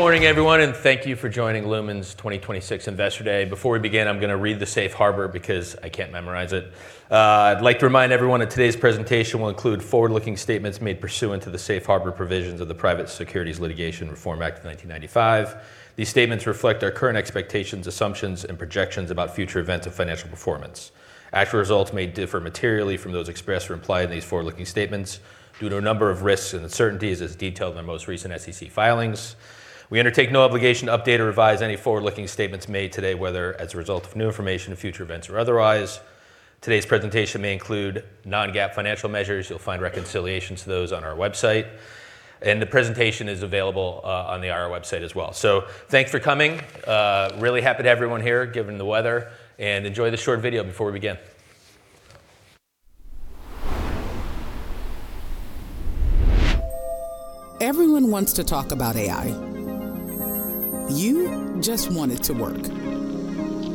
Morning, everyone, thank you for joining Lumen's 2026 Investor Day. Before we begin, I'm gonna read the safe harbor because I can't memorize it. I'd like to remind everyone that today's presentation will include forward-looking statements made pursuant to the safe harbor provisions of the Private Securities Litigation Reform Act of 1995. These statements reflect our current expectations, assumptions, and projections about future events and financial performance. Actual results may differ materially from those expressed or implied in these forward-looking statements due to a number of risks and uncertainties as detailed in our most recent SEC filings. We undertake no obligation to update or revise any forward-looking statements made today, whether as a result of new information, future events, or otherwise. Today's presentation may include non-GAAP financial measures. You'll find reconciliation to those on our website, and the presentation is available on the IR website as well. Thanks for coming. Really happy to have everyone here, given the weather, and enjoy the short video before we begin. Everyone wants to talk about AI. You just want it to work.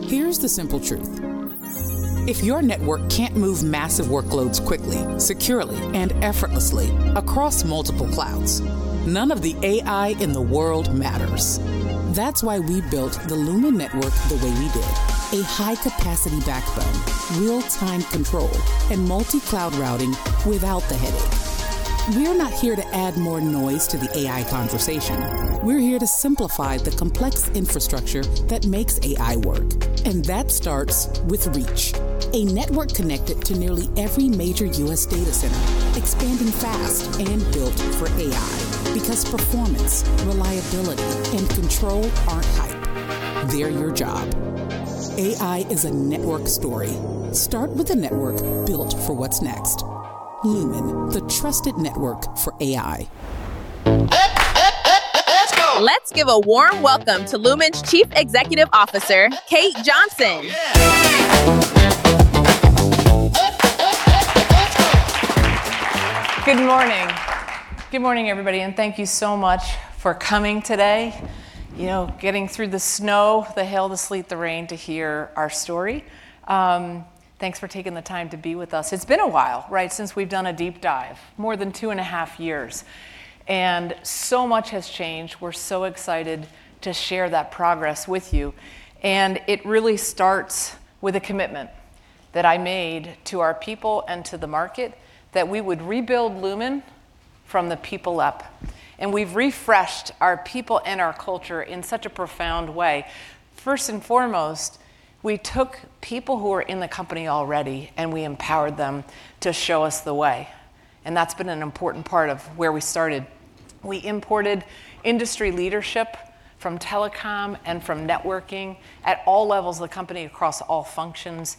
Here's the simple truth: If your network can't move massive workloads quickly, securely, and effortlessly across multiple clouds, none of the AI in the world matters. That's why we built the Lumen network the way we did. A high-capacity backbone, real-time control, and multi-cloud routing without the headache. We're not here to add more noise to the AI conversation. We're here to simplify the complex infrastructure that makes AI work, and that starts with reach. A network connected to nearly every major U.S. data center, expanding fast and built for AI, because performance, reliability, and control aren't hype, they're your job. AI is a network story. Start with a network built for what's next. Lumen, the trusted network for AI. Let's go! Let's give a warm welcome to Lumen's Chief Executive Officer, Kate Johnson. Oh, yeah. Good morning. Good morning, everybody, thank you so much for coming today. You know, getting through the snow, the hail, the sleet, the rain to hear our story. Thanks for taking the time to be with us. It's been a while, right, since we've done a deep dive, more than 2 and a half years, so much has changed. We're so excited to share that progress with you, it really starts with a commitment that I made to our people and to the market, that we would rebuild Lumen from the people up, we've refreshed our people and our culture in such a profound way. First and foremost, we took people who were in the company already, we empowered them to show us the way, that's been an important part of where we started. We imported industry leadership from telecom and from networking at all levels of the company, across all functions.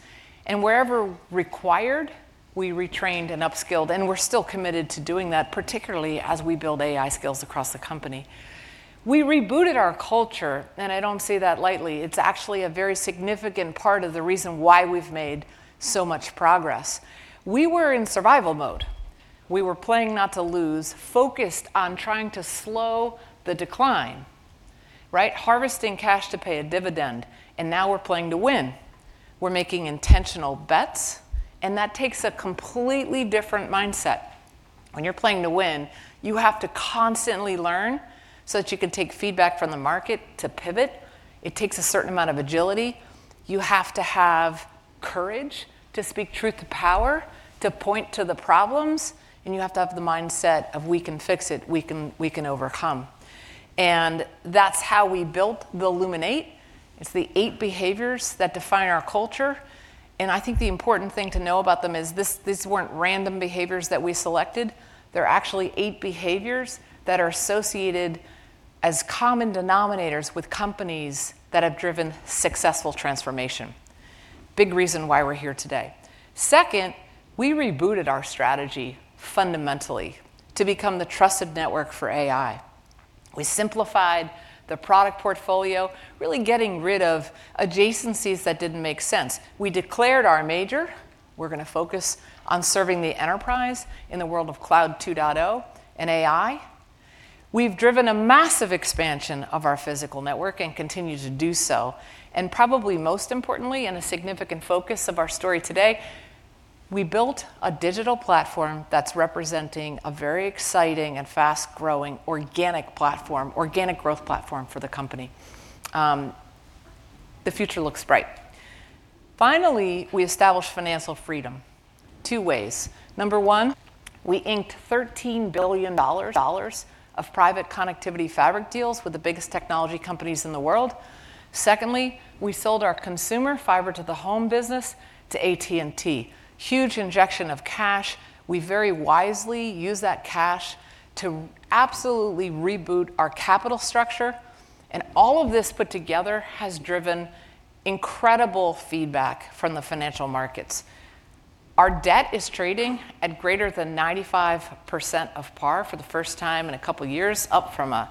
Wherever required, we retrained and upskilled. We're still committed to doing that, particularly as we build AI skills across the company. We rebooted our culture. I don't say that lightly. It's actually a very significant part of the reason why we've made so much progress. We were in survival mode. We were playing not to lose, focused on trying to slow the decline, right? Harvesting cash to pay a dividend. Now we're playing to win. We're making intentional bets. That takes a completely different mindset. When you're playing to win, you have to constantly learn, so that you can take feedback from the market to pivot. It takes a certain amount of agility. You have to have courage to speak truth to power, to point to the problems, you have to have the mindset of, "We can fix it. We can overcome." That's how we built the Lumen 8. It's the 8 behaviors that define our culture; I think the important thing to know about them is this. These weren't random behaviors that we selected. They're actually 8 behaviors that are associated as common denominators with companies that have driven successful transformation. Big reason why we're here today. Second, we rebooted our strategy fundamentally to become the trusted network for AI. We simplified the product portfolio, really getting rid of adjacencies that didn't make sense. We declared our major. We're gonna focus on serving the enterprise in the world of Cloud 2.0 and AI. We've driven a massive expansion of our physical network and continue to do so, and probably most importantly, and a significant focus of our story today, we built a digital platform that's representing a very exciting and fast-growing organic platform, organic growth platform for the company. The future looks bright. Finally, we established financial freedom two ways. Number 1, we inked $13 billion of Private Connectivity Fabric deals with the biggest technology companies in the world. Secondly, we sold our consumer fiber to the home business to AT&T. Huge injection of cash. We very wisely used that cash to absolutely reboot our capital structure, and all of this put together has driven incredible feedback from the financial markets. Our debt is trading at greater than 95% of par for the first time in a couple years, up from a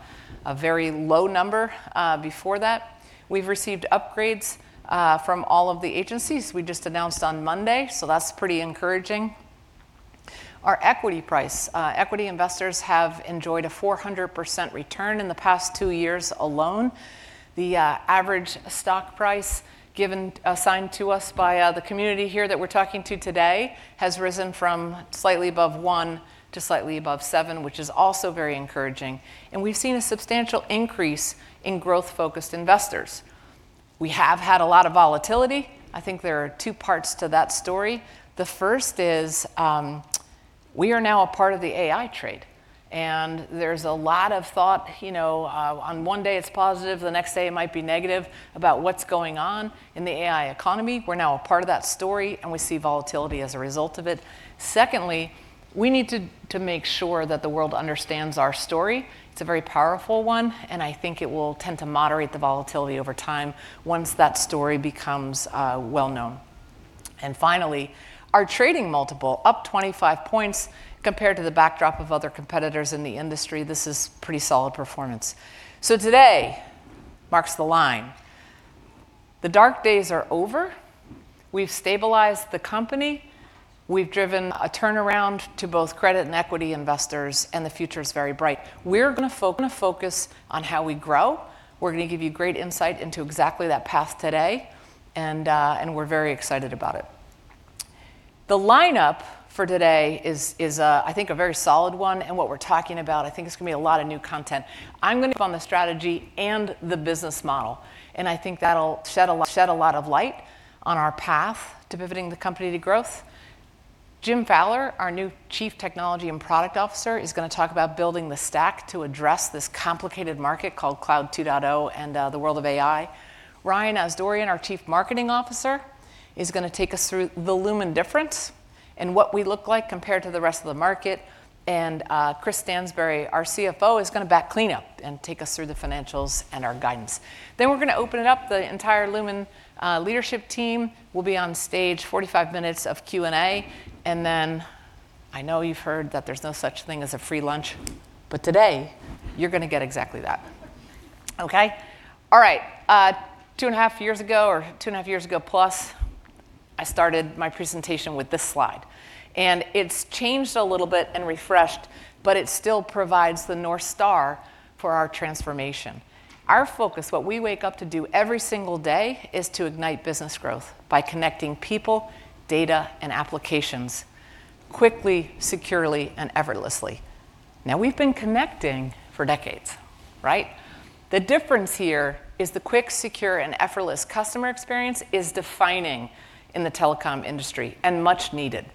very low number before that. We've received upgrades from all of the agencies we just announced on Monday. That's pretty encouraging. Our equity price. Equity investors have enjoyed a 400% return in the past two years alone. The average stock price given, assigned to us by the community here that we're talking to today, has risen from slightly above $1 to slightly above $7, which is also very encouraging. We've seen a substantial increase in growth-focused investors. We have had a lot of volatility. I think there are two parts to that story. The first is, we are now a part of the AI trade, and there's a lot of thought, you know, on one day it's positive, the next day it might be negative, about what's going on in the AI economy. We're now a part of that story, and we see volatility as a result of it. Secondly, we need to make sure that the world understands our story. It's a very powerful one, and I think it will tend to moderate the volatility over time once that story becomes well known. Finally, our trading multiple, up 25 points compared to the backdrop of other competitors in the industry. This is pretty solid performance. Today marks the line. The dark days are over. We've stabilized the company, we've driven a turnaround to both credit and equity investors, and the future is very bright. We're gonna focus on how we grow. We're gonna give you great insight into exactly that path today, and we're very excited about it. The lineup for today is, I think, a very solid one, and what we're talking about, I think it's gonna be a lot of new content. I'm gonna focus on the strategy and the business model, and I think that'll shed a lot of light on our path to pivoting the company to growth. Jim Fowler, our new Chief Technology and Product Officer, is gonna talk about building the stack to address this complicated market called Cloud 2.0 and the world of AI. Ryan Asdourian, our Chief Marketing Officer, is gonna take us through the Lumen difference and what we look like compared to the rest of the market. Chris Stansbury, our CFO, is gonna bat cleanup and take us through the financials and our guidance. We're gonna open it up. The entire Lumen leadership team will be on stage, 45 minutes of Q&A, and then I know you've heard that there's no such thing as a free lunch, but today you're gonna get exactly that. Okay? All right. 2 and a half years ago, or 2 and a half years ago plus, I started my presentation with this slide, and it's changed a little bit and refreshed, but it still provides the North Star for our transformation. Our focus, what we wake up to do every single day, is to ignite business growth by connecting people, data, and applications quickly, securely, and effortlessly. Now, we've been connecting for decades, right? The difference here is the quick, secure, and effortless customer experience is defining in the telecom industry and much needed.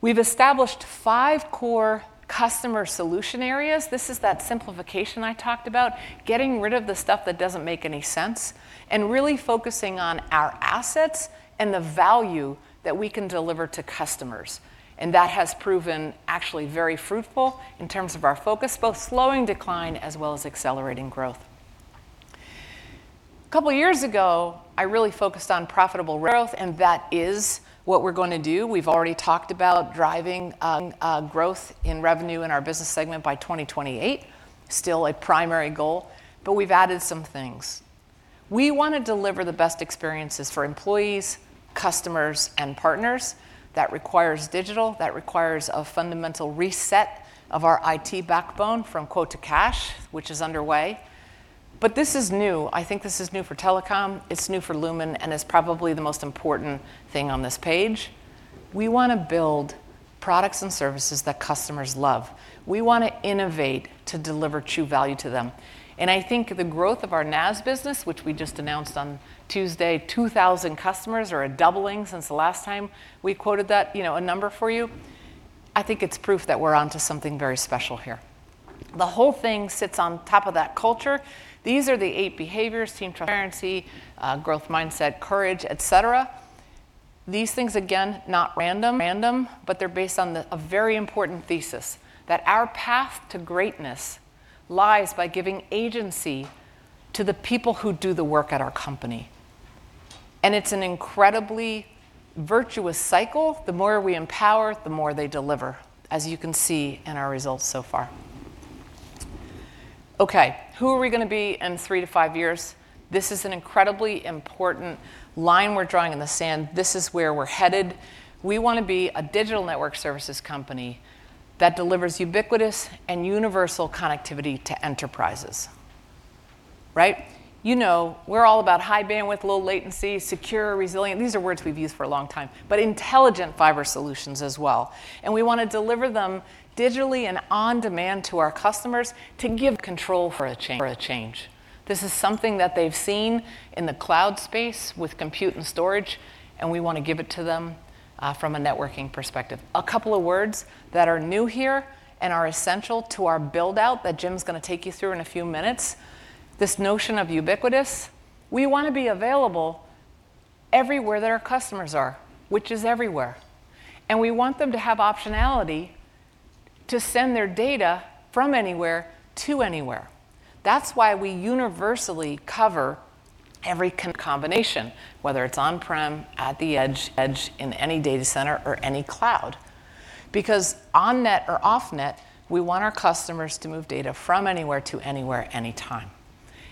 We've established five core customer solution areas. This is that simplification I talked about, getting rid of the stuff that doesn't make any sense, and really focusing on our assets and the value that we can deliver to customers, and that has proven actually very fruitful in terms of our focus, both slowing decline as well as accelerating growth. A couple of years ago, I really focused on profitable growth. That is what we're going to do. We've already talked about driving growth in revenue in our business segment by 2028. Still a primary goal. We've added some things. We want to deliver the best experiences for employees, customers, and partners. That requires digital. That requires a fundamental reset of our IT backbone from quote to cash, which is underway. This is new. I think this is new for telecom, it's new for Lumen, and it's probably the most important thing on this page. We want to build products and services that customers love. We want to innovate to deliver true value to them. I think the growth of our NaaS business, which we just announced on Tuesday, 2,000 customers or a doubling since the last time we quoted that, you know, a number for you, I think it's proof that we're onto something very special here. The whole thing sits on top of that culture. These are the 8 behaviors: team transparency, growth mindset, courage, et cetera. These things, again, not random, but they're based on a very important thesis, that our path to greatness lies by giving agency to the people who do the work at our company. It's an incredibly virtuous cycle. The more we empower, the more they deliver, as you can see in our results so far. Who are we gonna be in 3-5 years? This is an incredibly important line we're drawing in the sand. This is where we're headed. We want to be a digital network services company that delivers ubiquitous and universal connectivity to enterprises, right? You know, we're all about high bandwidth, low latency, secure, resilient. These are words we've used for a long time, but intelligent fiber solutions as well, and we want to deliver them digitally and on demand to our customers to give control for a change, for a change. This is something that they've seen in the cloud space with compute and storage, and we want to give it to them from a networking perspective. A couple of words that are new here and are essential to our build-out that Jim's gonna take you through in a few minutes. This notion of ubiquitous. We want to be available everywhere that our customers are, which is everywhere, and we want them to have optionality to send their data from anywhere to anywhere. That's why we universally cover every combination, whether it's on-prem, at the edge, in any data center or any cloud, because on-net or off-net, we want our customers to move data from anywhere to anywhere, anytime.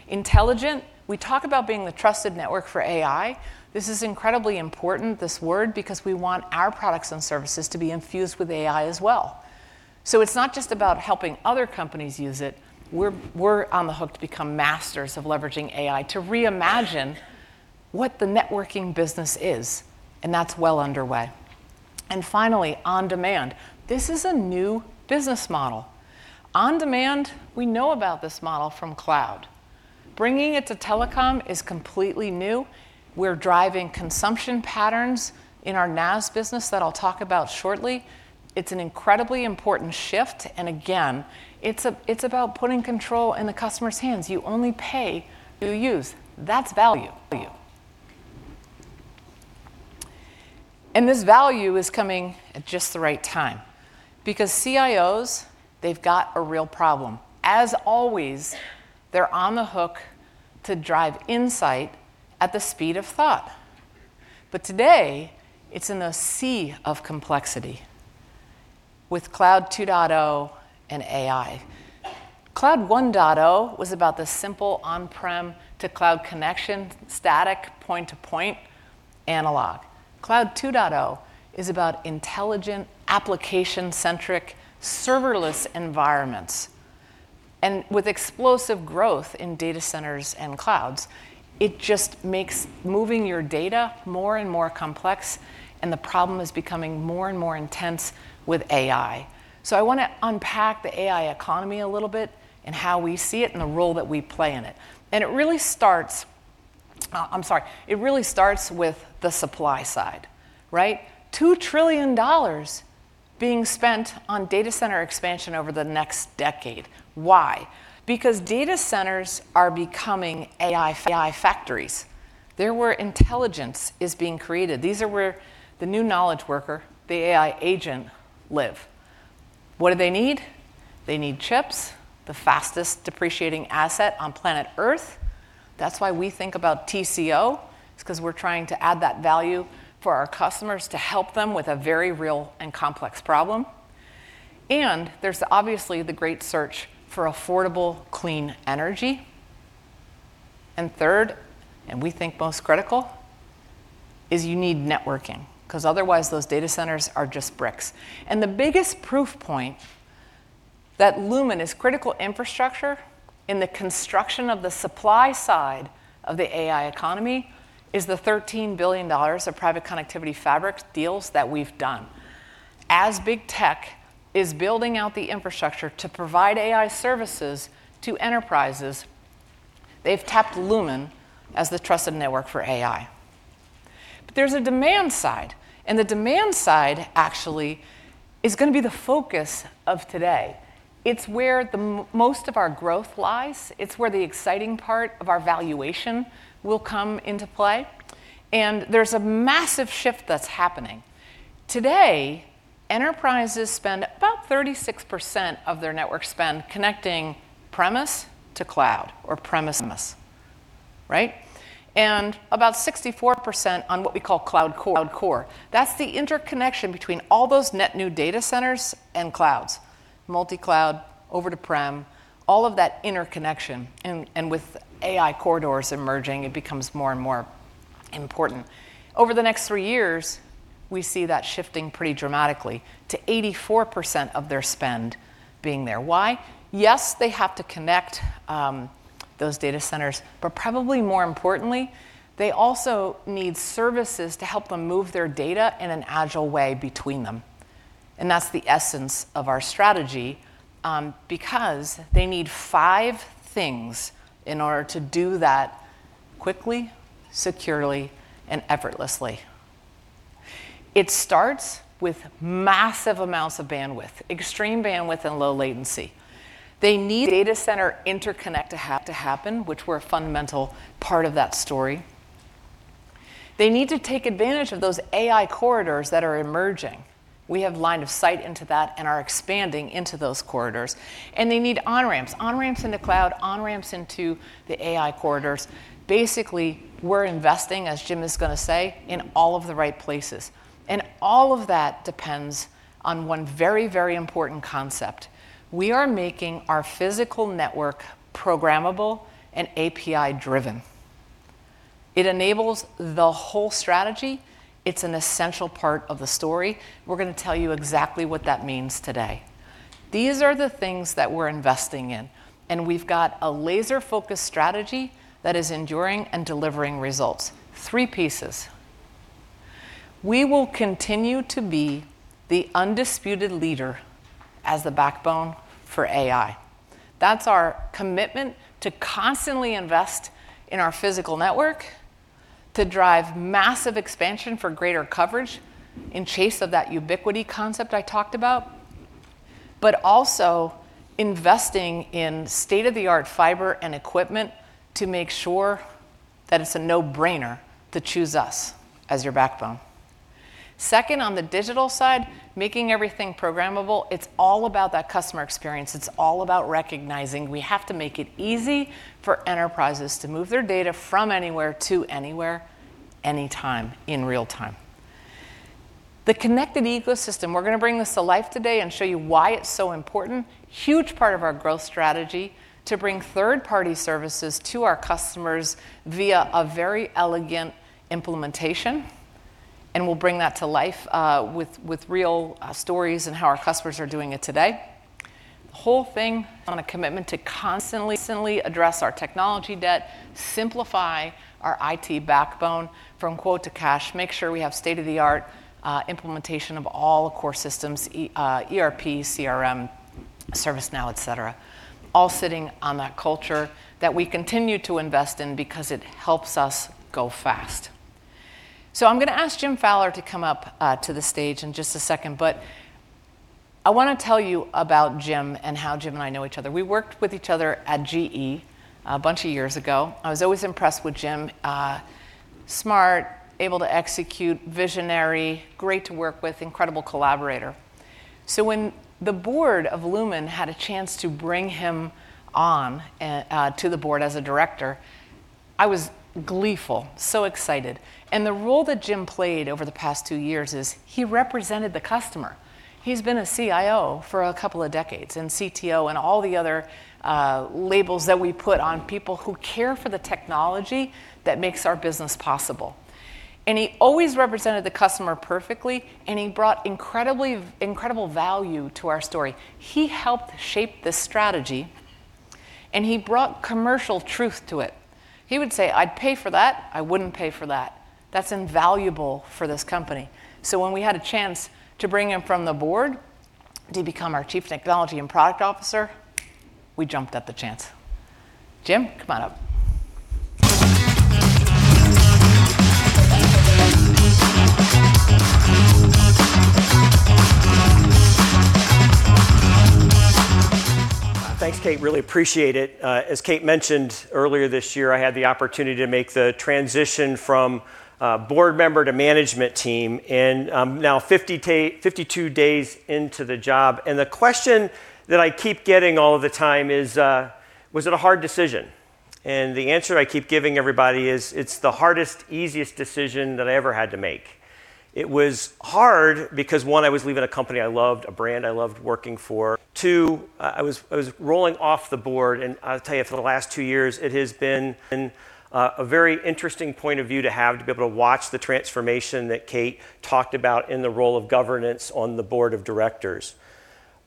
Intelligent. We talk about being the trusted network for AI. This is incredibly important, this word, because we want our products and services to be infused with AI as well. It's not just about helping other companies use it, we're on the hook to become masters of leveraging AI, to reimagine what the networking business is, and that's well underway. Finally, on demand. This is a new business model. On demand, we know about this model from cloud. Bringing it to telecom is completely new. We're driving consumption patterns in our NaaS business that I'll talk about shortly. It's an incredibly important shift, and again, it's about putting control in the customer's hands. You only pay what you use. That's value to you. This value is coming at just the right time, because CIOs, they've got a real problem. As always, they're on the hook to drive insight at the speed of thought. Today, it's in a sea of complexity with Cloud 2.0 and AI. Cloud 1.0 was about the simple on-prem to cloud connection, static, point-to-point, analog. Cloud 2.0 is about intelligent, application-centric, serverless environments. With explosive growth in data centers and clouds, it just makes moving your data more and more complex. The problem is becoming more and more intense with AI. I want to unpack the AI economy a little bit and how we see it and the role that we play in it. It really starts, I'm sorry, it really starts with the supply side, right? $2 trillion being spent on data center expansion over the next decade. Why? Because data centers are becoming AI factories. They're where intelligence is being created. These are where the new knowledge worker, the AI agent, live. What do they need? They need chips, the fastest depreciating asset on planet Earth. That's why we think about TCO, it's 'cause we're trying to add that value for our customers to help them with a very real and complex problem. There's obviously the great search for affordable, clean energy. Third, and we think most critical, is you need networking, 'cause otherwise, those data centers are just bricks. The biggest proof point that Lumen is critical infrastructure in the construction of the supply side of the AI economy is the $13 billion of Private Connectivity Fabric deals that we've done. As big tech is building out the infrastructure to provide AI services to enterprises, they've tapped Lumen as the trusted network for AI. There's a demand side, and the demand side actually is gonna be the focus of today. It's where the most of our growth lies, it's where the exciting part of our valuation will come into play, there's a massive shift that's happening. Today, enterprises spend about 36% of their network spend connecting premise to cloud or premise, right? About 64% on what we call cloud core. That's the interconnection between all those net new data centers and clouds, multi-cloud over to prem, all of that interconnection, and with AI corridors emerging, it becomes more and more important. Over the next three years, we see that shifting pretty dramatically to 84% of their spend being there. Why? Yes, they have to connect, those data centers. Probably more importantly, they also need services to help them move their data in an agile way between them. That's the essence of our strategy. They need 5 things in order to do that quickly, securely, and effortlessly. It starts with massive amounts of bandwidth, extreme bandwidth and low latency. They need data center interconnect to happen, which we're a fundamental part of that story. They need to take advantage of those AI corridors that are emerging. We have line of sight into that and are expanding into those corridors. They need on-ramps, on-ramps into cloud, on-ramps into the AI corridors. Basically, we're investing, as Jim is gonna say, in all of the right places, and all of that depends on 1 very, very important concept. We are making our physical network programmable and API-driven. It enables the whole strategy. It's an essential part of the story. We're gonna tell you exactly what that means today. These are the things that we're investing in, and we've got a laser-focused strategy that is enduring and delivering results. Three pieces. We will continue to be the undisputed leader as the backbone for AI. That's our commitment to constantly invest in our physical network, to drive massive expansion for greater coverage in chase of that ubiquity concept I talked about, but also investing in state-of-the-art fiber and equipment to make sure that it's a no-brainer to choose us as your backbone. Second, on the digital side, making everything programmable, it's all about that customer experience. It's all about recognizing we have to make it easy for enterprises to move their data from anywhere to anywhere, anytime, in real time. The connected ecosystem, we're gonna bring this to life today and show you why it's so important. Huge part of our growth strategy to bring third-party services to our customers via a very elegant implementation. We'll bring that to life with real stories and how our customers are doing it today. whole thing on a commitment to constantly address our technology debt, simplify our IT backbone from quote to cash, make sure we have state-of-the-art implementation of all core systems, ERP, CRM, ServiceNow, et cetera. All sitting on that culture that we continue to invest in because it helps us go fast. I'm gonna ask Jim Fowler to come up to the stage in just a second. I wanna tell you about Jim and how Jim and I know each other. We worked with each other at GE a bunch of years ago. I was always impressed with Jim. Smart, able to execute, visionary, great to work with, incredible collaborator. When the board of Lumen had a chance to bring him on to the board as a director, I was gleeful, so excited. The role that Jim played over the past two years is, he represented the customer. He's been a CIO for a couple of decades, and CTO, and all the other labels that we put on people who care for the technology that makes our business possible. He always represented the customer perfectly, and he brought incredible value to our story. He helped shape the strategy, and he brought commercial truth to it. He would say: "I'd pay for that. I wouldn't pay for that." That's invaluable for this company. When we had a chance to bring him from the board to become our Chief Technology and Product Officer, we jumped at the chance. Jim, come on up. Thanks, Kate. Really appreciate it. As Kate mentioned, earlier this year, I had the opportunity to make the transition from board member to management team, and I'm now 52 days into the job, and the question that I keep getting all the time is: "Was it a hard decision?" The answer I keep giving everybody is: "It's the hardest, easiest decision that I ever had to make." It was hard because, one, I was leaving a company I loved, a brand I loved working for. Two, I was rolling off the board, and I'll tell you, for the last two years, it has been a very interesting point of view to have, to be able to watch the transformation that Kate talked about in the role of governance on the board of directors.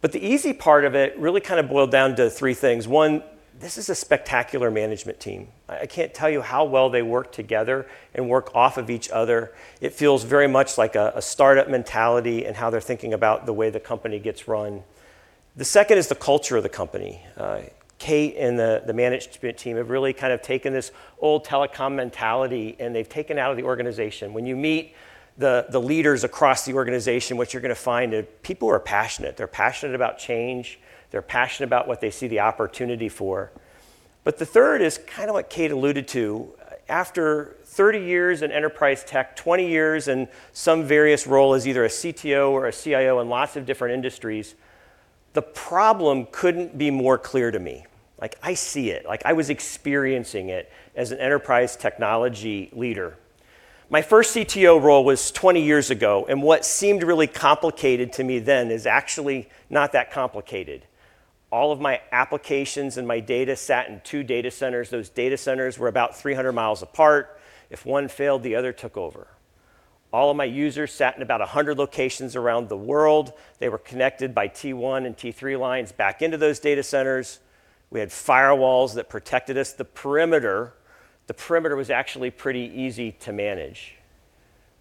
The easy part of it really kind of boiled down to 3 things. One, this is a spectacular management team. I can't tell you how well they work together and work off of each other. It feels very much like a startup mentality in how they're thinking about the way the company gets run. The second is the culture of the company. Kate and the management team have really kind of taken this old telecom mentality, and they've taken it out of the organization. When you meet the leaders across the organization, what you're gonna find are people who are passionate. They're passionate about change, they're passionate about what they see the opportunity for. The third is kind of what Kate alluded to. After 30 years in enterprise tech, 20 years in some various role as either a CTO or a CIO in lots of different industries, the problem couldn't be more clear to me. Like, I see it. Like, I was experiencing it as an enterprise technology leader. My first CTO role was 20 years ago, and what seemed really complicated to me then is actually not that complicated. All of my applications and my data sat in two data centers. Those data centers were about 300 miles apart. If one failed, the other took over. All of my users sat in about 100 locations around the world. They were connected by T1 and T3 lines back into those data centers. We had firewalls that protected us. The perimeter, the perimeter was actually pretty easy to manage.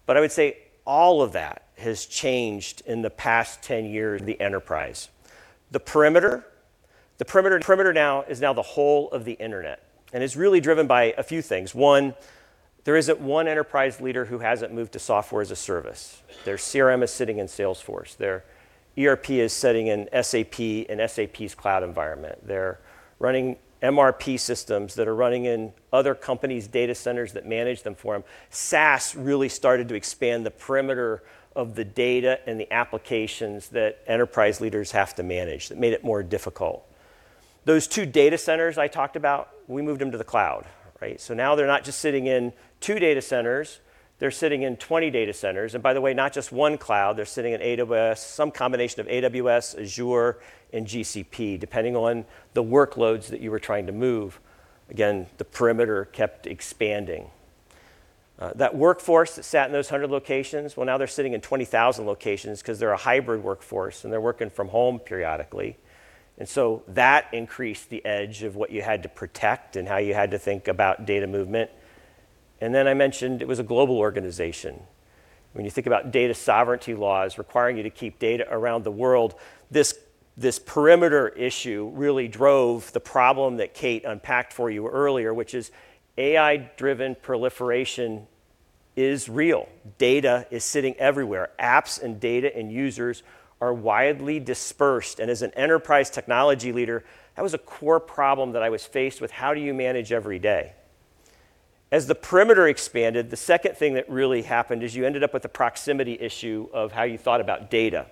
I would say all of that has changed in the past 10 years in the enterprise. The perimeter now is the whole of the Internet, and it's really driven by a few things. One, there isn't one enterprise leader who hasn't moved to Software as a Service. Their CRM is sitting in Salesforce. Their ERP is sitting in SAP, in SAP's cloud environment. They're running MRP systems that are running in other companies' data centers that manage them for them. SaaS really started to expand the perimeter of the data and the applications that enterprise leaders have to manage. That made it more difficult. Those two data centers I talked about, we moved them to the cloud, right? Now they're not just sitting in 2 data centers, they're sitting in 20 data centers, and by the way, not just 1 cloud, they're sitting in AWS... some combination of AWS, Azure, and GCP, depending on the workloads that you were trying to move. That workforce that sat in those 100 locations, well, now they're sitting in 20,000 locations because they're a hybrid workforce, and they're working from home periodically. That increased the edge of what you had to protect and how you had to think about data movement. Then I mentioned it was a global organization. When you think about data sovereignty laws requiring you to keep data around the world, this perimeter issue really drove the problem that Kate unpacked for you earlier, which is AI-driven proliferation is real. Data is sitting everywhere. Apps and data and users are widely dispersed, and as an enterprise technology leader, that was a core problem that I was faced with: how do you manage every day? As the perimeter expanded, the second thing that really happened is you ended up with a proximity issue of how you thought about data.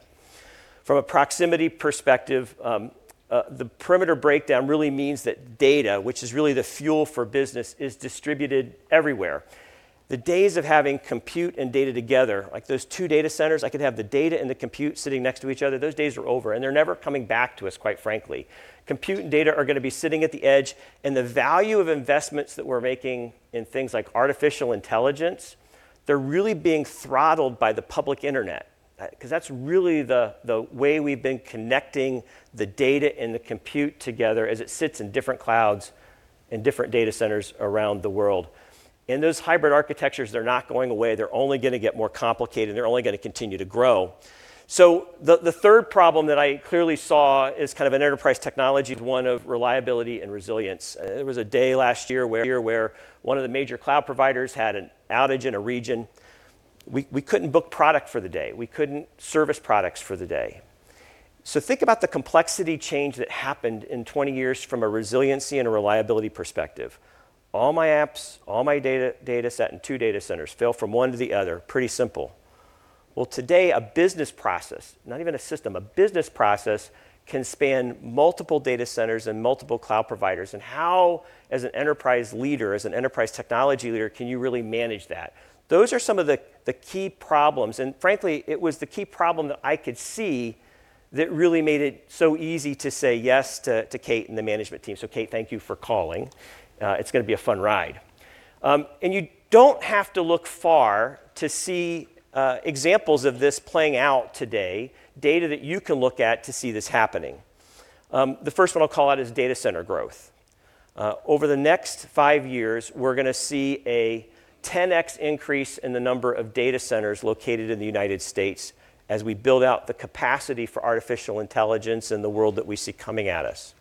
From a proximity perspective, the perimeter breakdown really means that data, which is really the fuel for business, is distributed everywhere. The days of having compute and data together, like those two data centers, I could have the data and the compute sitting next to each other, those days are over, and they're never coming back to us, quite frankly.... compute and data are going to be sitting at the edge, and the value of investments that we're making in things like artificial intelligence, they're really being throttled by the public internet. 'Cause that's really the way we've been connecting the data and the compute together as it sits in different clouds and different data centers around the world. Those hybrid architectures, they're not going away. They're only going to get more complicated, and they're only going to continue to grow. The third problem that I clearly saw is kind of an enterprise technology, one of reliability and resilience. There was a day last year where one of the major cloud providers had an outage in a region. We couldn't book product for the day. We couldn't service products for the day. Think about the complexity change that happened in 20 years from a resiliency and a reliability perspective. All my apps, all my data set in 2 data centers, fail from one to the other. Pretty simple. Well, today, a business process, not even a system, a business process can span multiple data centers and multiple cloud providers. How, as an enterprise leader, as an enterprise technology leader, can you really manage that? Those are some of the key problems, and frankly, it was the key problem that I could see that really made it so easy to say yes to Kate and the management team. Kate, thank you for calling. It's gonna be a fun ride. You don't have to look far to see examples of this playing out today, data that you can look at to see this happening. The first one I'll call out is data center growth. Over the next five years, we're gonna see a 10x increase in the number of data centers located in the United States as we build out the capacity for artificial intelligence in the world that we see coming at us.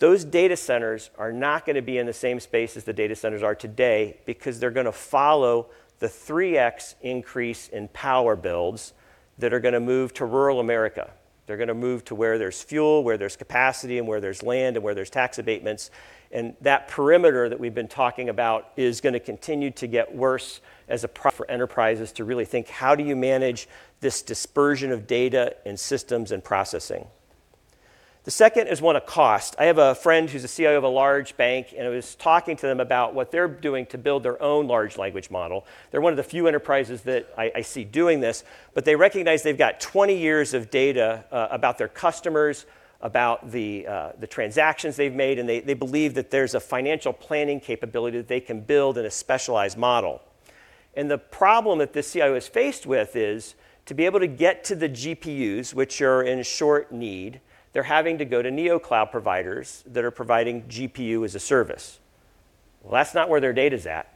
Those data centers are not gonna be in the same space as the data centers are today because they're gonna follow the 3x increase in power builds that are gonna move to rural America. They're gonna move to where there's fuel, where there's capacity, and where there's land, and where there's tax abatements, and that perimeter that we've been talking about is gonna continue to get worse as a pro- for enterprises to really think: How do you manage this dispersion of data and systems and processing? The second is one of cost. I have a friend who's a CIO of a large bank, and I was talking to them about what they're doing to build their own large language model. They're one of the few enterprises that I see doing this, but they recognize they've got 20 years of data, about their customers, about the transactions they've made, and they believe that there's a financial planning capability that they can build in a specialized model. The problem that this CIO is faced with is, to be able to get to the GPUs, which are in short need, they're having to go to neo cloud providers that are providing GPU as a service. That's not where their data's at.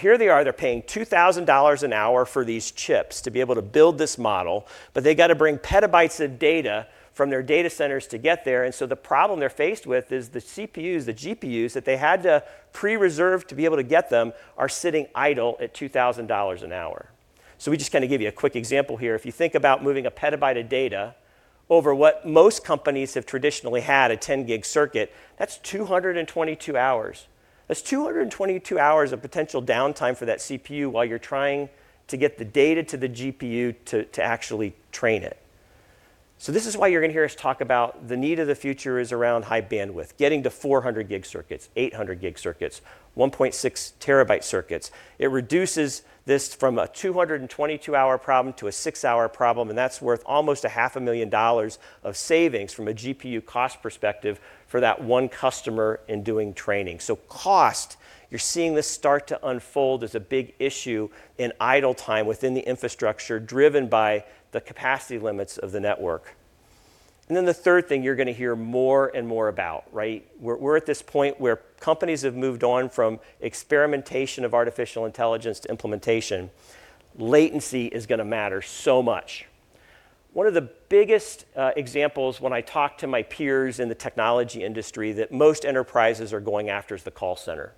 Here they are, they're paying $2,000 an hour for these chips to be able to build this model, They've got to bring petabytes of data from their data centers to get there, The problem they're faced with is the CPUs, the GPUs that they had to pre-reserve to be able to get them are sitting idle at $2,000 an hour. We just kinda give you a quick example here. If you think about moving a petabyte of data over what most companies have traditionally had, a 10-gig circuit, that's 222 hours. That's 222 hours of potential downtime for that CPU while you're trying to get the data to the GPU to actually train it. This is why you're gonna hear us talk about the need of the future is around high bandwidth, getting to 400 gig circuits, 800 gig circuits, 1.6 TB circuits. It reduces this from a 222-hour problem to a 6-hour problem, and that's worth almost half a million dollars of savings from a GPU cost perspective for that one customer in doing training. Cost, you're seeing this start to unfold as a big issue in idle time within the infrastructure, driven by the capacity limits of the network. The third thing you're gonna hear more and more about, right? We're at this point where companies have moved on from experimentation of artificial intelligence to implementation. Latency is gonna matter so much. One of the biggest examples when I talk to my peers in the technology industry that most enterprises are going after is the call center.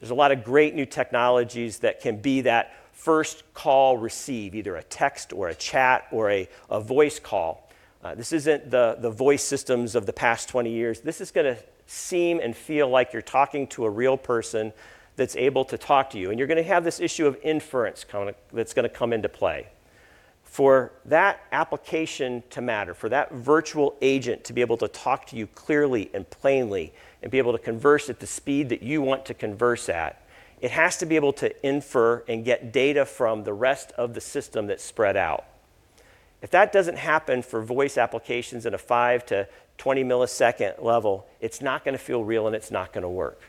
There's a lot of great new technologies that can be that first call received, either a text or a chat or a voice call. This isn't the voice systems of the past 20 years. This is gonna seem and feel like you're talking to a real person that's able to talk to you. You're gonna have this issue of inference that's gonna come into play. For that application to matter, for that virtual agent to be able to talk to you clearly and plainly and be able to converse at the speed that you want to converse at, it has to be able to infer and get data from the rest of the system that's spread out. If that doesn't happen for voice applications in a 5-20 millisecond level, it's not gonna feel real, and it's not gonna work.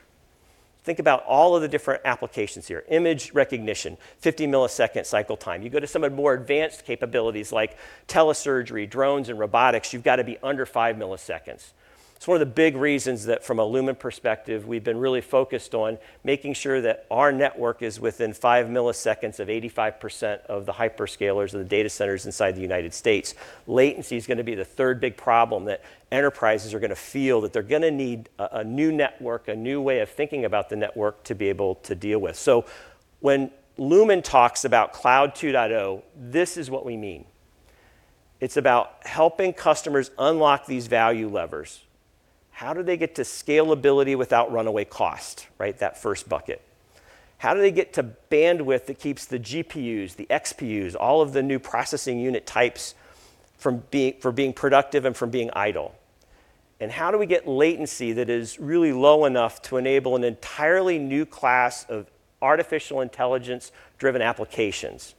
Think about all of the different applications here: image recognition, 50-millisecond cycle time. You go to some of the more advanced capabilities, like telesurgery, drones, and robotics, you've got to be under 5 milliseconds. It's one of the big reasons that, from a Lumen perspective, we've been really focused on making sure that our network is within 5 milliseconds of 85% of the hyperscalers of the data centers inside the United States. Latency is gonna be the third big problem, that enterprises are gonna feel that they're gonna need a new network, a new way of thinking about the network to be able to deal with. When Lumen talks about Cloud 2.0, this is what we mean. It's about helping customers unlock these value levers. How do they get to scalability without runaway cost, right? That first bucket. How do they get to bandwidth that keeps the GPUs, the XPUs, all of the new processing unit types for being productive and from being idle? How do we get latency that is really low enough to enable an entirely new class of artificial intelligence-driven applications.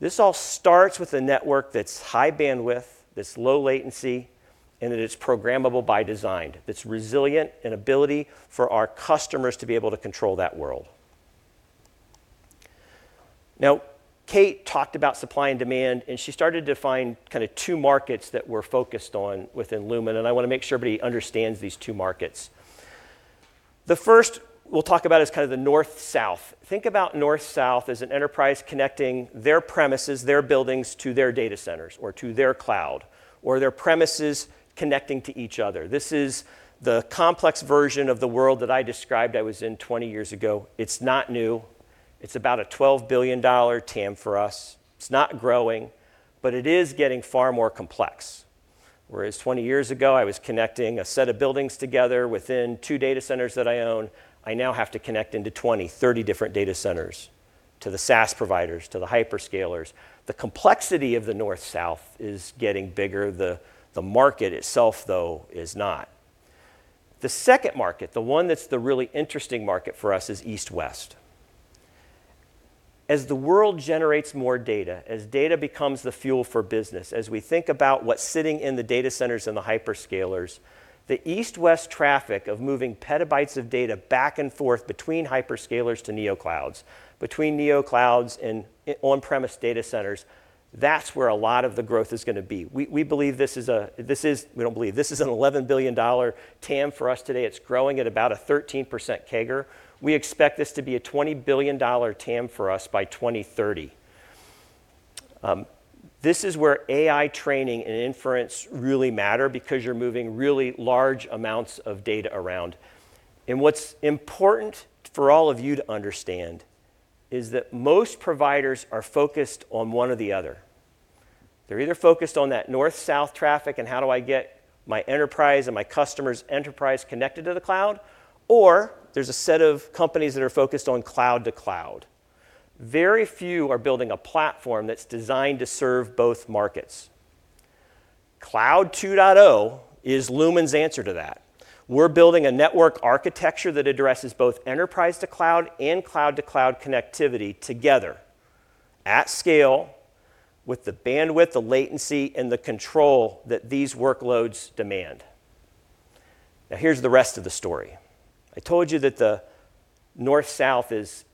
This all starts with a network that's high bandwidth, that's low latency, and that is programmable by design, that's resilient, and ability for our customers to be able to control that world. Kate talked about supply and demand, and she started to define kind of two markets that we're focused on within Lumen. I wanna make sure everybody understands these two markets. The first we'll talk about is kind of the north-south. Think about north-south as an enterprise connecting their premises, their buildings, to their data centers or to their cloud, or their premises connecting to each other. This is the complex version of the world that I described I was in 20 years ago. It's not new. It's about a $12 billion TAM for us. It's not growing, but it is getting far more complex. Whereas 20 years ago, I was connecting a set of buildings together within two data centers that I own, I now have to connect into 20, 30 different data centers, to the SaaS providers, to the hyperscalers. The market itself, though, is not. The second market, the one that's the really interesting market for us, is east-west. As the world generates more data, as data becomes the fuel for business, as we think about what's sitting in the data centers and the hyperscalers, the east-west traffic of moving petabytes of data back and forth between hyperscalers to neo clouds, between neo clouds and on-premise data centers, that's where a lot of the growth is gonna be. We don't believe, this is an $11 billion TAM for us today. It's growing at about a 13% CAGR. We expect this to be a $20 billion TAM for us by 2030. This is where AI training and inference really matter because you're moving really large amounts of data around. What's important for all of you to understand is that most providers are focused on one or the other. They're either focused on that north-south traffic, and how do I get my enterprise and my customer's enterprise connected to the cloud? There's a set of companies that are focused on cloud to cloud. Very few are building a platform that's designed to serve both markets. Cloud 2.0 is Lumen's answer to that. We're building a network architecture that addresses both enterprise to cloud and cloud-to-cloud connectivity together, at scale, with the bandwidth, the latency, and the control that these workloads demand. Now, here's the rest of the story. I told you that the north-south is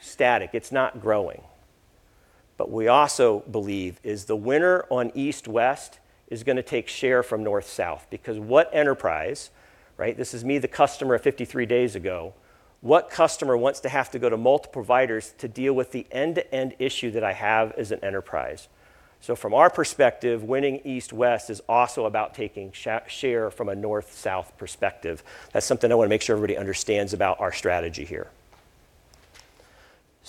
static, it's not growing. What we also believe is the winner on east-west is going to take share from north-south, because what enterprise, right, this is me, the customer, 53 days ago, what customer wants to have to go to multiple providers to deal with the end-to-end issue that I have as an enterprise? From our perspective, winning east-west is also about taking share from a north-south perspective. That's something I want to make sure everybody understands about our strategy here.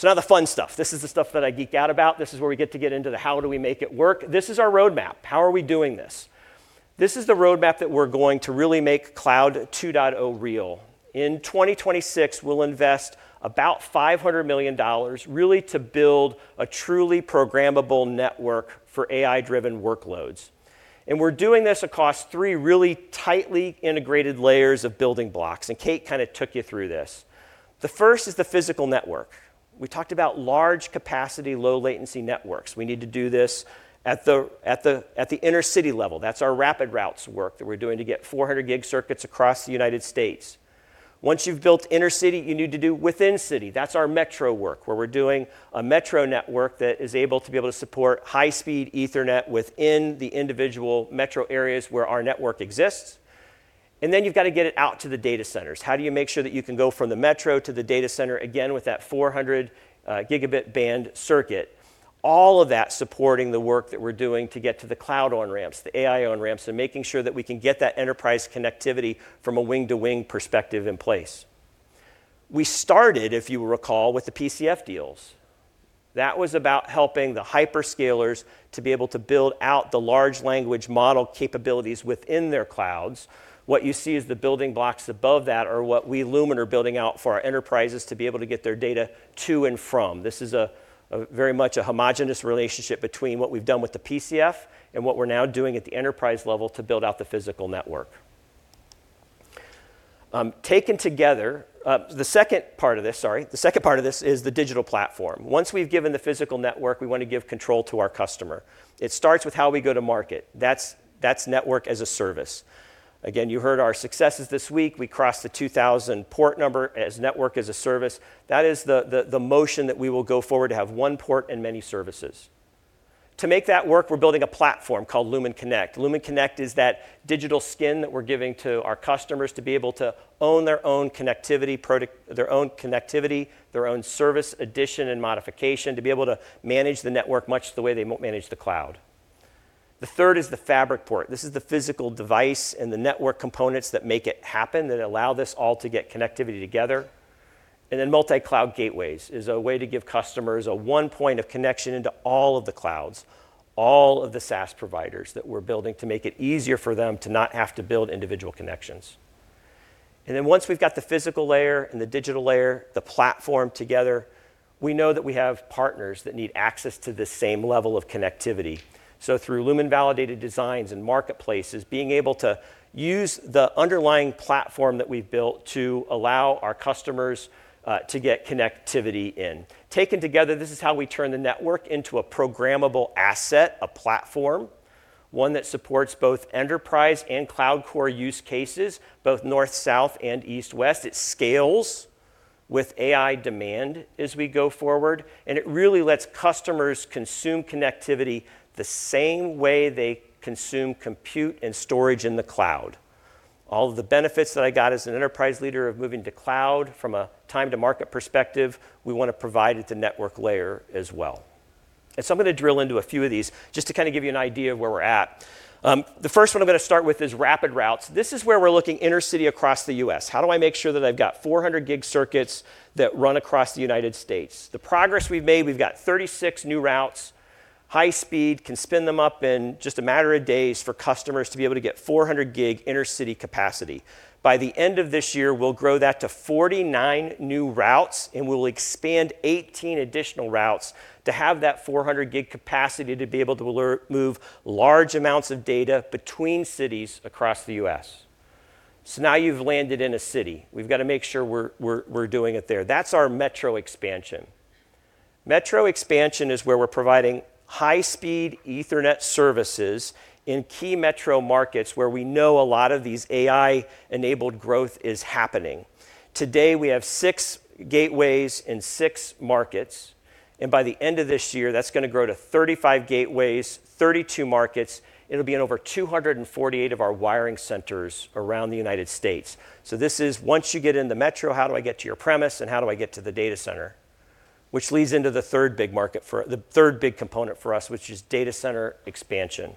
Now the fun stuff. This is the stuff that I geek out about. This is where we get to get into the how do we make it work? This is our roadmap. How are we doing this? This is the roadmap that we're going to really make Cloud 2.0 real. In 2026, we'll invest about $500 million, really to build a truly programmable network for AI-driven workloads. We're doing this across 3 really tightly integrated layers of building blocks, and Kate kind of took you through this. The first is the physical network. We talked about large capacity, low latency networks. We need to do this at the inner-city level. That's our RapidRoutes work that we're doing to get 400 gig circuits across the United States. Once you've built inner city, you need to do within city. That's our Metro work, where we're doing a Metro network that is able to be able to support high-speed Ethernet within the individual Metro areas where our network exists. You've got to get it out to the data centers. How do you make sure that you can go from the Metro to the data center again with that 400-Gb band circuit? All of that supporting the work that we're doing to get to the cloud on-ramps, the AI on-ramps, and making sure that we can get that enterprise connectivity from a wing-to-wing perspective in place. We started, if you recall, with the PCF deals. That was about helping the hyperscalers to be able to build out the large language model capabilities within their clouds. What you see is the building blocks above that are what we, Lumen, are building out for our enterprises to be able to get their data to and from. This is a very much a homogenous relationship between what we've done with the PCF and what we're now doing at the enterprise level to build out the physical network. taken together. The second part of this, sorry, the second part of this is the digital platform. Once we've given the physical network, we want to give control to our customer. It starts with how we go to market. That's Network as a Service. Again, you heard our successes this week. We crossed the 2,000 port number as Network as a Service. That is the motion that we will go forward to have one port and many services. To make that work, we're building a platform called Lumen Connect. Lumen Connect is that digital skin that we're giving to our customers to be able to own their own connectivity, their own service addition and modification, to be able to manage the network much the way they manage the cloud. The third is the Fabric Port. This is the physical device and the network components that make it happen, that allow this all to get connectivity together. Multi-Cloud Gateways is a way to give customers a 1 point of connection into all of the clouds, all of the SaaS providers that we're building, to make it easier for them to not have to build individual connections. Once we've got the physical layer and the digital layer, the platform together, we know that we have partners that need access to the same level of connectivity. Through Lumen Validated Designs and Marketplaces, being able to use the underlying platform that we've built to allow our customers to get connectivity in. Taken together, this is how we turn the network into a programmable asset, a platform, 1 that supports both enterprise and cloud core use cases, both north-south and east-west. It scales with AI demand as we go forward, and it really lets customers consume connectivity the same way they consume compute and storage in the cloud. All of the benefits that I got as an enterprise leader of moving to cloud from a time-to-market perspective, we want to provide at the network layer as well. I'm gonna drill into a few of these just to kind of give you an idea of where we're at. The first one I'm gonna start with is RapidRoutes. This is where we're looking inner-city across the U.S. How do I make sure that I've got 400 gig circuits that run across the United States? The progress we've made, we've got 36 new routes, high speed, can spin them up in just a matter of days for customers to be able to get 400 gig inner-city capacity. By the end of this year, we'll grow that to 49 new routes, and we'll expand 18 additional routes to have that 400 gig capacity to be able to move large amounts of data between cities across the U.S. Now you've landed in a city. We've got to make sure we're doing it there. That's our Metro Expansion. Metro Expansion is where we're providing high-speed Ethernet services in key Metro markets where we know a lot of these AI-enabled growth is happening. Today, we have six gateways in six markets, and by the end of this year, that's gonna grow to 35 gateways, 32 markets. It'll be in over 248 of our wiring centers around the U.S. This is, once you get in the Metro, how do I get to your premise, and how do I get to the data center? Which leads into the third big component for us, which is data center expansion.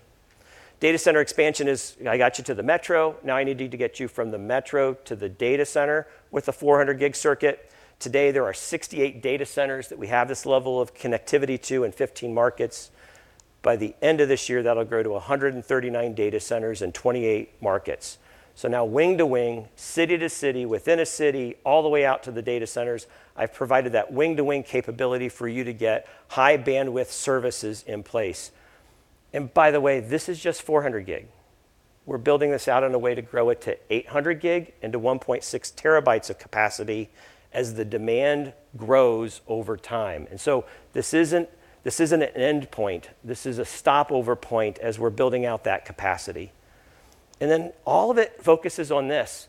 Data center expansion is, I got you to the Metro, now I need to get you from the Metro to the data center with a 400-gig circuit. Today, there are 68 data centers that we have this level of connectivity to in 15 markets. By the end of this year, that'll grow to 139 data centers in 28 markets. Now, wing to wing, city to city, within a city, all the way out to the data centers, I've provided that wing-to-wing capability for you to get high-bandwidth services in place. By the way, this is just 400 gig. We're building this out on a way to grow it to 800 gig and to 1.6 TB of capacity as the demand grows over time. This isn't, this isn't an endpoint, this is a stopover point as we're building out that capacity. All of it focuses on this: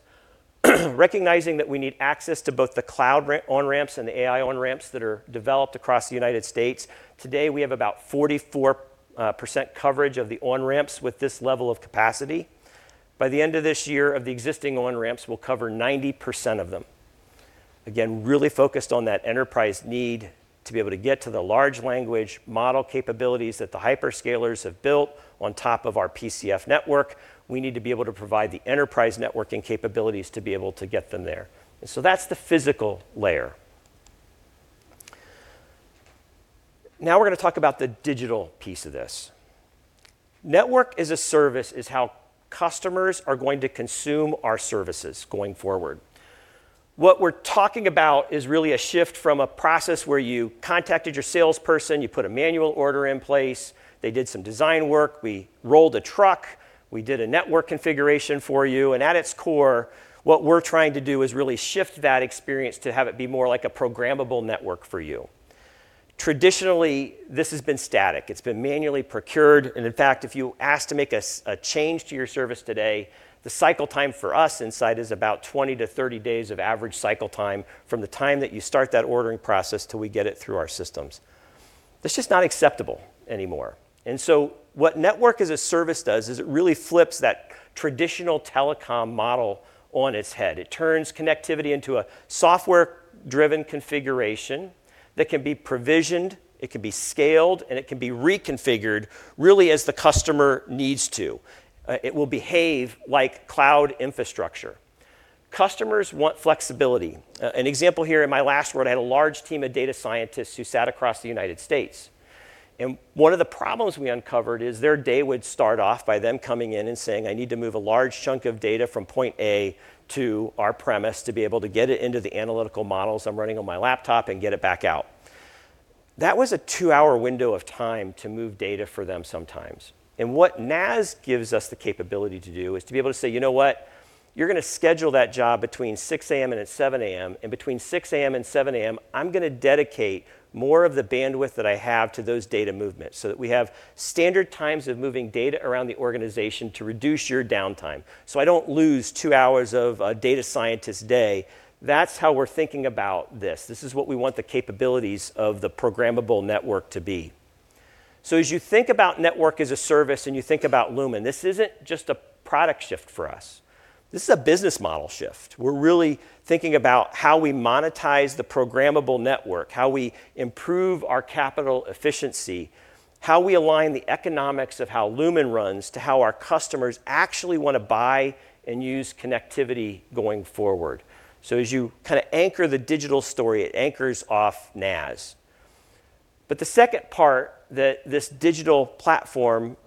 recognizing that we need access to both the cloud on-ramps and the AI on-ramps that are developed across the United States. Today, we have about 44% coverage of the on-ramps with this level of capacity. By the end of this year, of the existing on-ramps, we'll cover 90% of them. Again, really focused on that enterprise need to be able to get to the large language model capabilities that the hyperscalers have built on top of our PCF network. We need to be able to provide the enterprise networking capabilities to be able to get them there. That's the physical layer. Now we're going to talk about the digital piece of this. Network as a Service is how customers are going to consume our services going forward. What we're talking about is really a shift from a process where you contacted your salesperson, you put a manual order in place, they did some design work, we rolled a truck, we did a network configuration for you. At its core, what we're trying to do is really shift that experience to have it be more like a programmable network for you. Traditionally, this has been static. It's been manually procured. In fact, if you ask to make a change to your service today, the cycle time for us inside is about 20 to 30 days of average cycle time from the time that you start that ordering process till we get it through our systems. That's just not acceptable anymore. What Network as a Service does is it really flips that traditional telecom model on its head. It turns connectivity into a software-driven configuration that can be provisioned, it can be scaled, and it can be reconfigured really as the customer needs to. It will behave like cloud infrastructure. Customers want flexibility. An example here, in my last role, I had a large team of data scientists who sat across the United States. One of the problems we uncovered is their day would start off by them coming in and saying, "I need to move a large chunk of data from point A to our premise to be able to get it into the analytical models I'm running on my laptop and get it back out." That was a 2-hour window of time to move data for them sometimes. What NaaS gives us the capability to do is to be able to say, "You know what? You're gonna schedule that job between 6:00 A.M. and 7:00 A.M., and between 6:00 A.M. and 7:00 A.M., I'm gonna dedicate more of the bandwidth that I have to those data movements so that we have standard times of moving data around the organization to reduce your downtime, so I don't lose two hours of a data scientist's day." That's how we're thinking about this. This is what we want the capabilities of the programmable network to be. As you think about Network as a Service, and you think about Lumen, this isn't just a product shift for us, this is a business model shift. We're really thinking about how we monetize the programmable network, how we improve our capital efficiency, how we align the economics of how Lumen runs to how our customers actually want to buy and use connectivity going forward. As you kinda anchor the digital story, it anchors off NaaS. The second part that this digital platform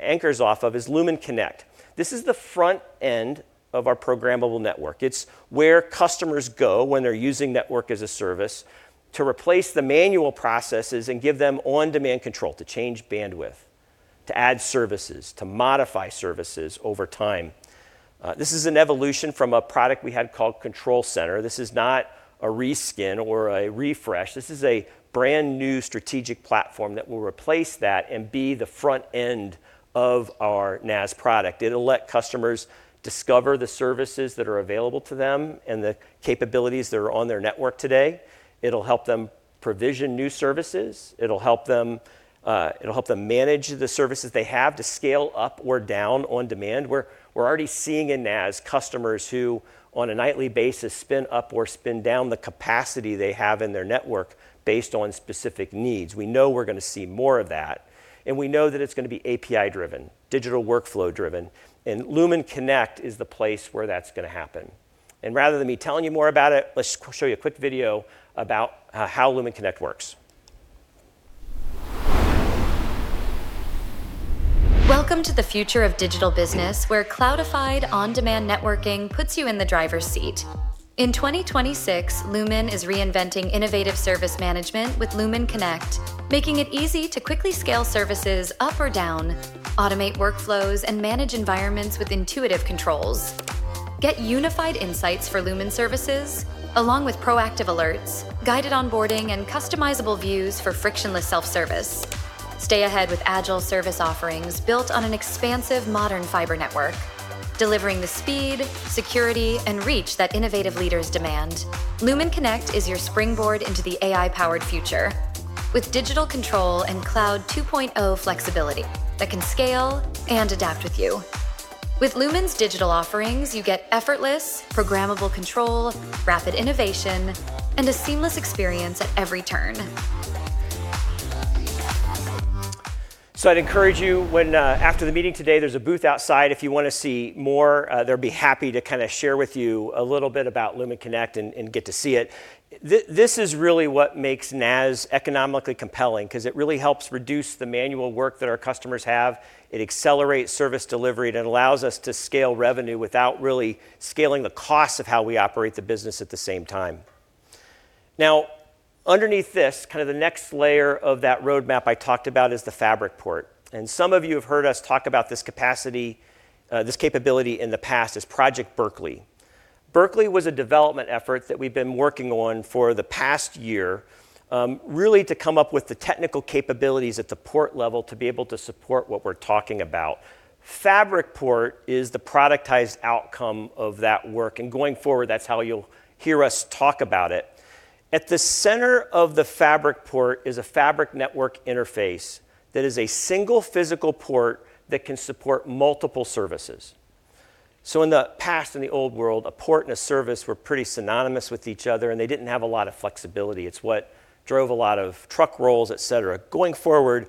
anchors off of is Lumen Connect. This is the front end of our programmable network. It's where customers go when they're using Network as a Service to replace the manual processes and give them on-demand control to change bandwidth, to add services, to modify services over time. This is an evolution from a product we had called Control Center. This is not a reskin or a refresh, this is a brand-new strategic platform that will replace that and be the front end of our NaaS product. It'll let customers discover the services that are available to them and the capabilities that are on their network today. It'll help them provision new services. It'll help them, it'll help them manage the services they have to scale up or down on demand. We're already seeing in NaaS, customers who, on a nightly basis, spin up or spin down the capacity they have in their network based on specific needs. We know we're gonna see more of that, and we know that it's gonna be API-driven, digital workflow-driven, and Lumen Connect is the place where that's gonna happen. Rather than me telling you more about it, let's show you a quick video about how Lumen Connect works. Welcome to the future of digital business, where cloudified, on-demand networking puts you in the driver's seat. In 2026, Lumen is reinventing innovative service management with Lumen Connect, making it easy to quickly scale services up or down, automate workflows, and manage environments with intuitive controls. Get unified insights for Lumen services, along with proactive alerts, guided onboarding, and customizable views for frictionless self-service. Stay ahead with agile service offerings built on an expansive modern fiber network, delivering the speed, security, and reach that innovative leader demand. Lumen Connect is your springboard into the AI-powered future. With digital control and Cloud 2.0 flexibility that can scale and adapt with you. With Lumen's digital offerings, you get effortless, programmable control, rapid innovation, and a seamless experience at every turn. I'd encourage you, when after the meeting today, there's a booth outside if you wanna see more, they'd be happy to kinda share with you a little bit about Lumen Connect and get to see it. This is really what makes NaaS economically compelling, 'cause it really helps reduce the manual work that our customers have, it accelerates service delivery, and it allows us to scale revenue without really scaling the costs of how we operate the business at the same time. Underneath this, kind of the next layer of that roadmap I talked about, is the Fabric Port. Some of you have heard us talk about this capacity, this capability in the past, as Project Berkeley. Berkeley was a development effort that we've been working on for the past year, really to come up with the technical capabilities at the port level to be able to support what we're talking about. Fabric Port is the productized outcome of that work. Going forward, that's how you'll hear us talk about it. At the center of the Fabric Port is a fabric network interface that is a single physical port that can support multiple services. In the past, in the old world, a port and a service were pretty synonymous with each other. They didn't have a lot of flexibility. It's what drove a lot of truck rolls, et cetera. Going forward,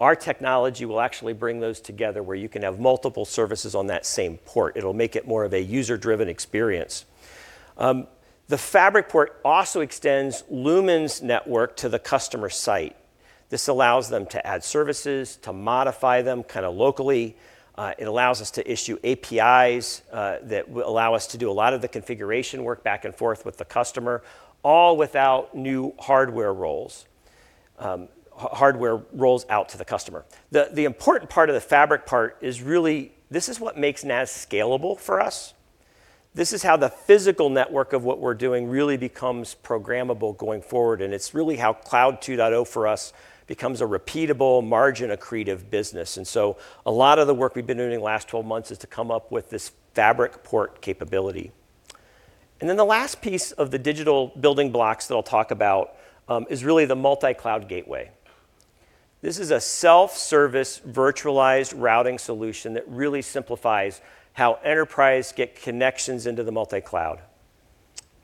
our technology will actually bring those together, where you can have multiple services on that same port. It'll make it more of a user-driven experience. The Fabric Port also extends Lumen's network to the customer site. This allows them to add services, to modify them kinda locally. It allows us to issue APIs that will allow us to do a lot of the configuration work back and forth with the customer, all without new hardware rolls, hardware rolls out to the customer. The important part of the Fabric Port is really this is what makes NaaS scalable for us. This is how the physical network of what we're doing really becomes programmable going forward, and it's really how Cloud 2.0, for us, becomes a repeatable, margin-accretive business. A lot of the work we've been doing in the last 12 months is to come up with this Fabric Port capability. Then the last piece of the digital building blocks that I'll talk about is really the Multi-Cloud Gateway. This is a self-service, virtualized routing solution that really simplifies how enterprise get connections into the multicloud.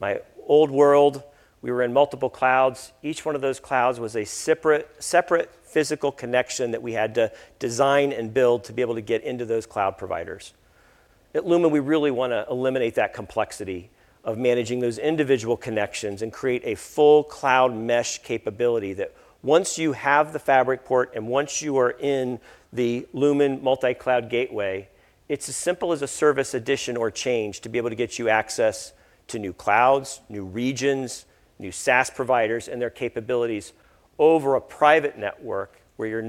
My old world, we were in multiple clouds. Each one of those clouds was a separate physical connection that we had to design and build to be able to get into those cloud providers. At Lumen, we really wanna eliminate that complexity of managing those individual connections and create a full cloud mesh capability, that once you have the Fabric Port and once you are in the Lumen Multi-Cloud Gateway, it's as simple as a service addition or change to be able to get you access to new clouds, new regions, new SaaS providers, and their capabilities over a private network, where you're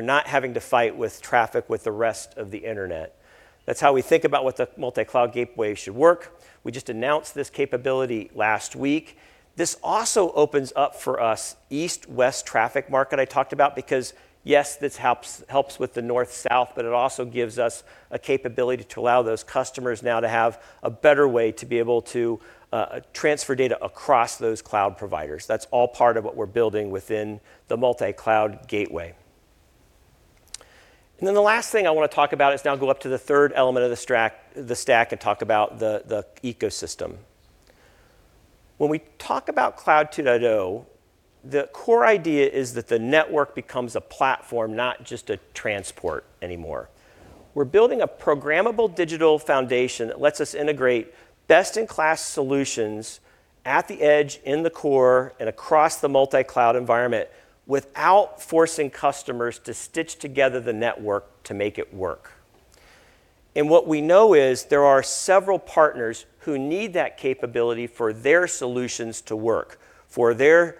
not having to fight with traffic with the rest of the internet. That's how we think about what the Multi-Cloud Gateway should work. We just announced this capability last week. This also opens up for us east-west traffic market I talked about, because yes, this helps with the north-south, but it also gives us a capability to allow those customers now to have a better way to be able to transfer data across those cloud providers. That's all part of what we're building within the Multi-Cloud Gateway. The last thing I wanna talk about is now go up to the third element of the stack and talk about the ecosystem. When we talk about Cloud 2.0, the core idea is that the network becomes a platform, not just a transport anymore. We're building a programmable digital foundation that lets us integrate best-in-class solutions at the edge, in the core, and across the multicloud environment, without forcing customers to stitch together the network to make it work. What we know is, there are several partners who need that capability for their solutions to work, for their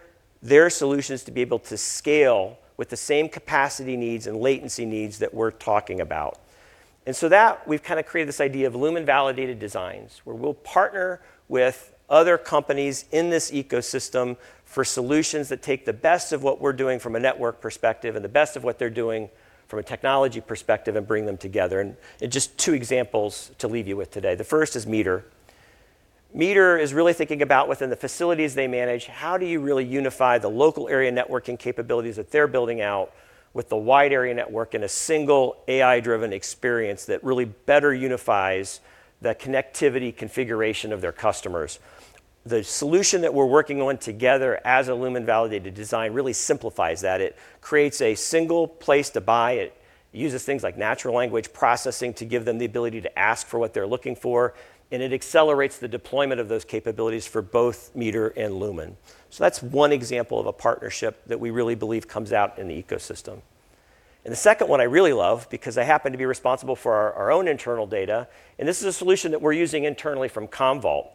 solutions to be able to scale with the same capacity needs and latency needs that we're talking about. That, we've kind of created this idea of Lumen Validated Designs, where we'll partner with other companies in this ecosystem for solutions that take the best of what we're doing from a network perspective, and the best of what they're doing from a technology perspective and bring them together. Just two examples to leave you with today. The first is Meter. Meter is really thinking about, within the facilities they manage, how do you really unify the local area networking capabilities that they're building out with the wide area network in a single AI-driven experience that really better unifies the connectivity configuration of their customers? The solution that we're working on together as a Lumen Validated Design really simplifies that. It creates a single place to buy. It uses things like natural language processing to give them the ability to ask for what they're looking for, and it accelerates the deployment of those capabilities for both Meter and Lumen. That's one example of a partnership that we really believe comes out in the ecosystem. The second one I really love, because I happen to be responsible for our own internal data, and this is a solution that we're using internally from Commvault.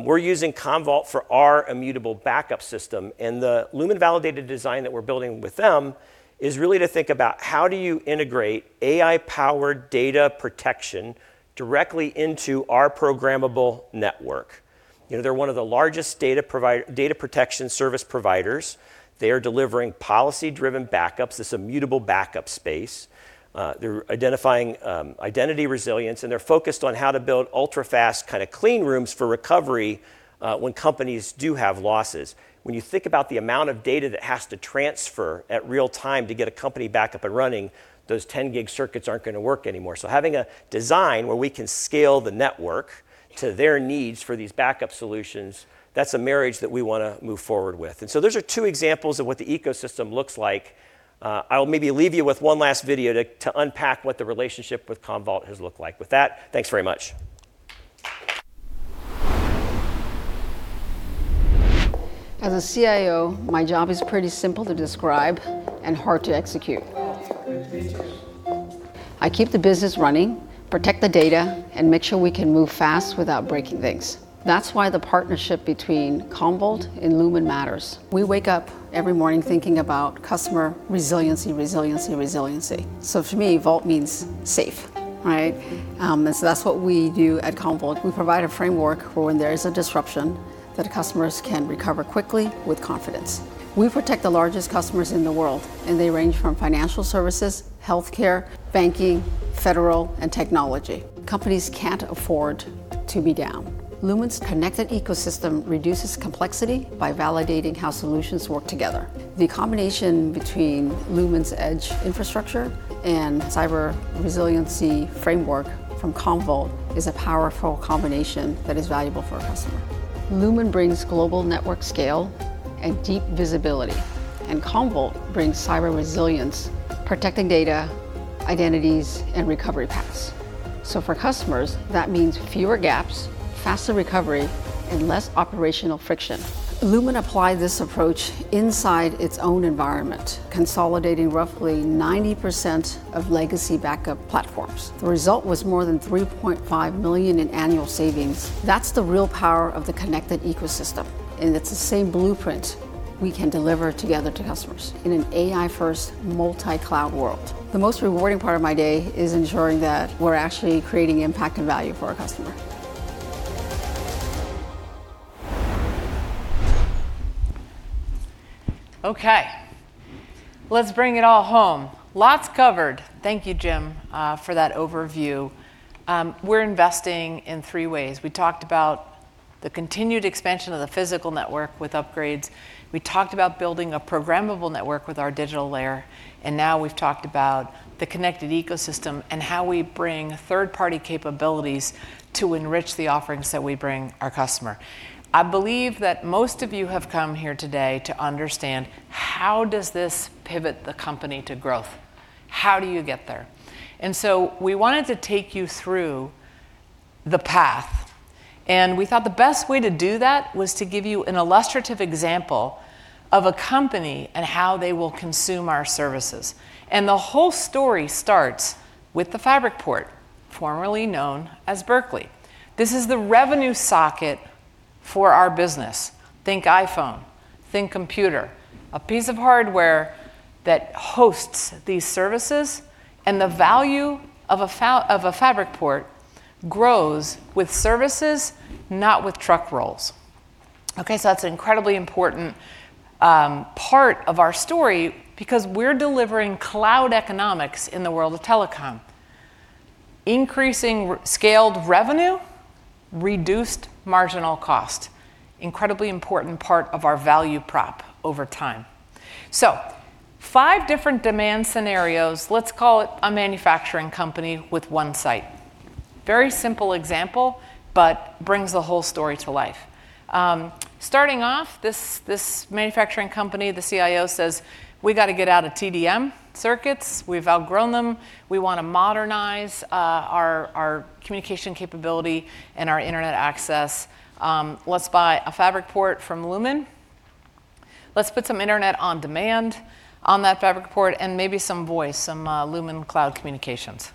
We're using Commvault for our immutable backup system, and the Lumen Validated Design that we're building with them is really to think about: how do you integrate AI-powered data protection directly into our programmable network? You know, they're one of the largest data protection service providers. They are delivering policy-driven backups, this immutable backup space. They're identifying identity resilience, and they're focused on how to build ultra-fast kind of clean rooms for recovery when companies do have losses. When you think about the amount of data that has to transfer at real time to get a company back up and running, those 10 gig circuits aren't gonna work anymore. Having a design where we can scale the network to their needs for these backup solutions, that's a marriage that we wanna move forward with. Those are two examples of what the ecosystem looks like. I'll maybe leave you with one last video to unpack what the relationship with Commvault has looked like. With that, thanks very much. As a CIO, my job is pretty simple to describe and hard to execute. I keep the business running, protect the data, and make sure we can move fast without breaking things. That's why the partnership between Commvault and Lumen matters. We wake up every morning thinking about customer resiliency, resiliency. To me, vault means safe, right? That's what we do at Commvault. We provide a framework for when there is a disruption, that customers can recover quickly with confidence. We protect the largest customers in the world. They range from financial services, healthcare, banking, federal, and technology. Companies can't afford to be down. Lumen's connected ecosystem reduces complexity by validating how solutions work together. The combination between Lumen's edge infrastructure and cyber resiliency framework from Commvault is a powerful combination that is valuable for our customer. Lumen brings global network scale and deep visibility, and Commvault brings cyber resilience, protecting data, identities, and recovery paths. For customers, that means fewer gaps, faster recovery, and less operational friction. Lumen applied this approach inside its own environment, consolidating roughly 90% of legacy backup platforms. The result was more than $3.5 million in annual savings. That's the real power of the connected ecosystem, and it's the same blueprint we can deliver together to customers in an AI-first, multi-cloud world. The most rewarding part of my day is ensuring that we're actually creating impact and value for our customer. Okay, let's bring it all home. Lots covered. Thank you, Jim, for that overview. We're investing in three ways. We talked about the continued expansion of the physical network with upgrades, we talked about building a programmable network with our digital layer. Now we've talked about the connected ecosystem and how we bring third-party capabilities to enrich the offerings that we bring our customer. I believe that most of you have come here today to understand: how does this pivot the company to growth? How do you get there? We wanted to take you through the path, and we thought the best way to do that was to give you an illustrative example of a company and how they will consume our services. The whole story starts with the FabricPort, formerly known as Project Berkeley. This is the revenue socket for our business. Think iPhone, think computer, a piece of hardware that hosts these services, and the value of a Fabric Port grows with services, not with truck rolls. That's an incredibly important part of our story because we're delivering cloud economics in the world of telecom. Increasing scaled revenue, reduced marginal cost, incredibly important part of our value prop over time. Five different demand scenarios. Let's call it a manufacturing company with one site. Very simple example, but brings the whole story to life. Starting off, this manufacturing company, the CIO says, "We've got to get out of TDM circuits. We've outgrown them. We want to modernize our communication capability and our internet access. Let's buy a Fabric Port from Lumen. Let's put some Internet On-Demand on that Fabric Port, and maybe some voice, some Lumen Cloud Voice.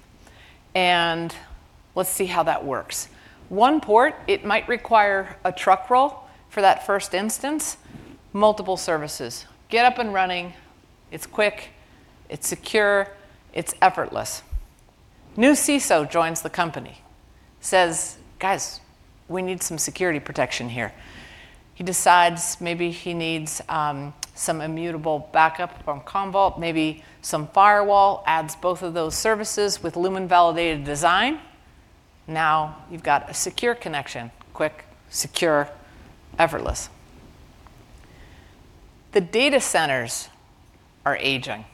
Let's see how that works. 1 port, it might require a truck roll for that first instance, multiple services. Get up and running. It's quick, it's secure, it's effortless. New CISO joins the company, says, "Guys, we need some security protection here." He decides maybe he needs some immutable backup from Commvault, maybe some firewall. Adds both of those services with Lumen Validated Design. Now, you've got a secure connection, quick, secure, effortless. The data centers are aging.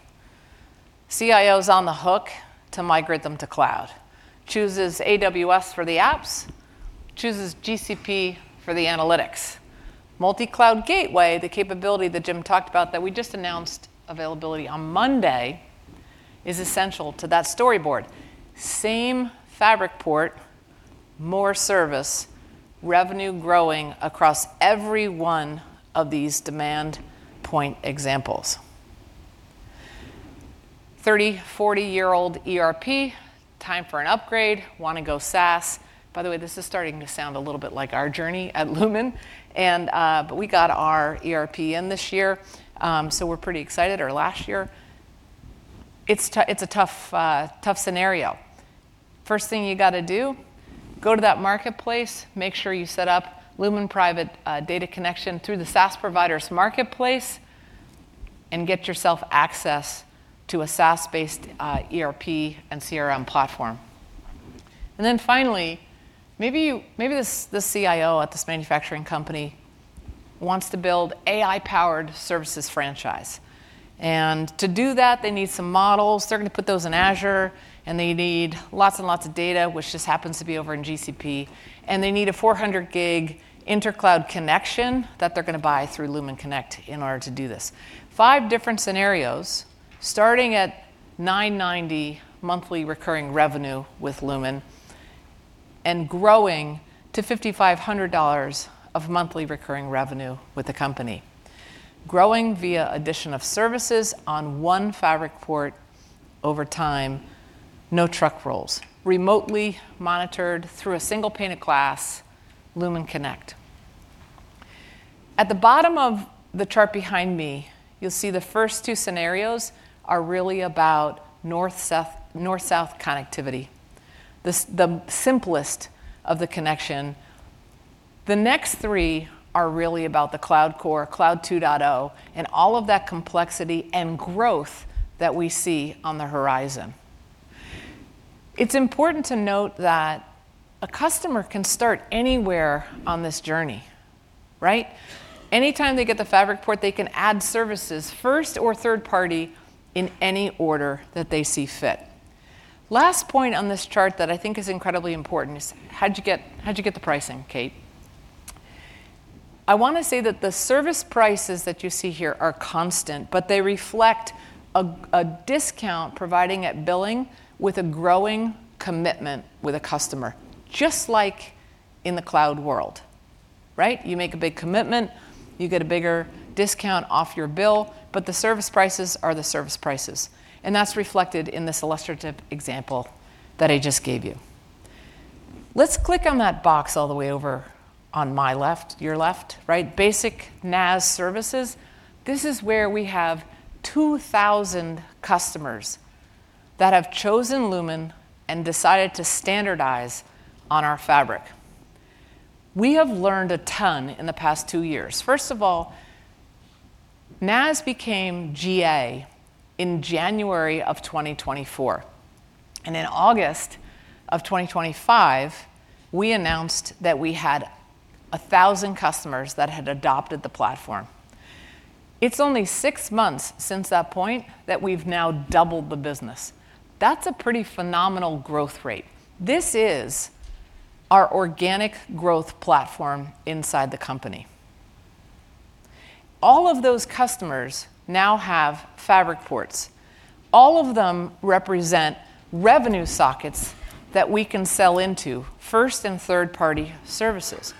CIO's on the hook to migrate them to cloud. Chooses AWS for the apps, chooses GCP for the analytics. Multi-Cloud Gateway, the capability that Jim talked about that we just announced availability on Monday, is essential to that storyboard. Same Fabric Port, more service, revenue growing across every one of these demand point examples. 30, 40-year-old ERP, time for an upgrade, want to go SaaS. By the way, this is starting to sound a little bit like our journey at Lumen, but we got our ERP in this year, so we're pretty excited, or last year. It's a tough scenario. First thing you got to do, go to that marketplace, make sure you set up Lumen private data connection through the SaaS provider's marketplace, and get yourself access to a SaaS-based ERP and CRM platform. Finally, maybe this CIO at this manufacturing company wants to build AI-powered services franchise. To do that, they need some models. They're going to put those in Azure, and they need lots and lots of data, which just happens to be over in GCP, and they need a 400 gig intercloud connection that they're going to buy through Lumen Connect in order to do this. Five different scenarios, starting at $990 monthly recurring revenue with Lumen and growing to $5,500 of monthly recurring revenue with the company. Growing via addition of services on 1 Fabric Port over time, no truck rolls. Remotely monitored through a single pane of glass, Lumen Connect. At the bottom of the chart behind me, you'll see the first two scenarios are really about north-south, north-south connectivity, the simplest of the connection. The next three are really about the cloud core, Cloud 2.0, and all of that complexity and growth that we see on the horizon. It's important to note that a customer can start anywhere on this journey, right? Anytime they get the Fabric Port, they can add services, first or third party, in any order that they see fit. Last point on this chart that I think is incredibly important is, how'd you get the pricing, Kate? I want to say that the service prices that you see here are constant, but they reflect a discount providing at billing with a growing commitment with a customer, just like in the cloud world, right? You make a big commitment, you get a bigger discount off your bill, but the service prices are the service prices, and that's reflected in this illustrative example that I just gave you. Let's click on that box all the way over on my left, your left, right, Basic NaaS services. This is where we have 2,000 customers that have chosen Lumen and decided to standardize on our fabric. We have learned a ton in the past two years. First of all, NaaS became GA in January of 2024, and in August of 2025, we announced that we had 1,000 customers that had adopted the platform. It's only 6 months since that point that we've now doubled the business. That's a pretty phenomenal growth rate. This is our organic growth platform inside the company. All of those customers now have Fabric Ports. All of them represent revenue sockets that we can sell into, first and third-party services.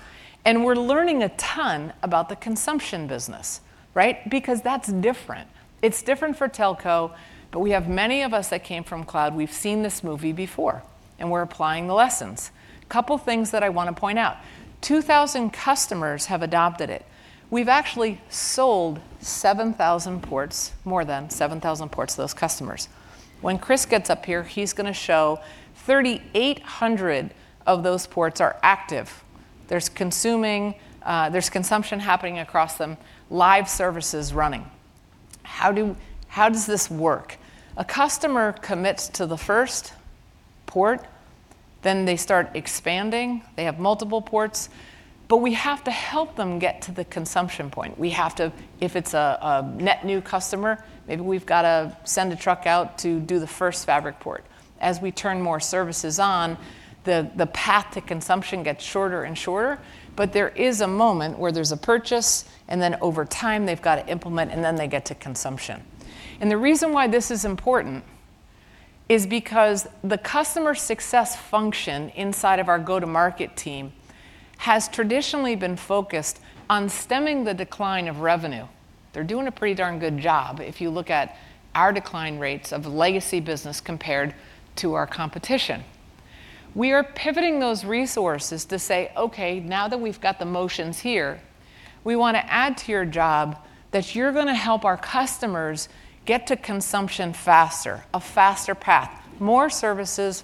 We're learning a ton about the consumption business, right? Because that's different. It's different for telco, but we have many of us that came from cloud. We've seen this movie before, and we're applying the lessons. Couple things that I want to point out. 2,000 customers have adopted it. We've actually sold 7,000 ports, more than 7,000 ports to those customers. When Chris gets up here, he's going to show 3,800 of those ports are active. There's consumption happening across them, live services running. How does this work? A customer commits to the first port, then they start expanding. They have multiple ports, but we have to help them get to the consumption point. If it's a net new customer, maybe we've got to send a truck out to do the first Fabric Port. As we turn more services on, the path to consumption gets shorter and shorter, but there is a moment where there's a purchase, and then over time, they've got to implement, and then they get to consumption. The reason why this is important is because the customer success function inside of our go-to-market team has traditionally been focused on stemming the decline of revenue. They're doing a pretty darn good job if you look at our decline rates of legacy business compared to our competition. We are pivoting those resources to say, "Okay, now that we've got the motions here, we want to add to your job that you're going to help our customers get to consumption faster, a faster path, more services,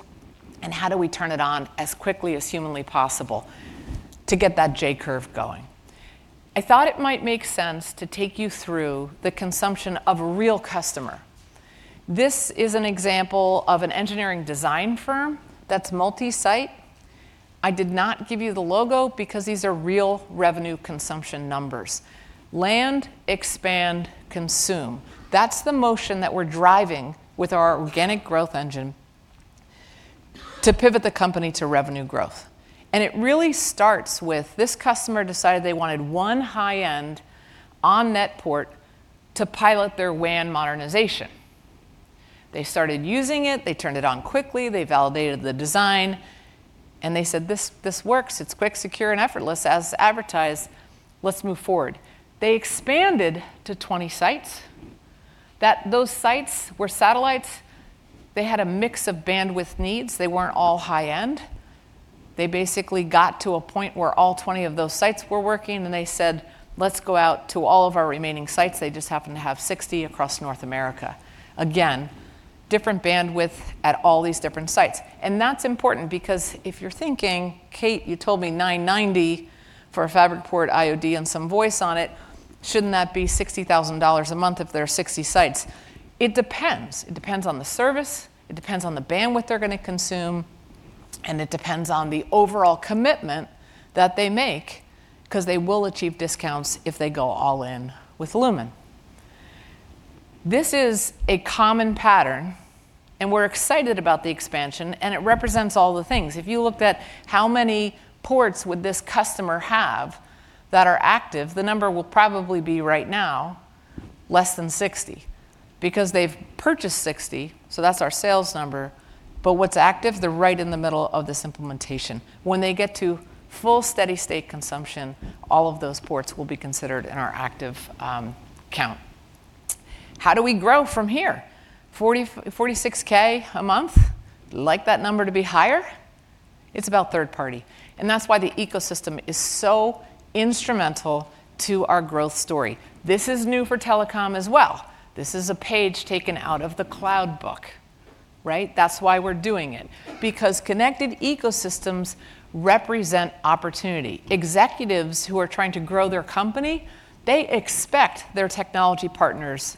and how do we turn it on as quickly as humanly possible to get that J-curve going?" I thought it might make sense to take you through the consumption of a real customer. This is an example of an engineering design firm that's multi-site. I did not give you the logo because these are real revenue consumption numbers. Land, expand, consume. That's the motion that we're driving with our organic growth engine to pivot the company to revenue growth. It really starts with this customer decided they wanted one high-end on-net port to pilot their WAN modernization. They started using it, they turned it on quickly, they validated the design, and they said, "This works. It's quick, secure, and effortless as advertised. Let's move forward." They expanded to 20 sites; those sites were satellites. They had a mix of bandwidth needs. They weren't all high-end. They basically got to a point where all 20 of those sites were working, and they said, "Let's go out to all of our remaining sites." They just happened to have 60 across North America. Again, different bandwidth at all these different sites. That's important because if you're thinking, "Kate, you told me $990 for a Fabric Port IoD and some voice on it, shouldn't that be $60,000 a month if there are 60 sites?" It depends. It depends on the service, it depends on the bandwidth they're going to consume, and it depends on the overall commitment that they make, 'cause they will achieve discounts if they go all in with Lumen. This is a common pattern, and we're excited about the expansion, and it represents all the things. If you looked at how many ports would this customer have that are active, the number will probably be right now less than 60. They've purchased 60, so that's our sales number, but what's active? They're right in the middle of this implementation. When they get to full steady state consumption, all of those ports will be considered in our active count. How do we grow from here? 46K a month. Like that number to be higher. It's about third party, and that's why the ecosystem is so instrumental to our growth story. This is new for telecom as well. This is a page taken out of the cloud book, right? That's why we're doing it, because connected ecosystems represent opportunity. Executives who are trying to grow their company, they expect their technology partners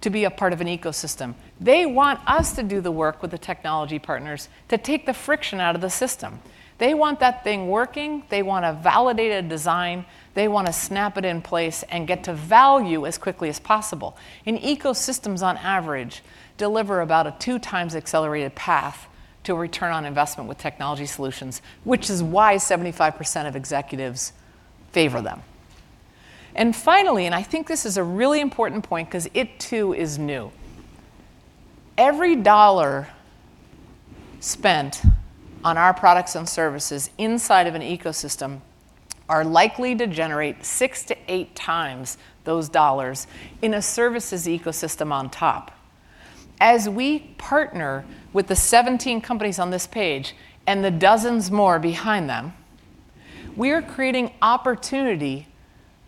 to be a part of an ecosystem. They want us to do the work with the technology partners to take the friction out of the system. They want that thing working, they want a validated design, they want to snap it in place and get to value as quickly as possible. Ecosystems, on average, deliver about a 2 times accelerated path to ROI with technology solutions, which is why 75% of executives favor them. Finally, I think this is a really important point because it too is new. Every $ spent on our products and services inside of an ecosystem are likely to generate 6 to 8 times those $ in a services ecosystem on top. As we partner with the 17 companies on this page and the dozens more behind them, we are creating opportunity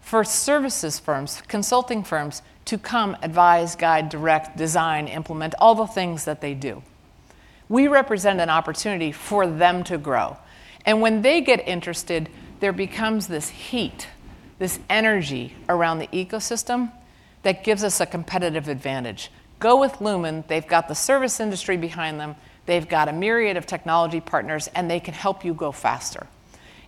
for services firms, consulting firms, to come, advise, guide, direct, design, implement, all the things that they do. We represent an opportunity for them to grow. When they get interested, there becomes this heat, this energy around the ecosystem that gives us a competitive advantage. Go with Lumen. They've got the service industry behind them, they've got a myriad of technology partners, and they can help you go faster.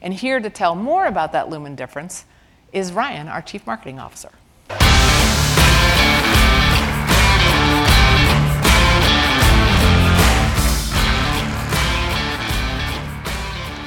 Here to tell more about that Lumen difference is Ryan, our Chief Marketing Officer.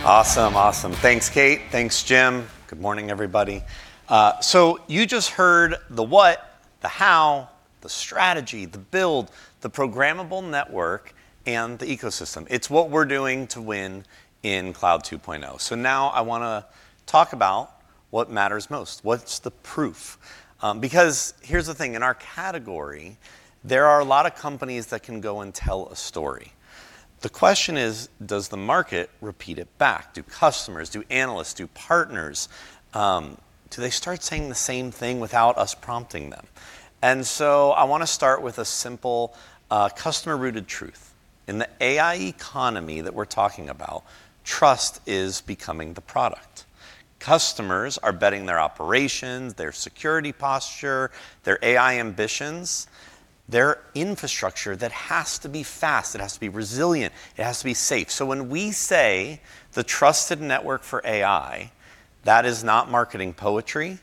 Awesome. Awesome. Thanks, Kate. Thanks, Jim. Good morning, everybody. You just heard the what, the how, the strategy, the build, the programmable network, and the ecosystem. It's what we're doing to win in Cloud 2.0. Now I want to talk about what matters most. What's the proof? Because here's the thing, in our category, there are a lot of companies that can go and tell a story. The question is: does the market repeat it back? Do customers, do analysts, do partners, do they start saying the same thing without us prompting them? I want to start with a simple, customer-rooted truth. In the AI economy that we're talking about, trust is becoming the product. Customers are betting their operations, their security posture, their AI ambitions, their infrastructure that has to be fast, it has to be resilient, it has to be safe. When we say the trusted network for AI, that is not marketing poetry,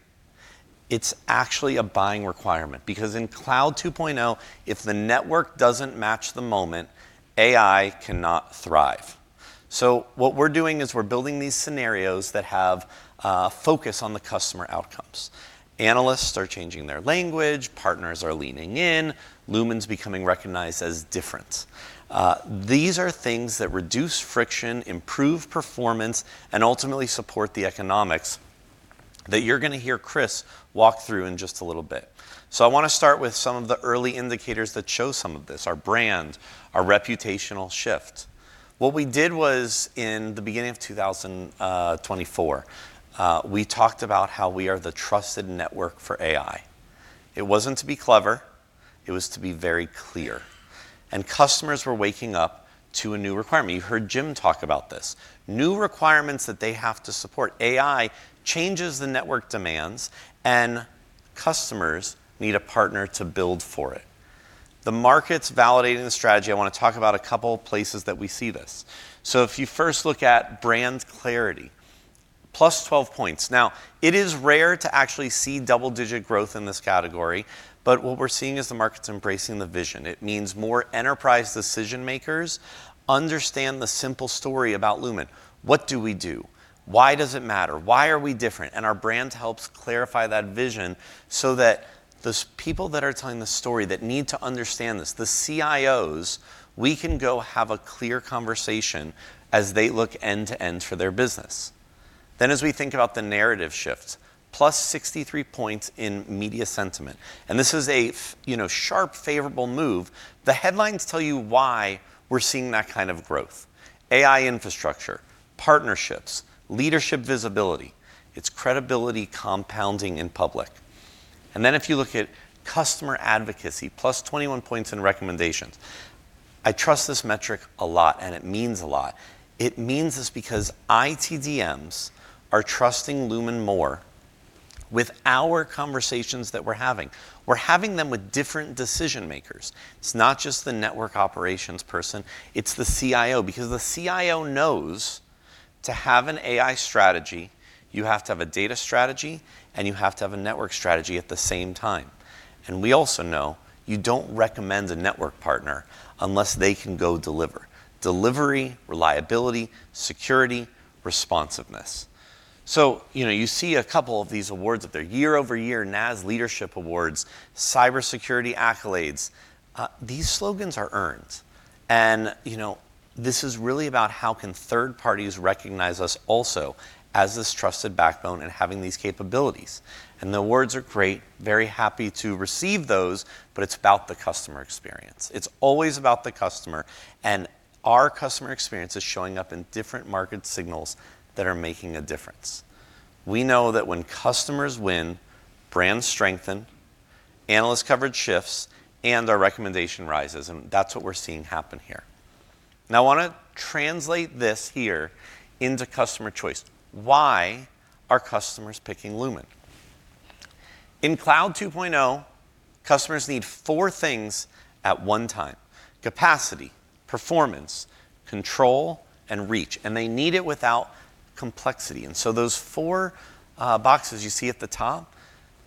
it's actually a buying requirement. Because in Cloud 2.0, if the network doesn't match the moment, AI cannot thrive. What we're doing is we're building these scenarios that have focus on the customer outcomes. Analysts are changing their language, partners are leaning in, Lumen's becoming recognized as different. These are things that reduce friction, improve performance, and ultimately support the economics that you're gonna hear Chris walk through in just a little bit. I want to start with some of the early indicators that show some of this, our brand, our reputational shift. What we did was, in the beginning of 2024, we talked about how we are the trusted network for AI. It wasn't to be clever, it was to be very clear, and customers were waking up to a new requirement. You heard Jim talk about this. New requirements that they have to support. AI changes the network demands, and customers need a partner to build for it. The market's validating the strategy. I wanna talk about a couple places that we see this. If you first look at brand clarity, +12 points. It is rare to actually see double-digit growth in this category, but what we're seeing is the market's embracing the vision. It means more enterprise decision-makers understand the simple story about Lumen. What do we do? Why does it matter? Why are we different? Our brand helps clarify that vision so that those people that are telling the story, that need to understand this, the CIOs, we can go have a clear conversation as they look end-to-end for their business. As we think about the narrative shifts, +63 points in media sentiment, and this is a sharp, favorable move. The headlines tell you why we're seeing that kind of growth: AI infrastructure, partnerships, leadership visibility. It's credibility compounding in public. If you look at customer advocacy, +21 points in recommendations. I trust this metric a lot, and it means a lot. It means this because ITDMs are trusting Lumen more with our conversations that we're having. We're having them with different decision-makers. It's not just the network operations person, it's the CIO, because the CIO knows to have an AI strategy, you have to have a data strategy, and you have to have a network strategy at the same time. We also know you don't recommend a network partner unless they can go deliver. Delivery, reliability, security, responsiveness. you know, you see a couple of these awards up there, year-over-year NaaS Leadership Awards, cybersecurity accolades. These slogans are earned, and, you know, this is really about how can third parties recognize us also as this trusted backbone and having these capabilities? The awards are great, very happy to receive those, but it's about the customer experience. It's always about the customer, and our customer experience is showing up in different market signals that are making a difference. We know that when customers win, brands strengthen, analyst coverage shifts, and our recommendation rises, and that's what we're seeing happen here. I wanna translate this here into customer choice. Why are customers picking Lumen? In Cloud 2.0, customers need four things at one time: capacity, performance, control, and reach, and they need it without complexity. Those four boxes you see at the top,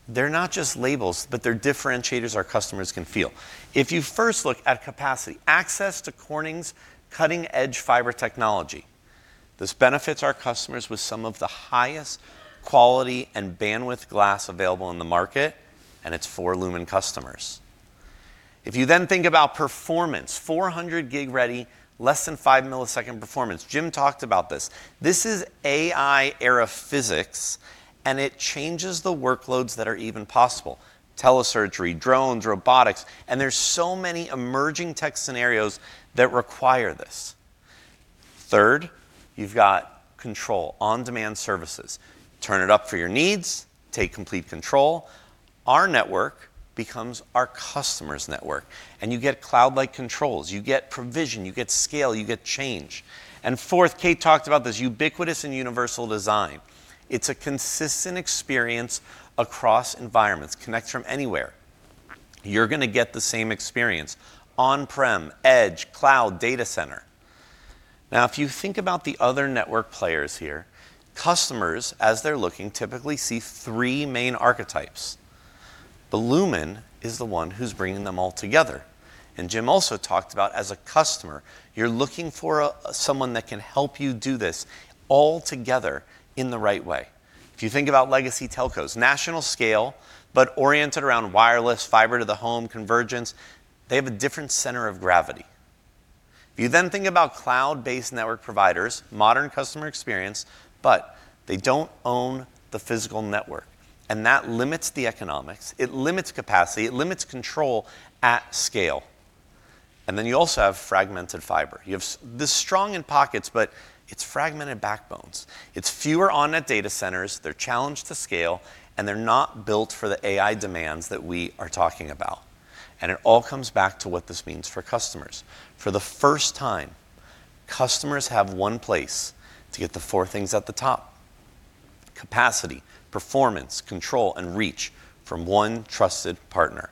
they're not just labels, but they're differentiators our customers can feel. If you first look at capacity, access to Corning's cutting-edge fiber technology, this benefits our customers with some of the highest quality and bandwidth glass available on the market, and it's for Lumen customers. You then think about performance, 400 gig-ready, less than five-millisecond performance. Jim talked about this. This is AI-era physics. It changes the workloads that are even possible: telesurgery, drones, robotics, and there's so many emerging tech scenarios that require this. Third, you've got control, on-demand services. Turn it up for your needs, take complete control. Our network becomes our customer's network. You get cloud-like controls, you get provision, you get scale, you get change. Fourth, Kate talked about this, ubiquitous and universal design. It's a consistent experience across environments. Connect from anywhere, you're gonna get the same experience: on-prem, edge, cloud, data center. Now, if you think about the other network players here, customers, as they're looking, typically see three main archetypes. Lumen is the one who's bringing them all together. Jim also talked about, as a customer, you're looking for someone that can help you do this all together in the right way. If you think about legacy telcos, national scale, but oriented around wireless, fiber to the home, convergence, they have a different center of gravity. If you then think about cloud-based network providers, modern customer experience, but they don't own the physical network, and that limits the economics, it limits capacity, it limits control at scale. You also have fragmented fiber. You have this strong in pockets, but it's fragmented backbones. It's fewer on-net data centers, they're challenged to scale, and they're not built for the AI demands that we are talking about. It all comes back to what this means for customers. For the first time, customers have one place to get the four things at the top: capacity, performance, control, and reach from one trusted partner.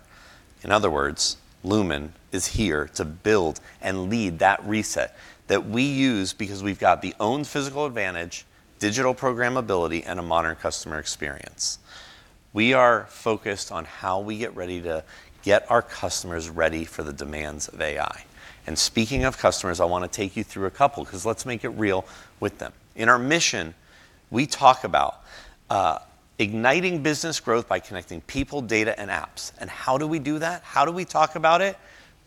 In other words, Lumen is here to build and lead that reset that we use because we've got the owned physical advantage, digital programmability, and a modern customer experience. We are focused on how we get ready to get our customers ready for the demands of AI. Speaking of customers, I want to take you through a couple, 'cause let's make it real with them. In our mission, we talk about igniting business growth by connecting people, data, and apps. How do we do that? How do we talk about it?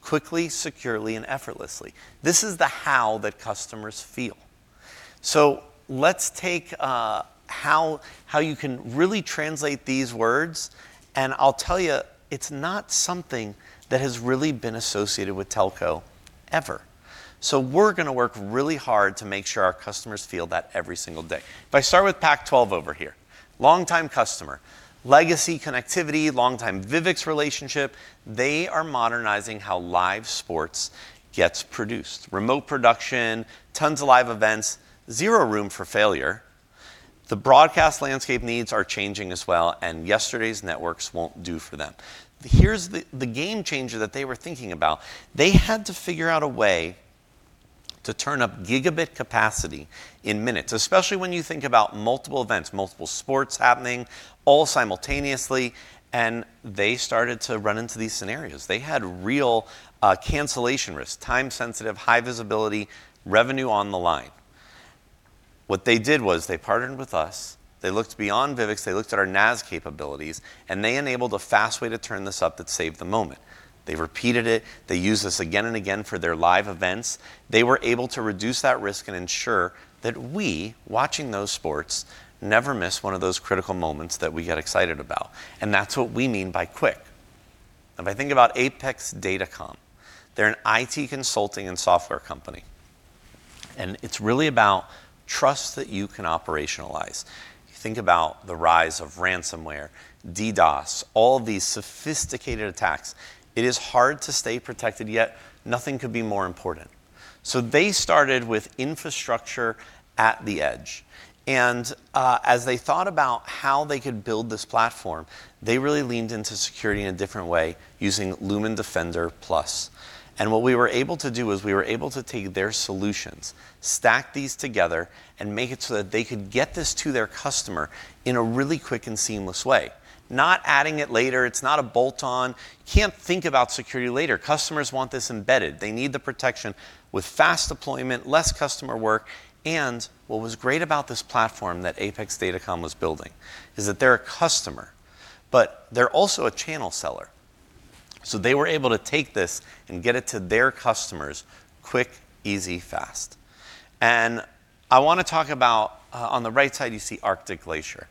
Quickly, securely, and effortlessly. This is the how that customers feel. Let's take how you can really translate these words, and I'll tell you, it's not something that has really been associated with Telco ever. We're gonna work really hard to make sure our customers feel that every single day. If I start with Pac-12 over here, longtime customer, legacy connectivity, longtime Vyvx relationship, they are modernizing how live sports gets produced. Remote production, tons of live events, zero room for failure. The broadcast landscape needs are changing as well, and yesterday's networks won't do for them. Here's the game changer that they were thinking about. They had to figure out a way to turn up gigabit capacity in minutes, especially when you think about multiple events, multiple sports happening all simultaneously, and they started to run into these scenarios. They had real cancellation risks, time-sensitive, high visibility, revenue on the line. What they did was they partnered with us, they looked beyond Vyvx, they looked at our NaaS capabilities, and they enabled a fast way to turn this up that saved the moment. They repeated it, they used this again and again for their live events. They were able to reduce that risk and ensure that we, watching those sports, never miss one of those critical moments that we get excited about, and that's what we mean by quick. I think about Apex Datacom, they're an IT consulting and software company, and it's really about trust that you can operationalize. You think about the rise of ransomware, DDoS, all these sophisticated attacks. It is hard to stay protected, yet nothing could be more important. They started with infrastructure at the edge, as they thought about how they could build this platform, they really leaned into security in a different way, using Lumen Defender Plus. What we were able to do is, we were able to take their solutions, stack these together, and make it so that they could get this to their customer in a really quick and seamless way. Not adding it later, it's not a bolt-on, can't think about security later. Customers want this embedded. They need the protection with fast deployment, less customer work. What was great about this platform that Apex Datacom was building is that they're a customer, but they're also a channel seller. They were able to take this and get it to their customers quick, easy, fast. I wanna talk about on the right side, you see Arctic Glacier.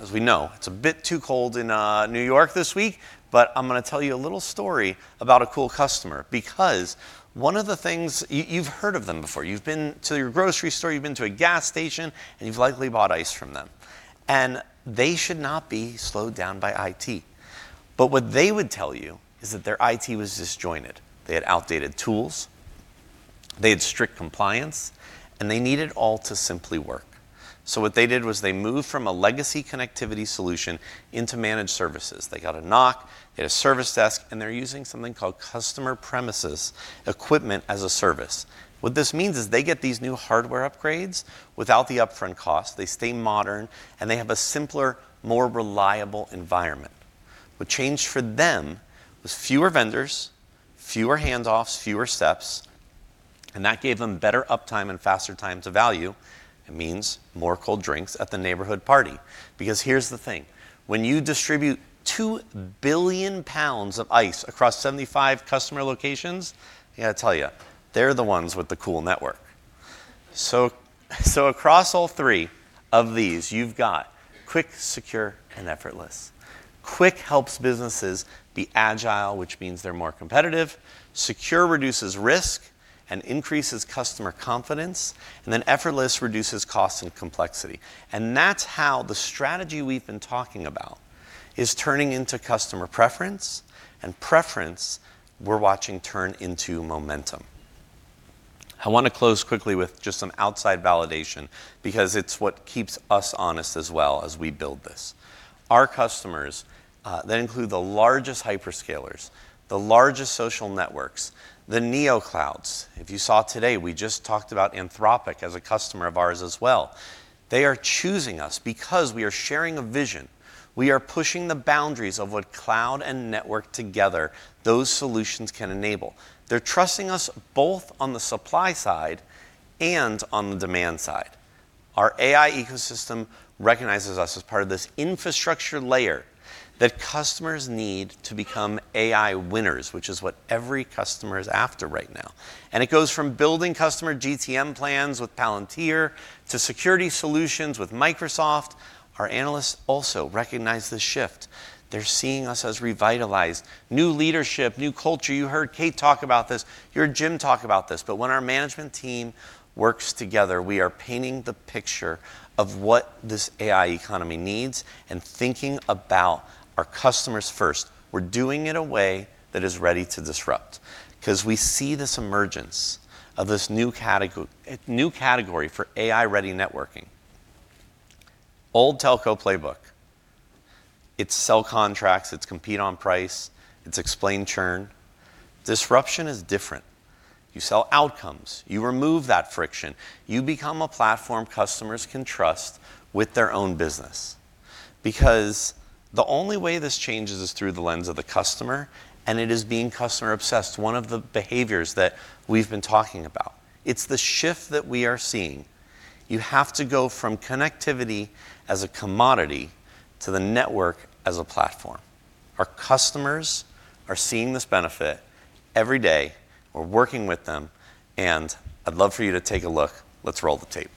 As we know, it's a bit too cold in New York this week, but I'm gonna tell you a little story about a cool customer, because one of the things you've heard of them before. You've been to your grocery store, you've been to a gas station, you've likely bought ice from them. They should not be slowed down by IT. What they would tell you is that their IT was disjointed. They had outdated tools, they had strict compliance, and they needed it all to simply work. What they did was they moved from a legacy connectivity solution into managed services. They got a NOC, they had a service desk, they're using something called Customer Premises Equipment as a Service. What this means is, they get these new hardware upgrades without the upfront cost. They stay modern, they have a simpler, more reliable environment. What changed for them was fewer vendors, fewer handoffs, fewer steps, and that gave them better uptime and faster time to value. It means more cold drinks at the neighborhood party. Here's the thing, when you distribute 2 billion pounds of ice across 75 customer locations, I gotta tell you, they're the ones with the cool network. Across all three of these, you've got quick, secure and effortless. Quick helps businesses be agile, which means they're more competitive. Secure reduces risk and increases customer confidence. Effortless reduces cost and complexity. That's how the strategy we've been talking about is turning into customer preference, and preference we're watching turn into momentum. I wanna close quickly with just some outside validation, because it's what keeps us honest as well as we build this. Our customers, they include the largest hyperscalers, the largest social networks, the neo clouds. If you saw today, we just talked about Anthropic as a customer of ours as well. They are choosing us because we are sharing a vision. We are pushing the boundaries of what cloud and network together; those solutions can enable. They're trusting us both on the supply side and on the demand side. Our AI ecosystem recognizes us as part of this infrastructure layer that customers need to become AI winners, which is what every customer is after right now. It goes from building customer GTM plans with Palantir to security solutions with Microsoft. Our analysts also recognize this shift. They're seeing us as revitalized. New leadership, new culture. You heard Kate talk about this, you heard Jim talk about this. When our management team works together, we are painting the picture of what this AI economy needs and thinking about our customers first. We're doing it in a way that is ready to disrupt, 'cause we see this emergence of this new category for AI-ready networking. Old Telco playbook: it's sell contracts, it's compete on price, it's explain churn. Disruption is different. You sell outcomes, you remove that friction, you become a platform customers can trust with their own business. Because the only way this changes is through the lens of the customer, and it is being customer-obsessed, one of the behaviors that we've been talking about. It's the shift that we are seeing. You have to go from connectivity as a commodity to the network as a platform. Our customers are seeing this benefit every day. We're working with them, and I'd love for you to take a look. Let's roll the tape.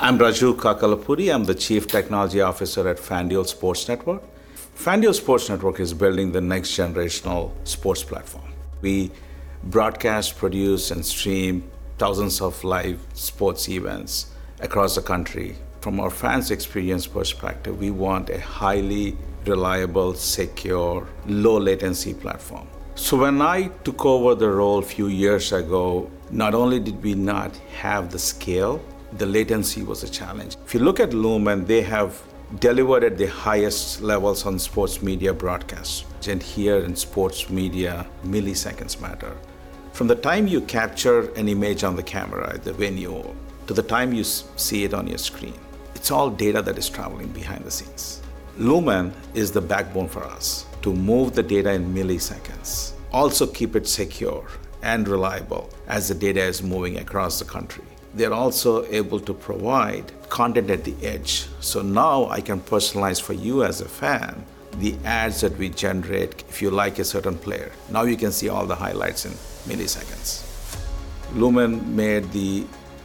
I'm Raju Kakalapudi. I'm the Chief Technology Officer at FanDuel Sports Network. FanDuel Sports Network is building the next generational sports platform. We broadcast, produce, and stream thousands of live sports events across the country. From our fans' experience perspective, we want a highly reliable, secure, low-latency platform. When I took over the role a few years ago, not only did we not have the scale, the latency was a challenge. If you look at Lumen, they have delivered at the highest levels on sports media broadcasts. Here in sports media, milliseconds matter. From the time you capture an image on the camera at the venue to the time you see it on your screen, it's all data that is traveling behind the scenes. Lumen is the backbone for us to move the data in milliseconds, also keep it secure and reliable as the data is moving across the country. They're also able to provide content at the edge. Now I can personalize for you as a fan, the ads that we generate, if you like a certain player. Now you can see all the highlights in milliseconds. Lumen made the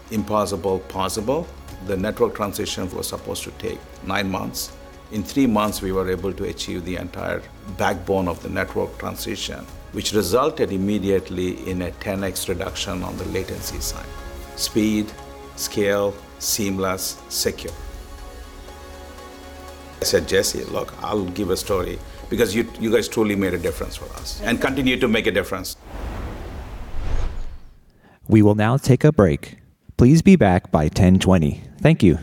impossible possible. The network transition was supposed to take 9 months. In 3 months, we were able to achieve the entire backbone of the network transition, which resulted immediately in a 10x reduction on the latency side. Speed, scale, seamless, secure. I said, "Jesse, look, I'll give a story because you guys truly made a difference for us and continue to make a difference. We will now take a break. Please be back by 10:20 P.M. Thank you.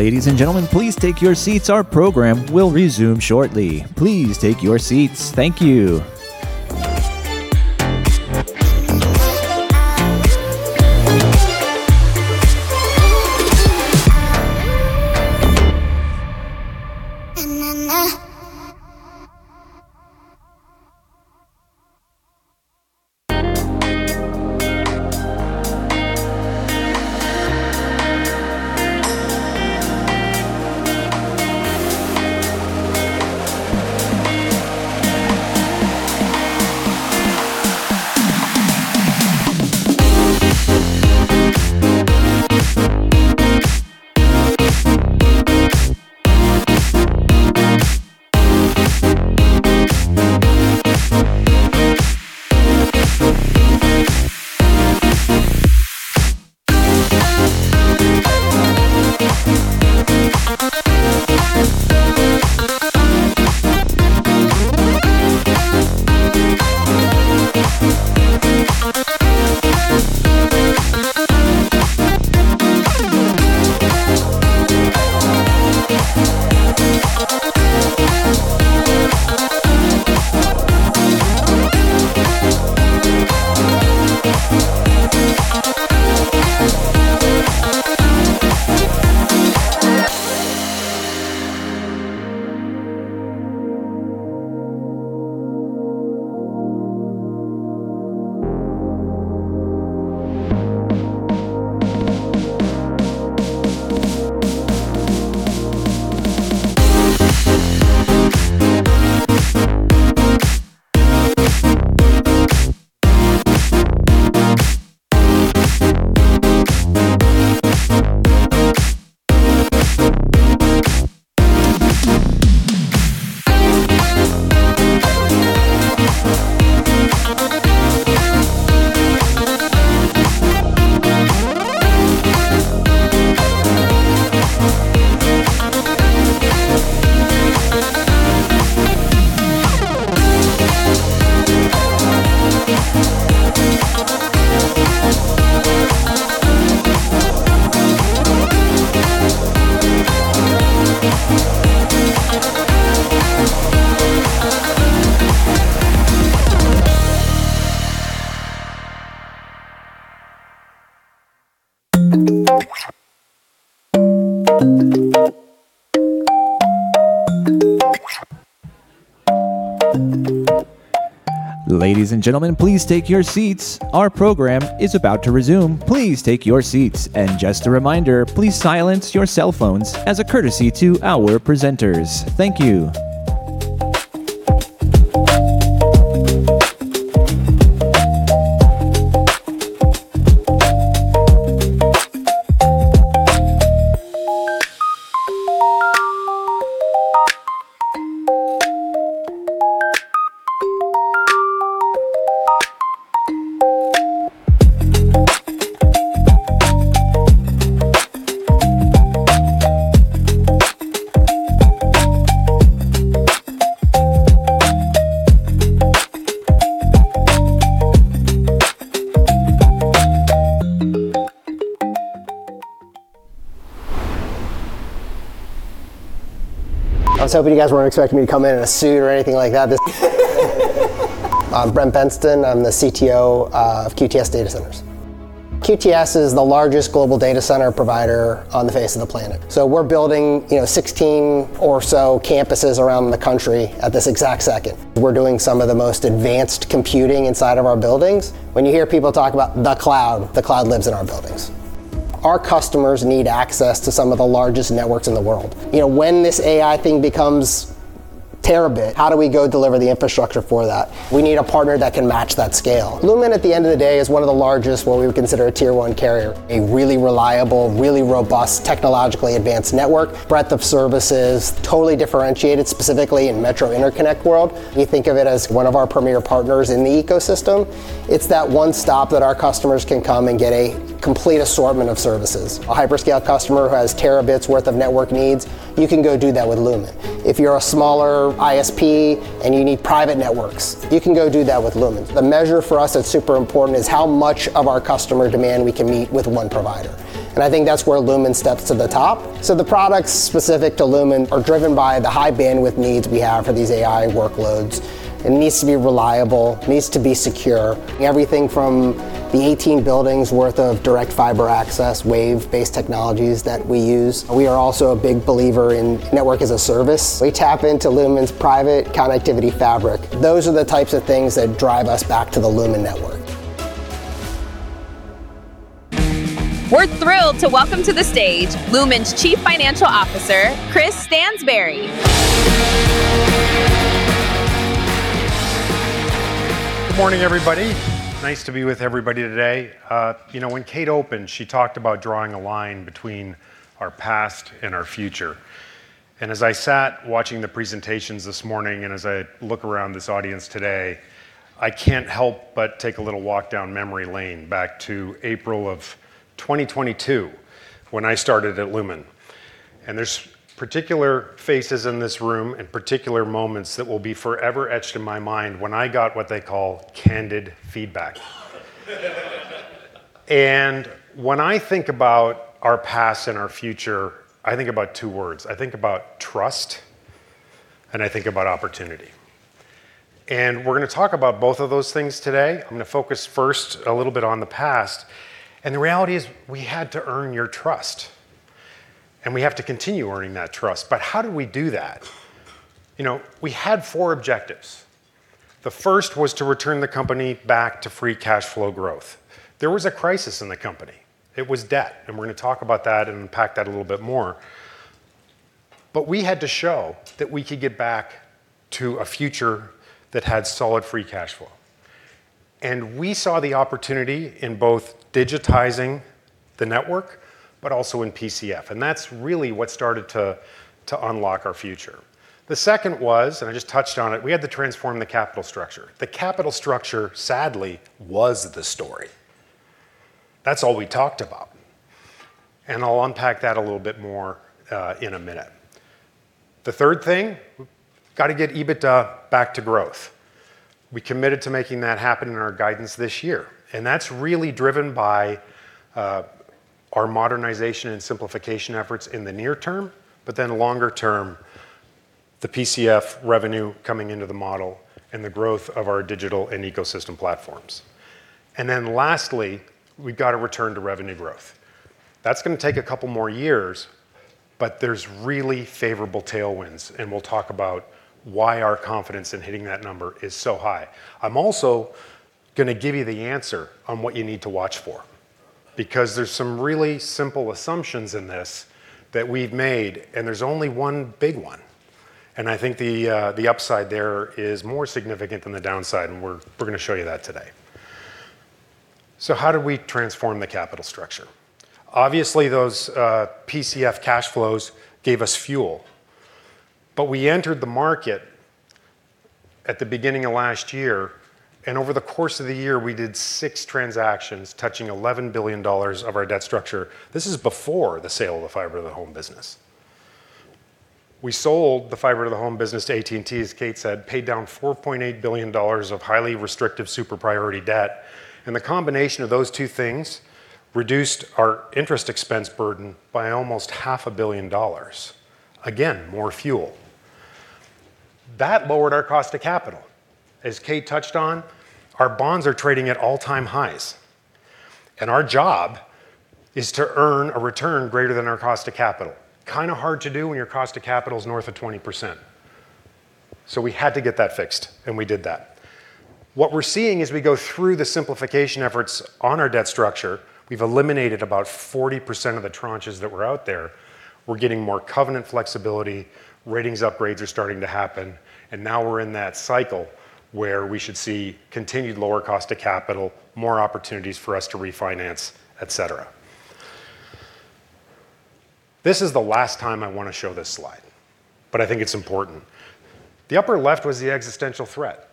Ladies and gentlemen, please take your seats. Our program will resume shortly. Please take your seats. Thank you! Ladies and gentlemen, please take your seats. Our program is about to resume. Please take your seats, and just a reminder, please silence your cell phones as a courtesy to our presenters. Thank you I was hoping you guys weren't expecting me to come in in a suit or anything like that. I'm Brent Bensten. I'm the CTO of QTS Data Centers. QTS is the largest global data center provider on the face of the planet. We're building, you know, 16 or so campuses around the country at this exact second. We're doing some of the most advanced computing inside of our buildings. When you hear people talk about the cloud, the cloud lives in our buildings. Our customers need access to some of the largest networks in the world. You know, when this AI thing becomes terabit, how do we go deliver the infrastructure for that? We need a partner that can match that scale. Lumen, at the end of the day, is one of the largest, what we would consider a Tier 1 carrier. A really reliable, really robust, technologically advanced network, breadth of services, totally differentiated, specifically in Metro interconnect world. We think of it as one of our premier partners in the ecosystem. It's that one stop that our customers can come and get a complete assortment of services. A hyperscale customer who has terabits worth of network needs, you can go do that with Lumen. If you're a smaller ISP and you need private networks, you can go do that with Lumen. The measure for us that's super important is how much of our customer demand we can meet with one provider, and I think that's where Lumen steps to the top. The products specific to Lumen are driven by the high bandwidth needs we have for these AI workloads. It needs to be reliable; it needs to be secure. Everything from the 18 buildings worth of direct fiber access, wave-based technologies that we use. We are also a big believer in network as a service. We tap into Lumen's Private Connectivity Fabric. Those are the types of things that drive us back to the Lumen network. We're thrilled to welcome to the stage Lumen's Chief Financial Officer, Chris Stansbury. Good morning, everybody. Nice to be with everybody today. You know, when Kate opened, she talked about drawing a line between our past and our future. As I sat watching the presentations this morning, and as I look around this audience today, I can't help but take a little walk down memory lane back to April of 2022, when I started at Lumen. There's particular faces in this room and particular moments that will be forever etched in my mind when I got what they call candid feedback. When I think about our past and our future, I think about two words. I think about trust, and I think about opportunity. We're going to talk about both of those things today. I'm going to focus first a little bit on the past. The reality is we had to earn your trust, and we have to continue earning that trust. How do we do that? You know, we had 4 objectives. The first was to return the company back to free cash flow growth. There was a crisis in the company. It was debt, and we're going to talk about that and unpack that a little bit more. We had to show that we could get back to a future that had solid free cash flow. We saw the opportunity in both digitizing the network but also in PCF, and that's really what started to unlock our future. The 2nd was, I just touched on it, we had to transform the capital structure. The capital structure, sadly, was the story. That's all we talked about, and I'll unpack that a little bit more in a minute. The third thing, we've got to get EBITDA back to growth. We committed to making that happen in our guidance this year, and that's really driven by our modernization and simplification efforts in the near term, but then longer term, the PCF revenue coming into the model and the growth of our digital and ecosystem platforms. Lastly, we've got to return to revenue growth. That's going to take a couple more years, but there's really favorable tailwinds, and we'll talk about why our confidence in hitting that number is so high. I'm also going to give you the answer on what you need to watch for, because there's some really simple assumptions in this that we've made, and there's only one big one. I think the upside there is more significant than the downside, and we're going to show you that today. How did we transform the capital structure? Obviously, those PCF cash flows gave us fuel, but we entered the market at the beginning of last year, and over the course of the year, we did six transactions touching $11 billion of our debt structure. This is before the sale of the fiber to the home business. We sold the fiber to the home business to AT&T, as Kate said, paid down $4.8 billion of highly restrictive super priority debt, and the combination of those two things reduced our interest expense burden by almost half a billion dollars. Again, more fuel. That lowered our cost to capital. As Kate touched on, our bonds are trading at all-time highs, and our job is to earn a return greater than our cost to capital. Kind of hard to do when your cost to capital is north of 20%. We had to get that fixed, and we did that. What we're seeing as we go through the simplification efforts on our debt structure, we've eliminated about 40% of the tranches that were out there. We're getting more covenant flexibility; ratings upgrades are starting to happen. Now we're in that cycle where we should see continued lower cost to capital, more opportunities for us to refinance, et cetera. This is the last time I want to show this slide. I think it's important. The upper left was the existential threat,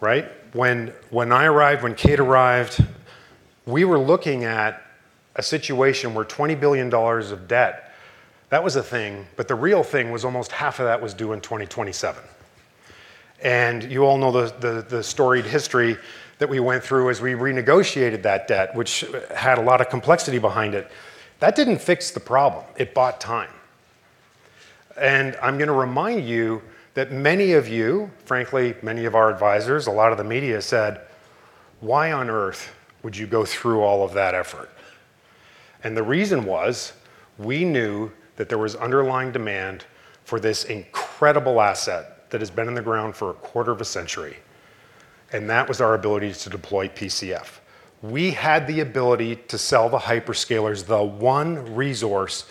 right? When I arrived, when Kate arrived, we were looking at a situation where $20 billion of debt, that was a thing. The real thing was almost half of that was due in 2027. You all know the storied history that we went through as we renegotiated that debt, which had a lot of complexity behind it. That didn't fix the problem. It bought time. I'm going to remind you that many of you, frankly, many of our advisors, a lot of the media, said: "Why on earth would you go through all of that effort?" The reason was, we knew that there was underlying demand for this incredible asset that has been in the ground for a quarter of a century, and that was our ability to deploy PCF. We had the ability to sell the hyperscalers the one resource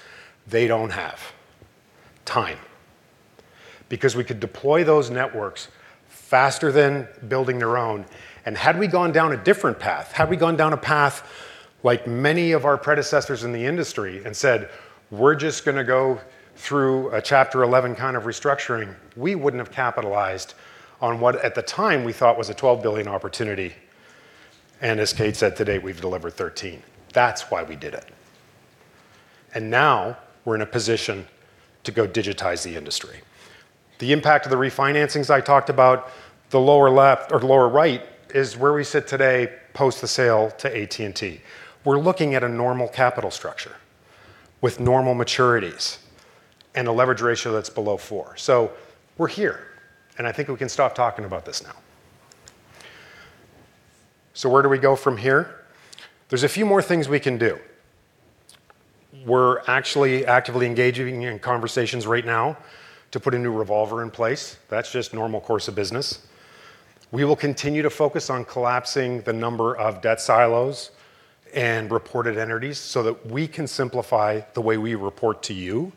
they don't have, time. Because we could deploy those networks faster than building their own, and had we gone down a different path, had we gone down a path like many of our predecessors in the industry and said, "We're just going to go through a Chapter 11 kind of restructuring," we wouldn't have capitalized on what, at the time, we thought was a $12 billion opportunity. As Kate said today, we've delivered 13. That's why we did it. Now we're in a position to go digitize the industry. The impact of the refinancings I talked about, the lower left or the lower right, is where we sit today, post the sale to AT&T. We're looking at a normal capital structure with normal maturities and a leverage ratio that's below 4. We're here, and I think we can stop talking about this now. Where do we go from here? There's a few more things we can do. We're actually actively engaging in conversations right now to put a new revolver in place. That's just normal course of business. We will continue to focus on collapsing the number of debt silos and reported entities so that we can simplify the way we report to you,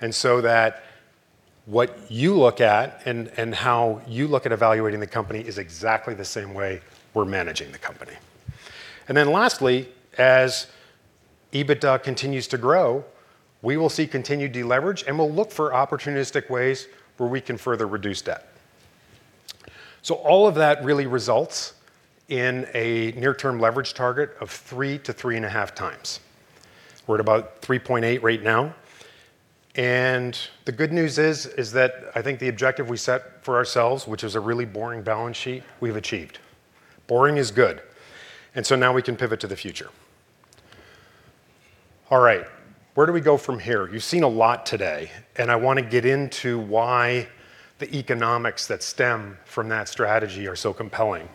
and so that what you look at and how you look at evaluating the company is exactly the same way we're managing the company. Lastly, as EBITDA continues to grow, we will see continued deleverage, and we'll look for opportunistic ways where we can further reduce debt. All of that really results in a near-term leverage target of 3-3.5 times. We're at about 3.8 right now. The good news is that I think the objective we set for ourselves, which is a really boring balance sheet, we've achieved. Boring is good. Now we can pivot to the future. All right, where do we go from here? You've seen a lot today. I want to get into why the economics that stem from that strategy are so compelling.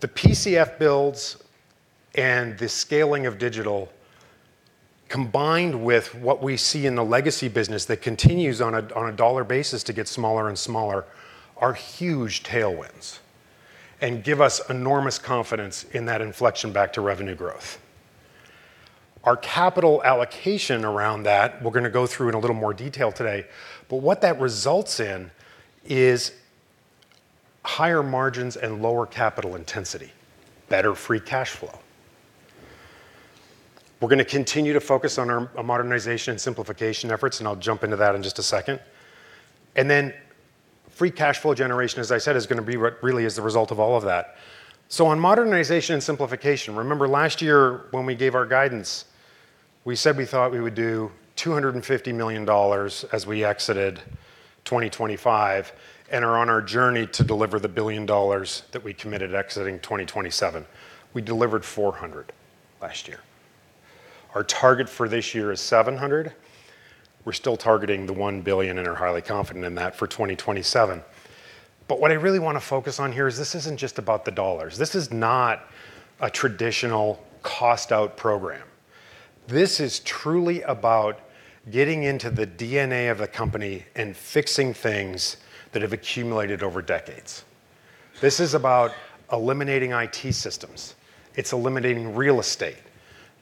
The PCF builds and the scaling of digital, combined with what we see in the legacy business that continues on a dollar basis to get smaller and smaller, are huge tailwinds and give us enormous confidence in that inflection back to revenue growth. Our capital allocation around that, we're going to go through in a little more detail today, but what that results in is higher margins and lower capital intensity, better free cash flow. We're going to continue to focus on our modernization and simplification efforts, and I'll jump into that in just a second. Free cash flow generation, as I said, is going to be what really is the result of all of that. On modernization and simplification, remember last year when we gave our guidance, we said we thought we would do $250 million as we exited 2025 and are on our journey to deliver the $1 billion that we committed exiting 2027. We delivered $400 million last year. Our target for this year is $700 million. We're still targeting the $1 billion and are highly confident in that for 2027. What I really want to focus on here is this isn't just about the dollars. This is not a traditional cost-out program. This is truly about getting into the DNA of a company and fixing things that have accumulated over decades. This is about eliminating IT systems. It's eliminating real estate.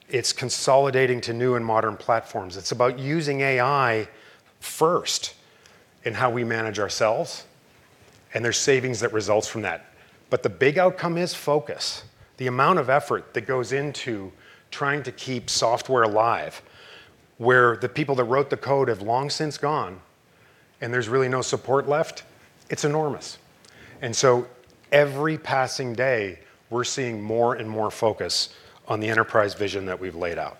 It's consolidating to new and modern platforms. It's about using AI first in how we manage ourselves, and there's savings that results from that. The big outcome is focus. The amount of effort that goes into trying to keep software alive, where the people that wrote the code have long since gone and there's really no support left, it's enormous. Every passing day, we're seeing more and more focus on the enterprise vision that we've laid out.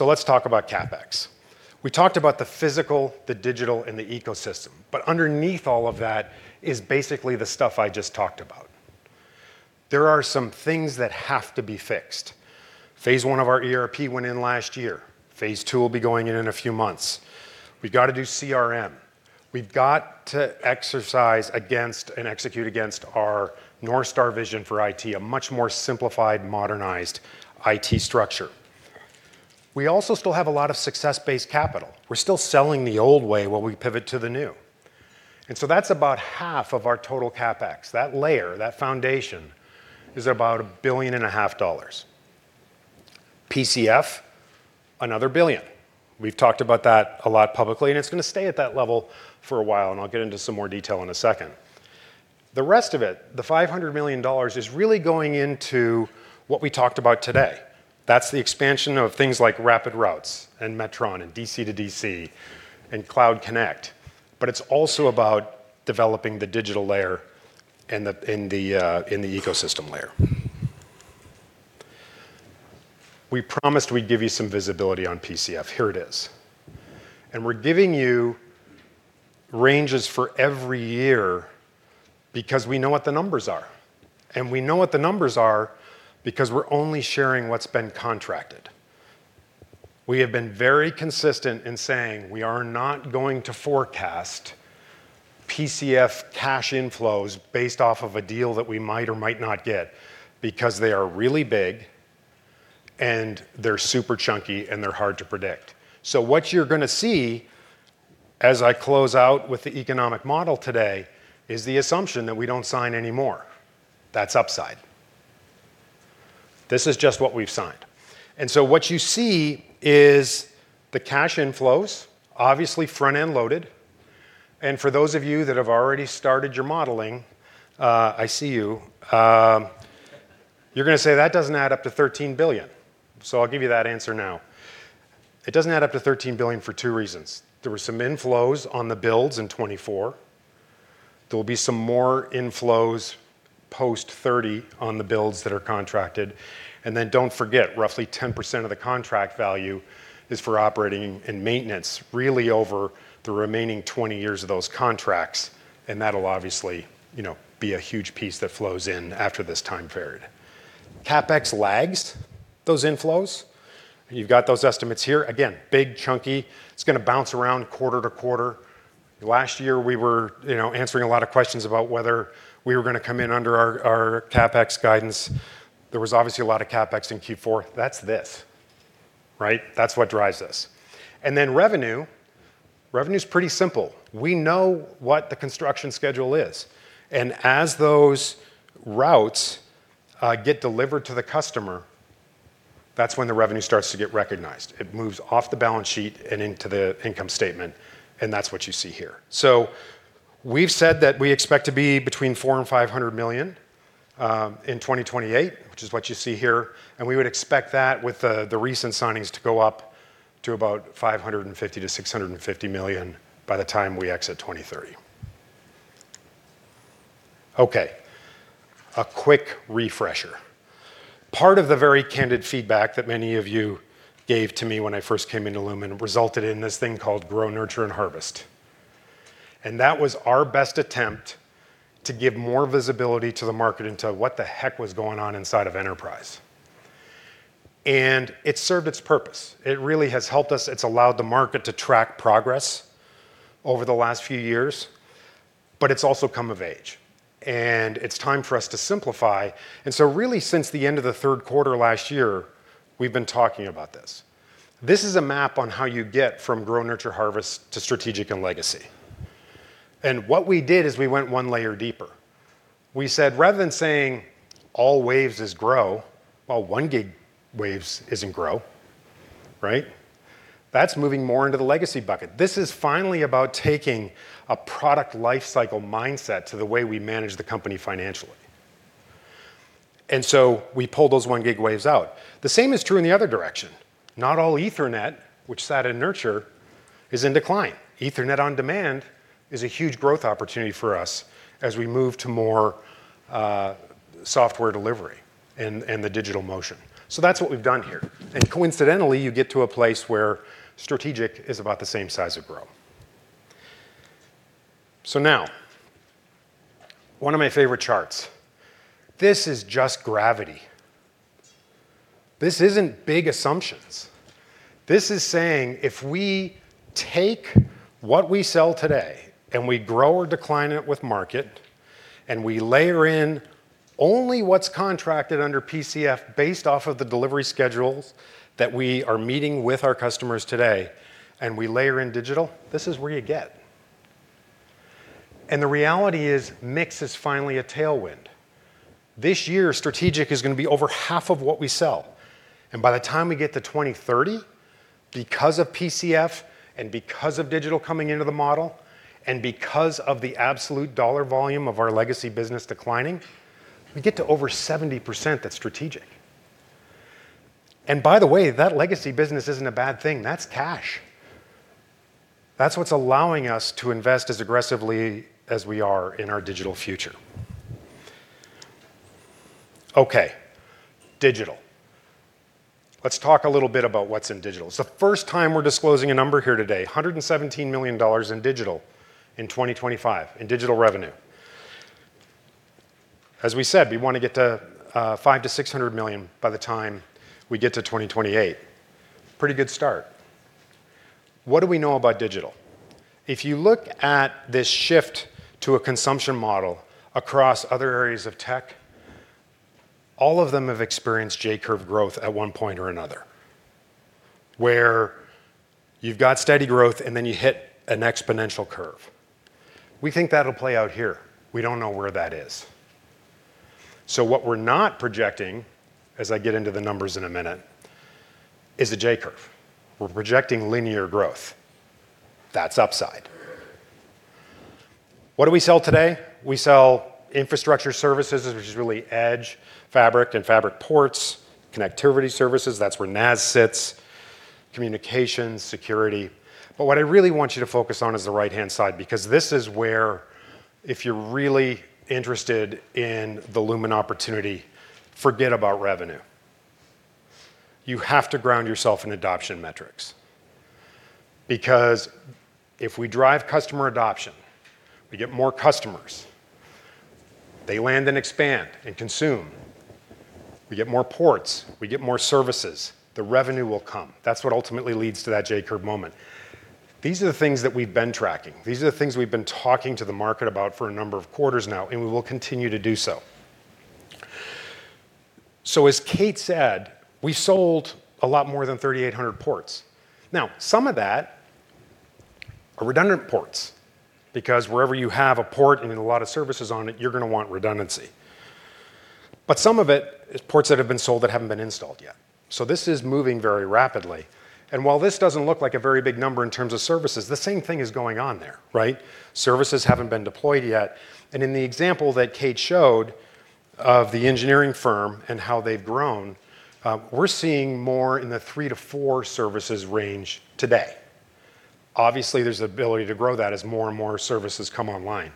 Let's talk about CapEx. We talked about the physical, the digital, and the ecosystem, but underneath all of that is basically the stuff I just talked about. There are some things that have to be fixed. Phase one of our ERP went in last year. Phase two will be going in in a few months. We've got to do CRM. We've got to exercise against and execute against our North Star vision for IT, a much more simplified, modernized IT structure. We also still have a lot of success-based capital. We're still selling the old way while we pivot to the new. That's about half of our total CapEx. That layer, that foundation, is about a billion and a half dollars. PCF, another $1 billion. We've talked about that a lot publicly, and it's going to stay at that level for a while, and I'll get into some more detail in a second. The rest of it, the $500 million, is really going into what we talked about today. That's the expansion of things like RapidRoutes, and Metro, and DC to DC, and Cloud Connect, but it's also about developing the digital layer and the, and the in the ecosystem layer. We promised we'd give you some visibility on PCF. Here it is. We're giving you ranges for every year because we know what the numbers are, and we know what the numbers are because we're only sharing what's been contracted. We have been very consistent in saying we are not going to forecast PCF cash inflows based off of a deal that we might or might not get, because they are really big, and they're super chunky, and they're hard to predict. What you're gonna see as I close out with the economic model today, is the assumption that we don't sign any more. That's upside. This is just what we've signed. What you see is the cash inflows, obviously, front-end loaded. For those of you that have already started your modeling, I see you're gonna say: "That doesn't add up to $13 billion." I'll give you that answer now. It doesn't add up to $13 billion for 2 reasons. There were some inflows on the builds in 2024. There will be some more inflows post-2030 on the builds that are contracted. Don't forget, roughly 10% of the contract value is for operating and maintenance, really over the remaining 20 years of those contracts, and that'll obviously, you know, be a huge piece that flows in after this time period. CapEx lags those inflows. You've got those estimates here. Again, big, chunky. It's gonna bounce around quarter to quarter. Last year, we were, you know, answering a lot of questions about whether we were gonna come in under our CapEx guidance. There was obviously a lot of CapEx in Q4. That's this, right? That's what drives this. Revenue is pretty simple. We know what the construction schedule is, and as those routes get delivered to the customer, that's when the revenue starts to get recognized. It moves off the balance sheet and into the income statement, and that's what you see here. We've said that we expect to be between $400 million and $500 million in 2028, which is what you see here, and we would expect that with the recent signings to go up to about $550 million-$650 million by the time we exit 2030. Okay, a quick refresher. Part of the very candid feedback that many of you gave to me when I first came into Lumen resulted in this thing called Grow, Nurture, and Harvest. That was our best attempt to give more visibility to the market into what the heck was going on inside of Enterprise. It served its purpose. It really has helped us. It's allowed the market to track progress over the last few years, but it's also come of age, and it's time for us to simplify. Really, since the end of the third quarter last year, we've been talking about this. This is a map on how you get from Grow, Nurture, Harvest to Strategic and Legacy. What we did is we went 1 layer deeper. We said, rather than saying all Waves is Grow, well, 1 gig Waves isn't Grow, right? That's moving more into the Legacy bucket. This is finally about taking a product lifecycle mindset to the way we manage the company financially. We pulled those 1 gig Waves out. The same is true in the other direction. Not all Ethernet, which sat in Nurture, is in decline. Ethernet On-Demand is a huge growth opportunity for us as we move to more software delivery and the digital motion. That's what we've done here. Coincidentally, you get to a place where Strategic is about the same size as Grow. Now, one of my favorite charts, this is just gravity. This isn't big assumptions. This is saying if we take what we sell today and we grow or decline it with market, and we layer in only what's contracted under PCF based off of the delivery schedules that we are meeting with our customers today, and we layer in digital, this is where you get. The reality is, mix is finally a tailwind. This year, Strategic is going to be over half of what we sell, and by the time we get to 2030, because of PCF, and because of digital coming into the model, and because of the absolute dollar volume of our Legacy business declining, we get to over 70% that's Strategic. By the way, that legacy business isn't a bad thing. That's cash. That's what's allowing us to invest as aggressively as we are in our digital future. Okay, digital. Let's talk a little bit about what's in digital. It's the first time we're disclosing a number here today. $117 million in digital in 2025, in digital revenue. As we said, we want to get to $500 million-$600 million by the time we get to 2028. Pretty good start. What do we know about digital? If you look at this shift to a consumption model across other areas of tech, all of them have experienced J-curve growth at one point or another, where you've got steady growth, and then you hit an exponential curve. We think that'll play out here. We don't know where that is. What we're not projecting, as I get into the numbers in a minute, is a J-curve. We're projecting linear growth. That's upside. What do we sell today? We sell infrastructure services, which is really edge, fabric, and Fabric Ports, connectivity services, that's where NaaS sits, communications, security. What I really want you to focus on is the right-hand side, because this is where if you're really interested in the Lumen opportunity, forget about revenue. You have to ground yourself in adoption metrics, because if we drive customer adoption, we get more customers, they land and expand and consume, we get more ports, we get more services, the revenue will come. That's what ultimately leads to that J-curve moment. These are the things that we've been tracking. These are the things we've been talking to the market about for a number of quarters now. We will continue to do so. As Kate said, we sold a lot more than 3,800 ports. Some of that are redundant ports, because wherever you have a port and a lot of services on it, you're gonna want redundancy. Some of it is ports that have been sold that haven't been installed yet. This is moving very rapidly, and while this doesn't look like a very big number in terms of services, the same thing is going on there, right? Services haven't been deployed yet. In the example that Kate showed of the engineering firm and how they've grown, we're seeing more in the 3-4 services range today. Obviously, there's the ability to grow that as more and more services come online.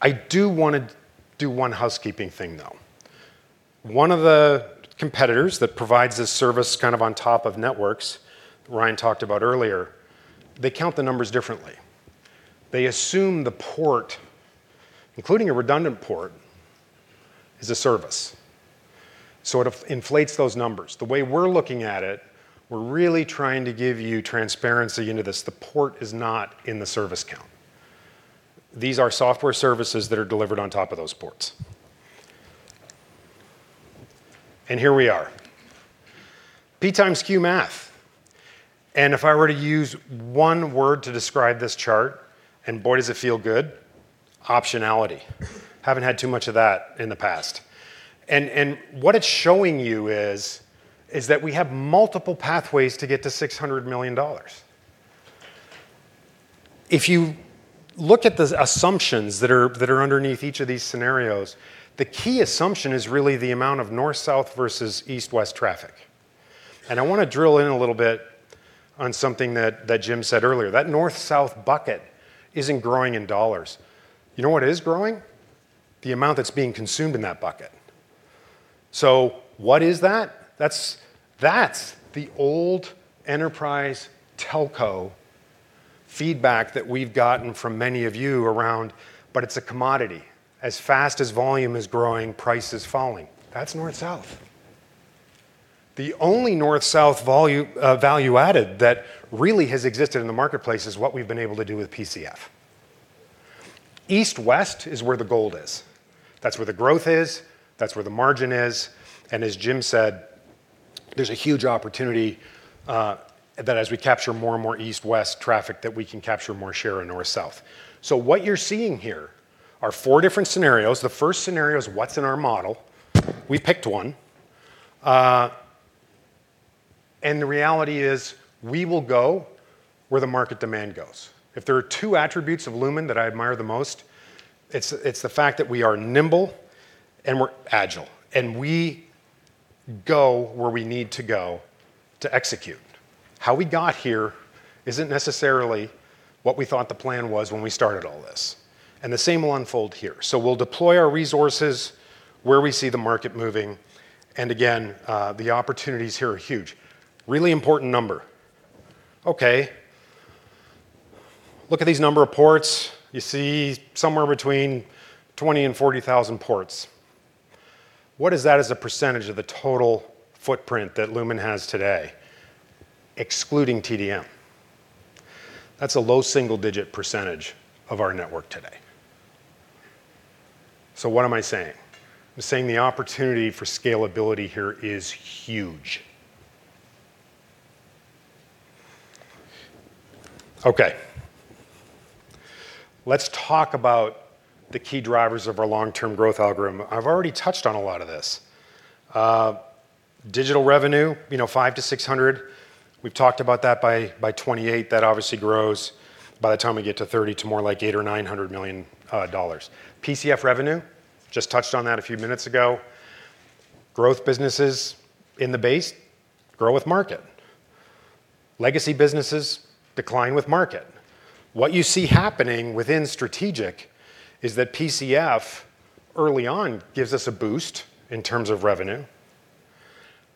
I do want to do one housekeeping thing, though. One of the competitors that provides this service kind of on top of networks, Ryan talked about earlier, they count the numbers differently. They assume the port, including a redundant port, is a service, so it inflates those numbers. The way we're looking at it, we're really trying to give you transparency into this. The port is not in the service count. These are software services that are delivered on top of those ports. Here we are, P x Q math. If I were to use one word to describe this chart, and boy, does it feel good, optionality. Haven't had too much of that in the past. What it's showing you is that we have multiple pathways to get to $600 million. If you look at the assumptions that are underneath each of these scenarios, the key assumption is really the amount of north-south versus east-west traffic. I want to drill in a little bit on something that Jim said earlier, that north-south bucket isn't growing in dollars. You know what is growing? The amount that's being consumed in that bucket. What is that? That's the old enterprise telco feedback that we've gotten from many of you around, but it's a commodity. As fast as volume is growing, price is falling. That's north-south. The only north-south value added that really has existed in the marketplace is what we've been able to do with PCF. East-west is where the gold is. That's where the growth is, that's where the margin is, and as Jim said, there's a huge opportunity that as we capture more and more east-west traffic, that we can capture more share in north-south. What you're seeing here are 4 different scenarios. The first scenario is what's in our model. We picked 1, and the reality is we will go where the market demand goes. If there are 2 attributes of Lumen that I admire the most, it's the fact that we are nimble and we're agile, and we go where we need to go to execute. How we got here isn't necessarily what we thought the plan was when we started all this, and the same will unfold here. We'll deploy our resources where we see the market moving, and again, the opportunities here are huge. Really important number. Okay, look at this number of ports. You see somewhere between 20 and 40,000 ports. What is that as a percentage of the total footprint that Lumen has today, excluding TDM? That's a low single-digit % of our network today. What am I saying? I'm saying the opportunity for scalability here is huge. Okay, let's talk about the key drivers of our long-term growth algorithm. I've already touched on a lot of this. digital revenue, you know, 500 to 600. We've talked about that by 2028, that obviously grows by the time we get to 2030 to more like $800 million or $900 million. PCF revenue, just touched on that a few minutes ago. Growth businesses in the base grow with market. Legacy businesses decline with market. What you see happening within strategic is that PCF, early on, gives us a boost in terms of revenue,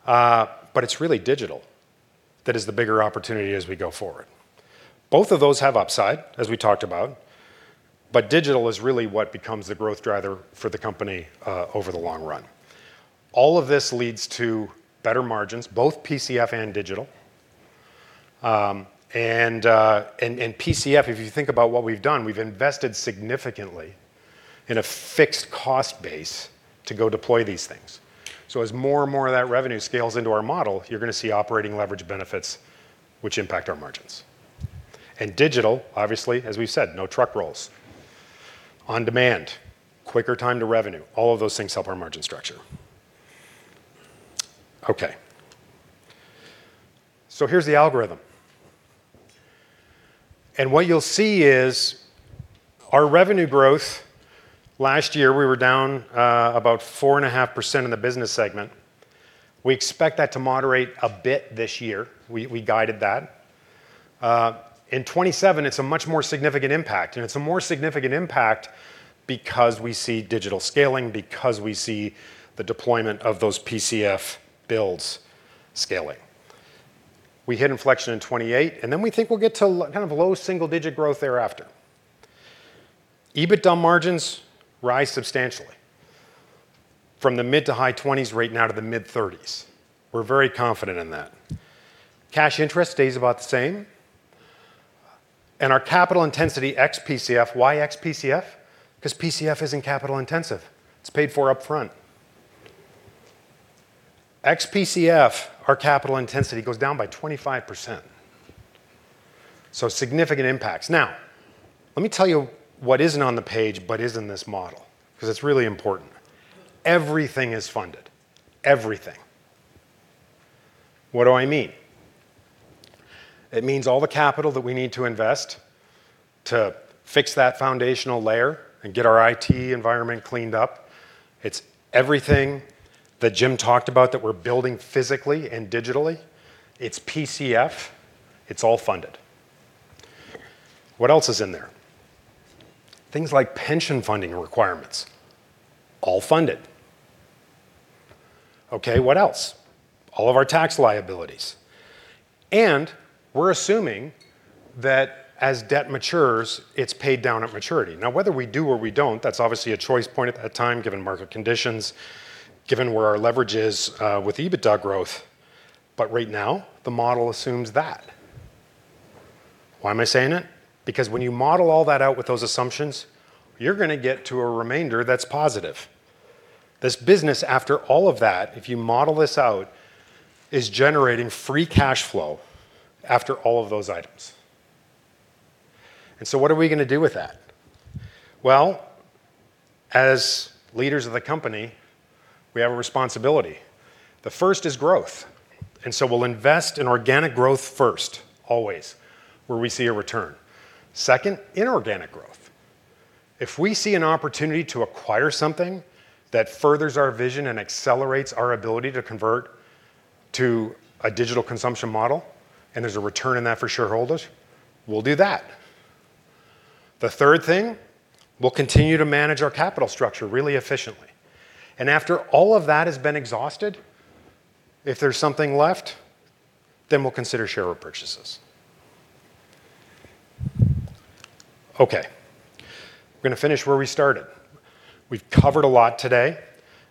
but it's really digital that is the bigger opportunity as we go forward. Both of those have upside, as we talked about, digital is really what becomes the growth driver for the company over the long run. All of this leads to better margins, both PCF and digital. PCF, if you think about what we've done, we've invested significantly in a fixed cost base to go deploy these things. As more and more of that revenue scales into our model, you're going to see operating leverage benefits which impact our margins. Digital, obviously, as we've said, no truck rolls. On demand, quicker time to revenue, all of those things help our margin structure. Okay, here's the algorithm. What you'll see is our revenue growth last year, we were down about 4.5% in the business segment. We expect that to moderate a bit this year. We guided that. In 2027, it's a much more significant impact, and it's a more significant impact because we see digital scaling, because we see the deployment of those PCF builds scaling. We hit inflection in 2028, and then we think we'll get to kind of low single-digit growth thereafter. EBITDA margins rise substantially from the mid-to-high 20s right now to the mid-30s. We're very confident in that. Cash interest stays about the same, and our capital intensity ex-PCF. Why ex-PCF? Because PCF isn't capital intensive. It's paid for upfront. Ex-PCF, our capital intensity goes down by 25%, so significant impacts. Let me tell you what isn't on the page, but is in this model, 'cause it's really important. Everything is funded. Everything. What do I mean? It means all the capital that we need to invest to fix that foundational layer and get our IT environment cleaned up. It's everything that Jim talked about that we're building physically and digitally. It's PCF. It's all funded. What else is in there? Things like pension funding requirements, all funded. What else? All of our tax liabilities, we're assuming that as debt matures, it's paid down at maturity. Whether we do or we don't, that's obviously a choice point at that time, given market conditions, given where our leverage is with EBITDA growth, right now, the model assumes that. Why am I saying it? Because when you model all that out with those assumptions, you're gonna get to a remainder that's positive. This business, after all of that, if you model this out, is generating free cash flow after all of those items. What are we gonna do with that? Well, as leaders of the company, we have a responsibility. The first is growth, and so we'll invest in organic growth first, always, where we see a return. Second, inorganic growth. If we see an opportunity to acquire something that furthers our vision and accelerates our ability to convert to a digital consumption model, and there's a return on that for shareholders, we'll do that. The third thing, we'll continue to manage our capital structure really efficiently, and after all of that has been exhausted, if there's something left, then we'll consider share repurchases. Okay, we're gonna finish where we started. We've covered a lot today,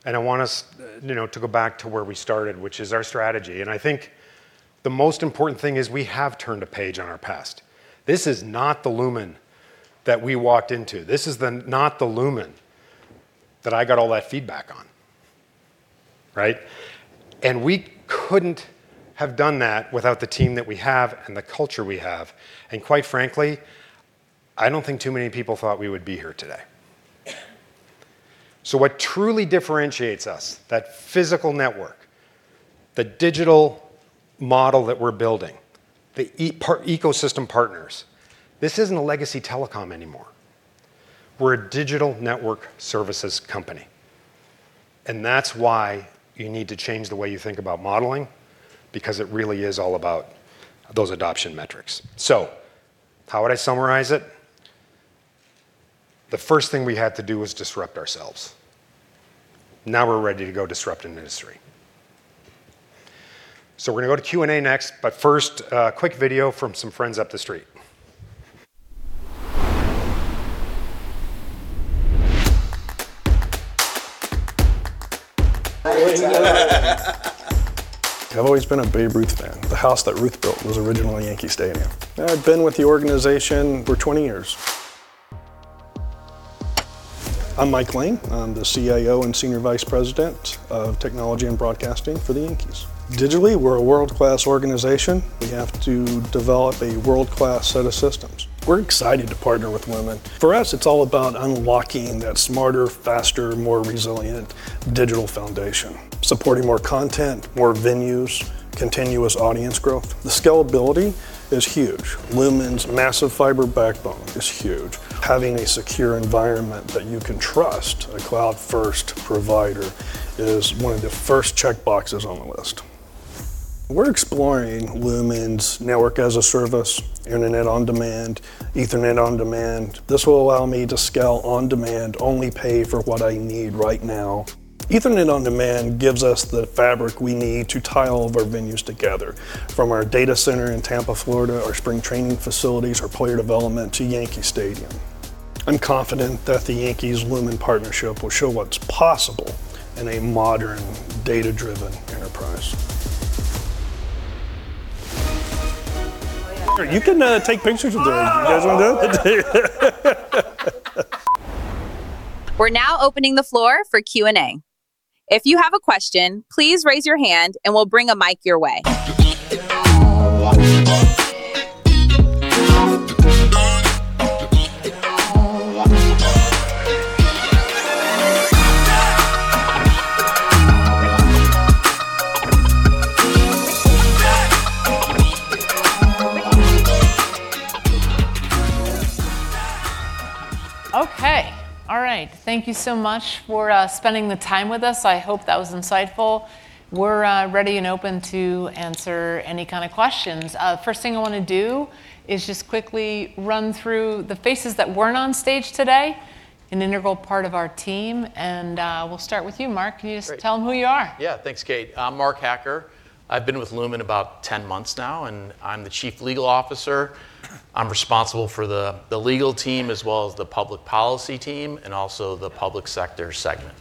I want us, you know, to go back to where we started, which is our strategy. I think the most important thing is we have turned a page on our past. This is not the Lumen that we walked into. This is not the Lumen that I got all that feedback on, right? We couldn't have done that without the team that we have and the culture we have, and quite frankly, I don't think too many people thought we would be here today. What truly differentiates us, that physical network, the digital model that we're building, the ecosystem partners, this isn't a legacy telecom anymore. We're a digital network services company, that's why you need to change the way you think about modeling, because it really is all about those adoption metrics. How would I summarize it? The first thing we had to do was disrupt ourselves. Now, we're ready to go disrupt an industry. We're gonna go to Q&A next, but first, a quick video from some friends up the street. I've always been a Babe Ruth fan. The house that Ruth built was originally Yankee Stadium. I've been with the organization for 20 years. I'm Mike Lane. I'm the CIO and Senior Vice President of Technology and Broadcasting for the Yankees. Digitally, we're a world-class organization. We have to develop a world-class set of systems. We're excited to partner with Lumen. For us, it's all about unlocking that smarter, faster, more resilient digital foundation, supporting more content, more venues, continuous audience growth. The scalability is huge. Lumen's massive fiber backbone is huge. Having a secure environment that you can trust, a cloud-first provider, is one of the first check boxes on the list. We're exploring Lumen's Network as a Service, Internet on Demand, Ethernet on Demand. This will allow me to scale on demand, only pay for what I need right now. Ethernet On-Demand gives us the fabric we need to tie all of our venues together, from our data center in Tampa, Florida, our spring training facilities, our player development, to Yankee Stadium. I'm confident that the Yankees-Lumen partnership will show what's possible in a modern, data-driven enterprise. You can, take pictures with me. Oh! You guys want to do it? We're now opening the floor for Q&A. If you have a question, please raise your hand, and we'll bring a mic your way. Okay. All right. Thank you so much for, spending the time with us. I hope that was insightful. We're, ready and open to answer any kind of questions. first thing I wanna do is just quickly run through the faces that weren't on stage today, an integral part of our team, and we'll start with you, Mark. Great. Can you just tell them who you are? Yeah. Thanks, Kate. I'm Mark Hacker. I've been with Lumen about 10 months now. I'm the Chief Legal Officer. I'm responsible for the legal team, as well as the public policy team, and also the public sector segment.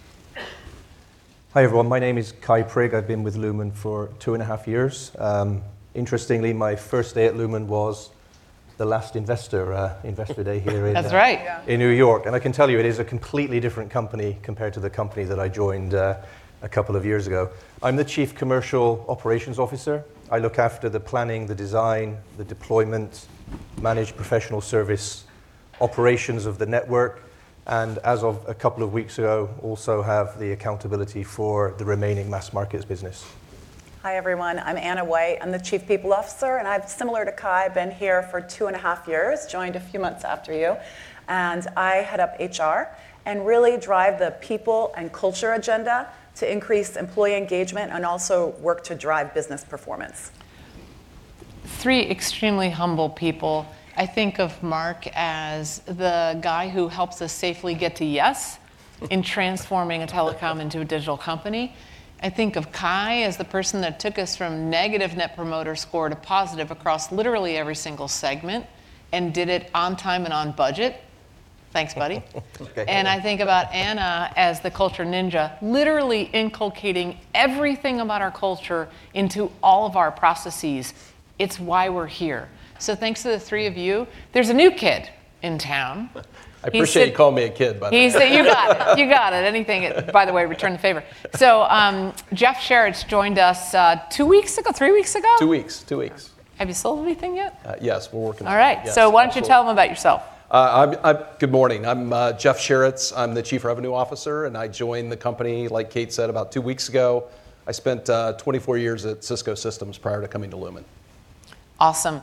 Hi, everyone. My name is Kye Prigg. I've been with Lumen for two and a half years. Interestingly, my first day at Lumen was the last investor day here in- That's right. in New York, I can tell you, it is a completely different company compared to the company that I joined, a couple of years ago. I'm the chief commercial operations officer. I look after the planning, the design, the deployment, managed professional service, operations of the network. As of a couple of weeks ago, also have the accountability for the remaining mass markets business. Hi, everyone. I'm Ana White. I'm the Chief People Officer, and I've, similar to Kye, been here for two and a half years, joined a few months after you, and I head up HR, and really drive the people and culture agenda to increase employee engagement and also work to drive business performance. Three extremely humble people. I think of Mark as the guy who helps us safely get to yes in transforming a telecom into a digital company. I think of Kye as the person that took us from negative net promoter score to positive across literally every single segment and did it on time and on budget. Thanks, buddy. Okay. I think about Ana as the culture ninja, literally inculcating everything about our culture into all of our processes. It's why we're here. Thanks to the 3 of you. There's a new kid in town. I appreciate you calling me a kid, by the way. He's You got it. You got it. Anything by the way, return the favor. Jeff Sharritts joined us, 2 weeks ago, 3 weeks ago? Two weeks. Two weeks. Have you sold anything yet? Yes, we're working on it. All right. Yes. Why don't you tell them about yourself? Good morning. I'm Jeff Sharritts, Chief Revenue Officer, and I joined the company, like Kate said, about 2 weeks ago. I spent 24 years at Cisco Systems prior to coming to Lumen. Awesome.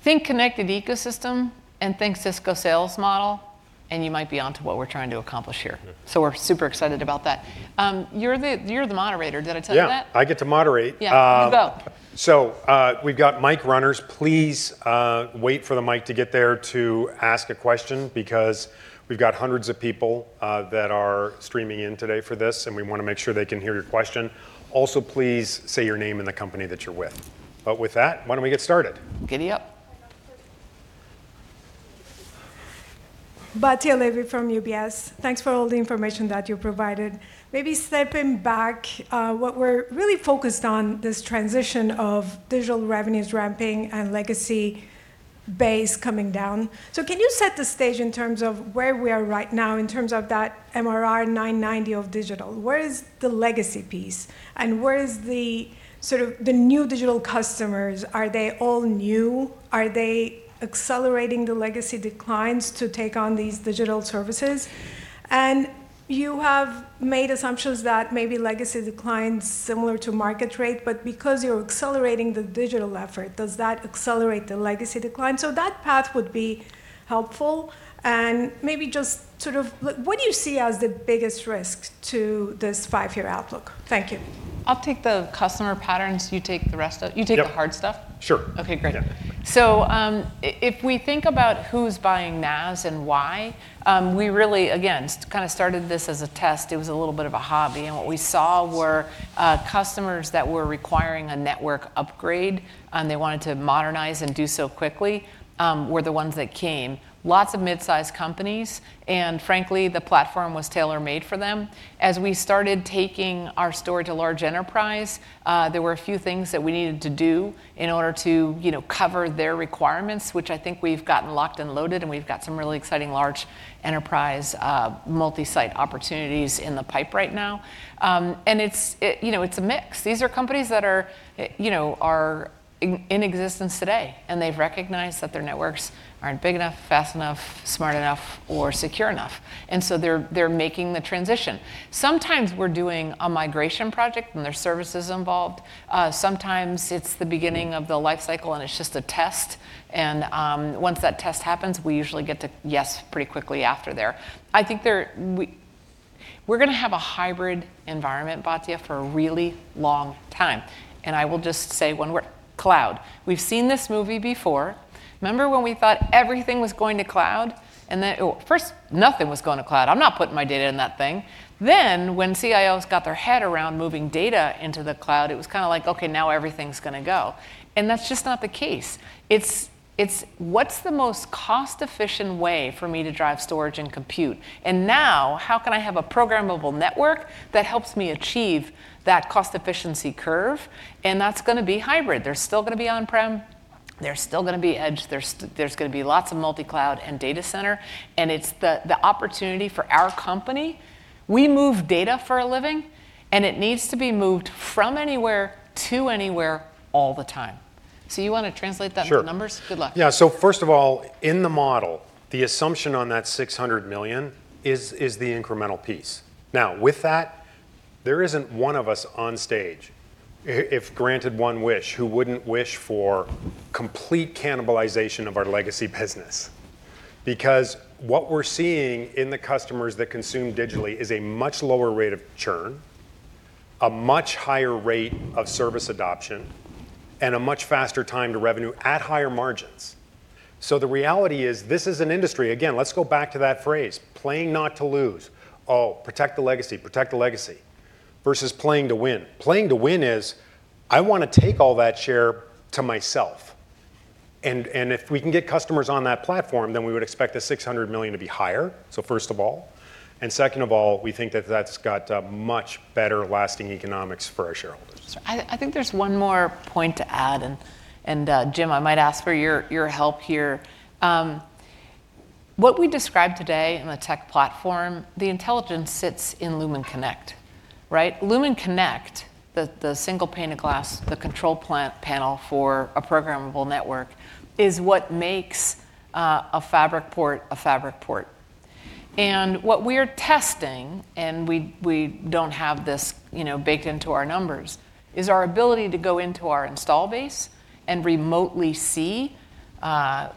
Think connected ecosystem and think Cisco sales model, and you might be onto what we're trying to accomplish here. Yeah. We're super excited about that. You're the moderator. Did I tell you that? Yeah, I get to moderate. Yeah. You go. We've got mic runners. Please wait for the mic to get there to ask a question because we've got hundreds of people that are streaming in today for this, and we wanna make sure they can hear your question. Also, please say your name and the company that you're with. With that, why don't we get started? Giddy up! Batya Levi from UBS. Thanks for all the information that you provided. Maybe stepping back, what we're really focused on, this transition of digital revenues ramping and legacy base coming down. Can you set the stage in terms of where we are right now in terms of that MRR 990 of digital? Where is the legacy piece, and where is the sort of the new digital customers? Are they all new? Are they accelerating the legacy declines to take on these digital services? You have made assumptions that maybe legacy decline's similar to market rate, but because you're accelerating the digital effort, does that accelerate the legacy decline? That path would be helpful. Maybe just what do you see as the biggest risk to this 5-year outlook? Thank you. I'll take the customer patterns. You take the rest. Yep. You take the hard stuff? Sure. Okay, great. Yeah. If we think about who's buying NaaS and why, we really, again, kind of started this as a test. It was a little bit of a hobby, and what we saw were customers that were requiring a network upgrade, and they wanted to modernize and do so quickly, were the ones that came. Lots of mid-sized companies, and frankly, the platform was tailor-made for them. As we started taking our storage to large enterprise, there were a few things that we needed to do in order to, you know, cover their requirements, which I think we've gotten locked and loaded, and we've got some really exciting large enterprise, multi-site opportunities in the pipe right now. It's, it, you know, it's a mix. These are companies that are, you know, in existence today. They've recognized that their networks aren't big enough, fast enough, smart enough, or secure enough. They're making the transition. Sometimes we're doing a migration project. There's services involved. Sometimes it's the beginning of the life cycle. It's just a test. Once that test happens, we usually get to yes pretty quickly after there. I think we're gonna have a hybrid environment, Batya, for a really long time. I will just say when we're Cloud, we've seen this movie before. Remember when we thought everything was going to cloud? Oh, first, nothing was going to cloud. I'm not putting my data in that thing." When CIOs got their head around moving data into the cloud, it was kind of like, "Okay, now everything's gonna go," and that's just not the case. It's what's the most cost-efficient way for me to drive storage and compute? How can I have a programmable network that helps me achieve that cost efficiency curve? That's gonna be hybrid. There's still gonna be on-prem, there's still gonna be edge, there's gonna be lots of multi-cloud and data center, and it's the opportunity for our company. We move data for a living, and it needs to be moved from anywhere to anywhere all the time. You want to translate that into numbers? Sure. Good luck. Yeah, first of all, in the model, the assumption on that $600 million is the incremental piece. With that, there isn't one of us on stage, if granted one wish, who wouldn't wish for complete cannibalization of our legacy business. What we're seeing in the customers that consume digitally is a much lower rate of churn, a much higher rate of service adoption, and a much faster time to revenue at higher margins. The reality is this is an industry. Again, let's go back to that phrase, playing not to lose. Oh, protect the legacy, protect the legacy, versus playing to win. Playing to win is, I want to take all that share to myself, and if we can get customers on that platform, then we would expect the $600 million to be higher, so first of all. Second of all, we think that that's got much better lasting economics for our shareholders. I think there's one more point to add, and Jim, I might ask for your help here. What we described today in the tech platform, the intelligence sits in Lumen Connect, right? Lumen Connect, the single pane of glass, the control panel for a programmable network, is what makes a Fabric Port a Fabric Port. What we're testing, and we don't have this, you know, baked into our numbers, is our ability to go into our install base and remotely see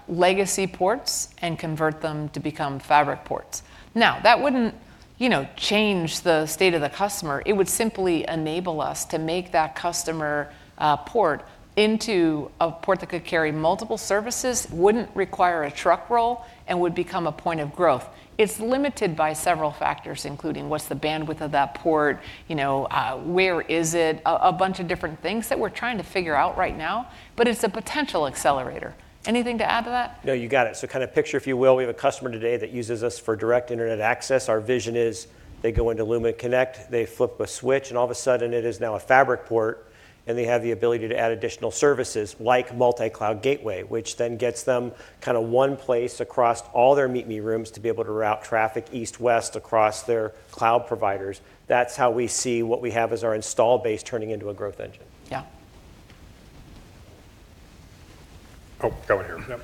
legacy ports and convert them to become Fabric Ports. Now, that wouldn't, you know, change the state of the customer. It would simply enable us to make that customer port into a port that could carry multiple services, wouldn't require a truck roll, and would become a point of growth. It's limited by several factors, including what's the bandwidth of that port, you know, where is it? A bunch of different things that we're trying to figure out right now, but it's a potential accelerator. Anything to add to that? No, you got it. Kind of picture, if you will, we have a customer today that uses us for direct internet access. Our vision is they go into Lumen Connect, they flip a switch, and all of a sudden, it is now a Fabric Port, and they have the ability to add additional services, like Multi-Cloud Gateway, which then gets them kind of one place across all their meet-me rooms to be able to route traffic east-west across their cloud providers. That's how we see what we have as our install base turning into a growth engine. Yeah. Go ahead here.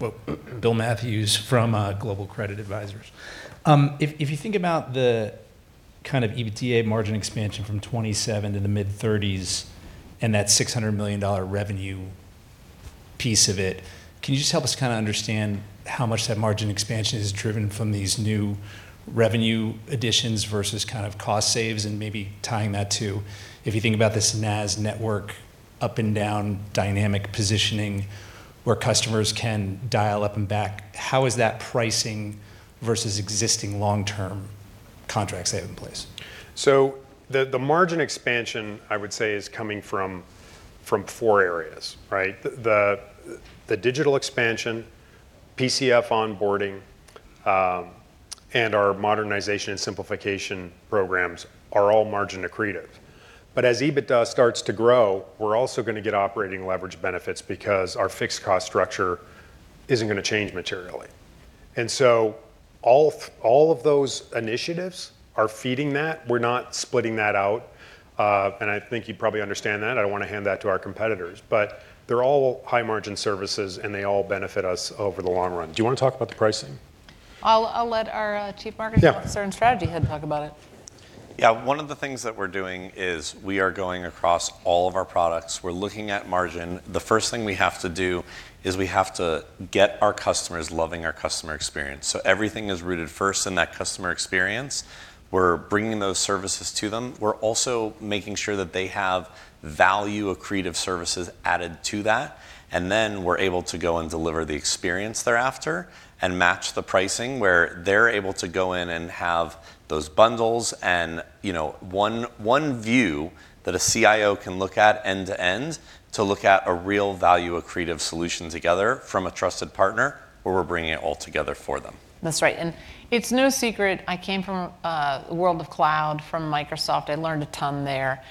Yep. Bill Matthews from Global Credit Advisers. If you think about the kind of EBITDA margin expansion from 27% to the mid-30s and that $600 million revenue piece of it, can you just help us kind of understand how much that margin expansion is driven from these new revenue additions versus kind of cost saves? Maybe tying that to, if you think about this NaaS network up and down dynamic positioning, where customers can dial up and back, how is that pricing versus existing long-term contracts they have in place? The, the margin expansion, I would say, is coming from four areas, right? The, the digital expansion, PCF onboarding, and our modernization and simplification programs are all margin accretive. As EBITDA starts to grow, we're also going to get operating leverage benefits because our fixed cost structure isn't going to change materially. All of those initiatives are feeding that. We're not splitting that out, and I think you probably understand that. I don't want to hand that to our competitors. They're all high-margin services, and they all benefit us over the long run. Do you want to talk about the pricing? I'll let our Chief Marketing Officer. Yeah Strategy Head talk about it. Yeah, one of the things that we're doing is we are going across all of our products. We're looking at margin. The first thing we have to do is we have to get our customers loving our customer experience. Everything is rooted first in that customer experience. We're bringing those services to them. We're also making sure that they have value accretive services added to that, and then we're able to go and deliver the experience they're after and match the pricing, where they're able to go in and have those bundles and, you know, one view that a CIO can look at end to end to look at a real value accretive solution together from a trusted partner, where we're bringing it all together for them. That's right, it's no secret I came from a world of cloud, from Microsoft. I learned a ton there,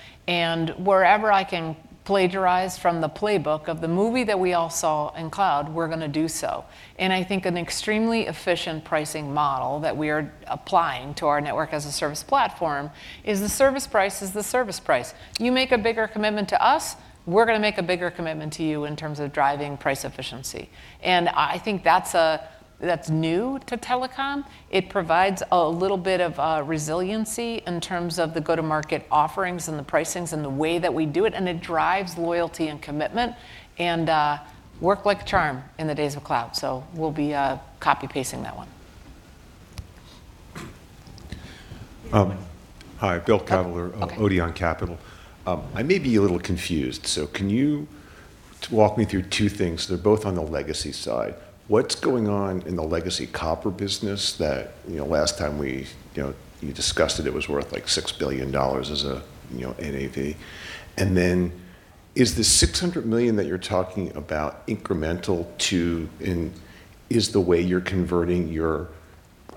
wherever I can plagiarize from the playbook of the movie that we all saw in cloud, we're going to do so. I think an extremely efficient pricing model that we are applying to our Network as a Service platform is the service price is the service price. You make a bigger commitment to us; we're going to make a bigger commitment to you in terms of driving price efficiency. I think that's new to telecom. It provides a little bit of resiliency in terms of the go-to-market offerings and the pricings and the way that we do it drives loyalty and commitment, worked like a charm in the days of cloud, we'll be copy-pasting that one. Hi, Bill Kavaler-. Okay... of Odeon Capital. I may be a little confused, so can you walk me through two things? They're both on the legacy side. What's going on in the legacy copper business that, you know, last time we, you know, you discussed it was worth, like, $6 billion as a, you know, NAV? Is the $600 million that you're talking about incremental and is the way you're converting your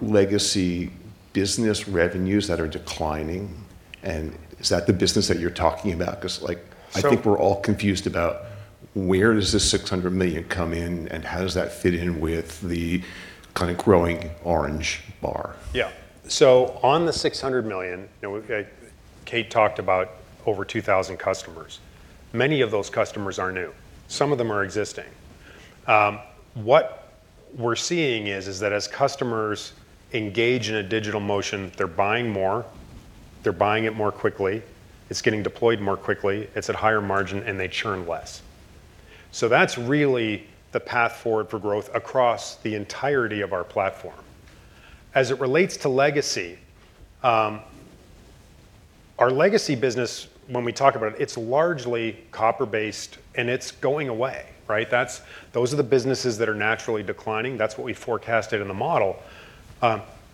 legacy business revenues that are declining? Is that the business that you're talking about? So- I think we're all confused about where does this $600 million come in, and how does that fit in with the kind of growing orange bar? Yeah. On the $600 million, you know, Kate talked about over 2,000 customers. Many of those customers are new, some of them are existing. What we're seeing is that as customers engage in a digital motion, they're buying more, they're buying it more quickly, it's getting deployed more quickly, it's at higher margin, and they churn less. That's really the path forward for growth across the entirety of our platform. As it relates to legacy, our legacy business, when we talk about its largely copper-based, and it's going away, right? Those are the businesses that are naturally declining. That's what we forecasted in the model.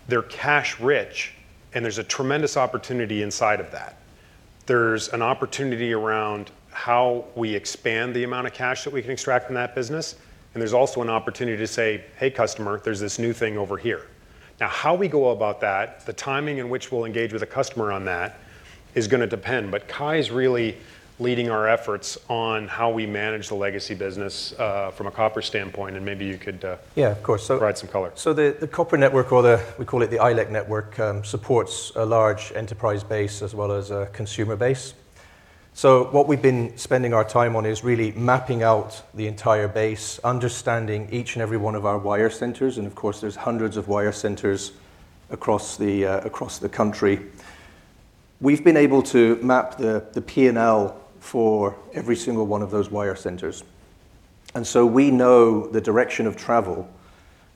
They're cash rich, and there's a tremendous opportunity inside of that. There's an opportunity around how we expand the amount of cash that we can extract from that business. There's also an opportunity to say, "Hey, customer, there's this new thing over here." How we go about that, the timing in which we'll engage with a customer on that, is gonna depend. Kye's really leading our efforts on how we manage the legacy business from a copper standpoint, and maybe you could. Yeah, of course. Provide some color. The copper network or we call it the ILEC network supports a large enterprise base as well as a consumer base. What we've been spending our time on is really mapping out the entire base, understanding each and every one of our wire centers, and of course, there's hundreds of wire centers across the country. We've been able to map the P&L for every single one of those wire centers. We know the direction of travel.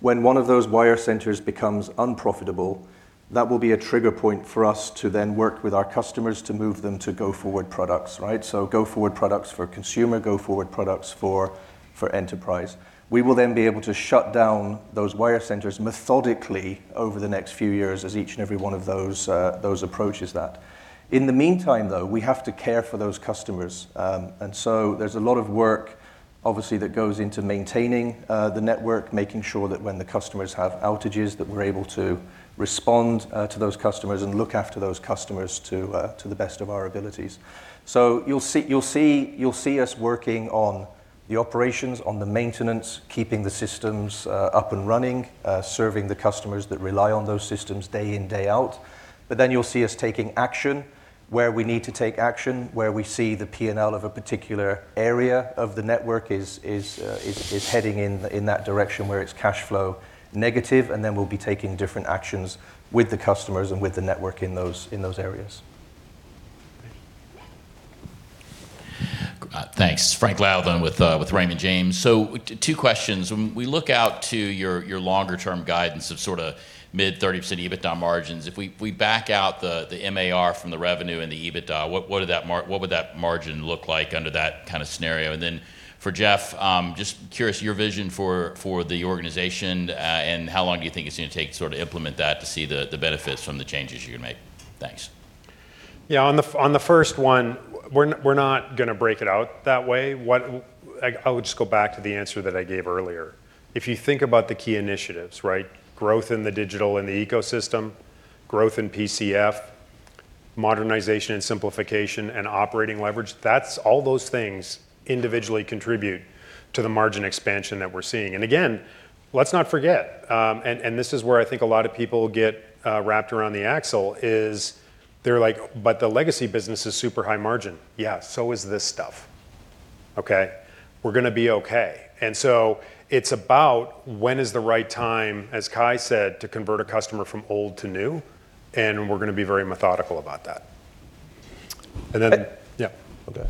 When one of those wire centers becomes unprofitable, that will be a trigger point for us to then work with our customers to move them to go-forward products, right? Go-forward products for consumer, go-forward products for enterprise. We will then be able to shut down those wire centers methodically over the next few years as each and every one of those approaches that. In the meantime, though, we have to care for those customers, there's a lot of work, obviously, that goes into maintaining, the network, making sure that when the customers have outages, that we're able to respond, to those customers and look after those customers to the best of our abilities. You'll see us working on the operations, on the maintenance, keeping the systems, up and running, serving the customers that rely on those systems day in, day out. You'll see us taking action where we need to take action, where we see the P&L of a particular area of the network is heading in that direction, where it's cash flow negative, and then we'll be taking different actions with the customers and with the network in those areas. Great. Thanks. Frank Louthan with Raymond James. Two questions: when we look out to your longer-term guidance of sorta mid-30% EBITDA margins, if we back out the MAR from the revenue and the EBITDA, what would that margin look like under that kind of scenario? For Jeff, just curious, your vision for the organization, and how long do you think it's going to take to sort of implement that to see the benefits from the changes you're going to make? Thanks. Yeah, on the first one, we're not, we're not gonna break it out that way. I would just go back to the answer that I gave earlier. If you think about the key initiatives, right? Growth in the digital and the ecosystem, growth in PCF, modernization and simplification, and operating leverage, that's all those things individually contribute to the margin expansion that we're seeing. Again, let's not forget, this is where I think a lot of people get wrapped around the axle, is they're like: But the legacy business is super high margin. Yeah, is this stuff, okay? We're gonna be okay. It's about when is the right time, as Kye said, to convert a customer from old to new, and we're gonna be very methodical about that. But- Yeah, go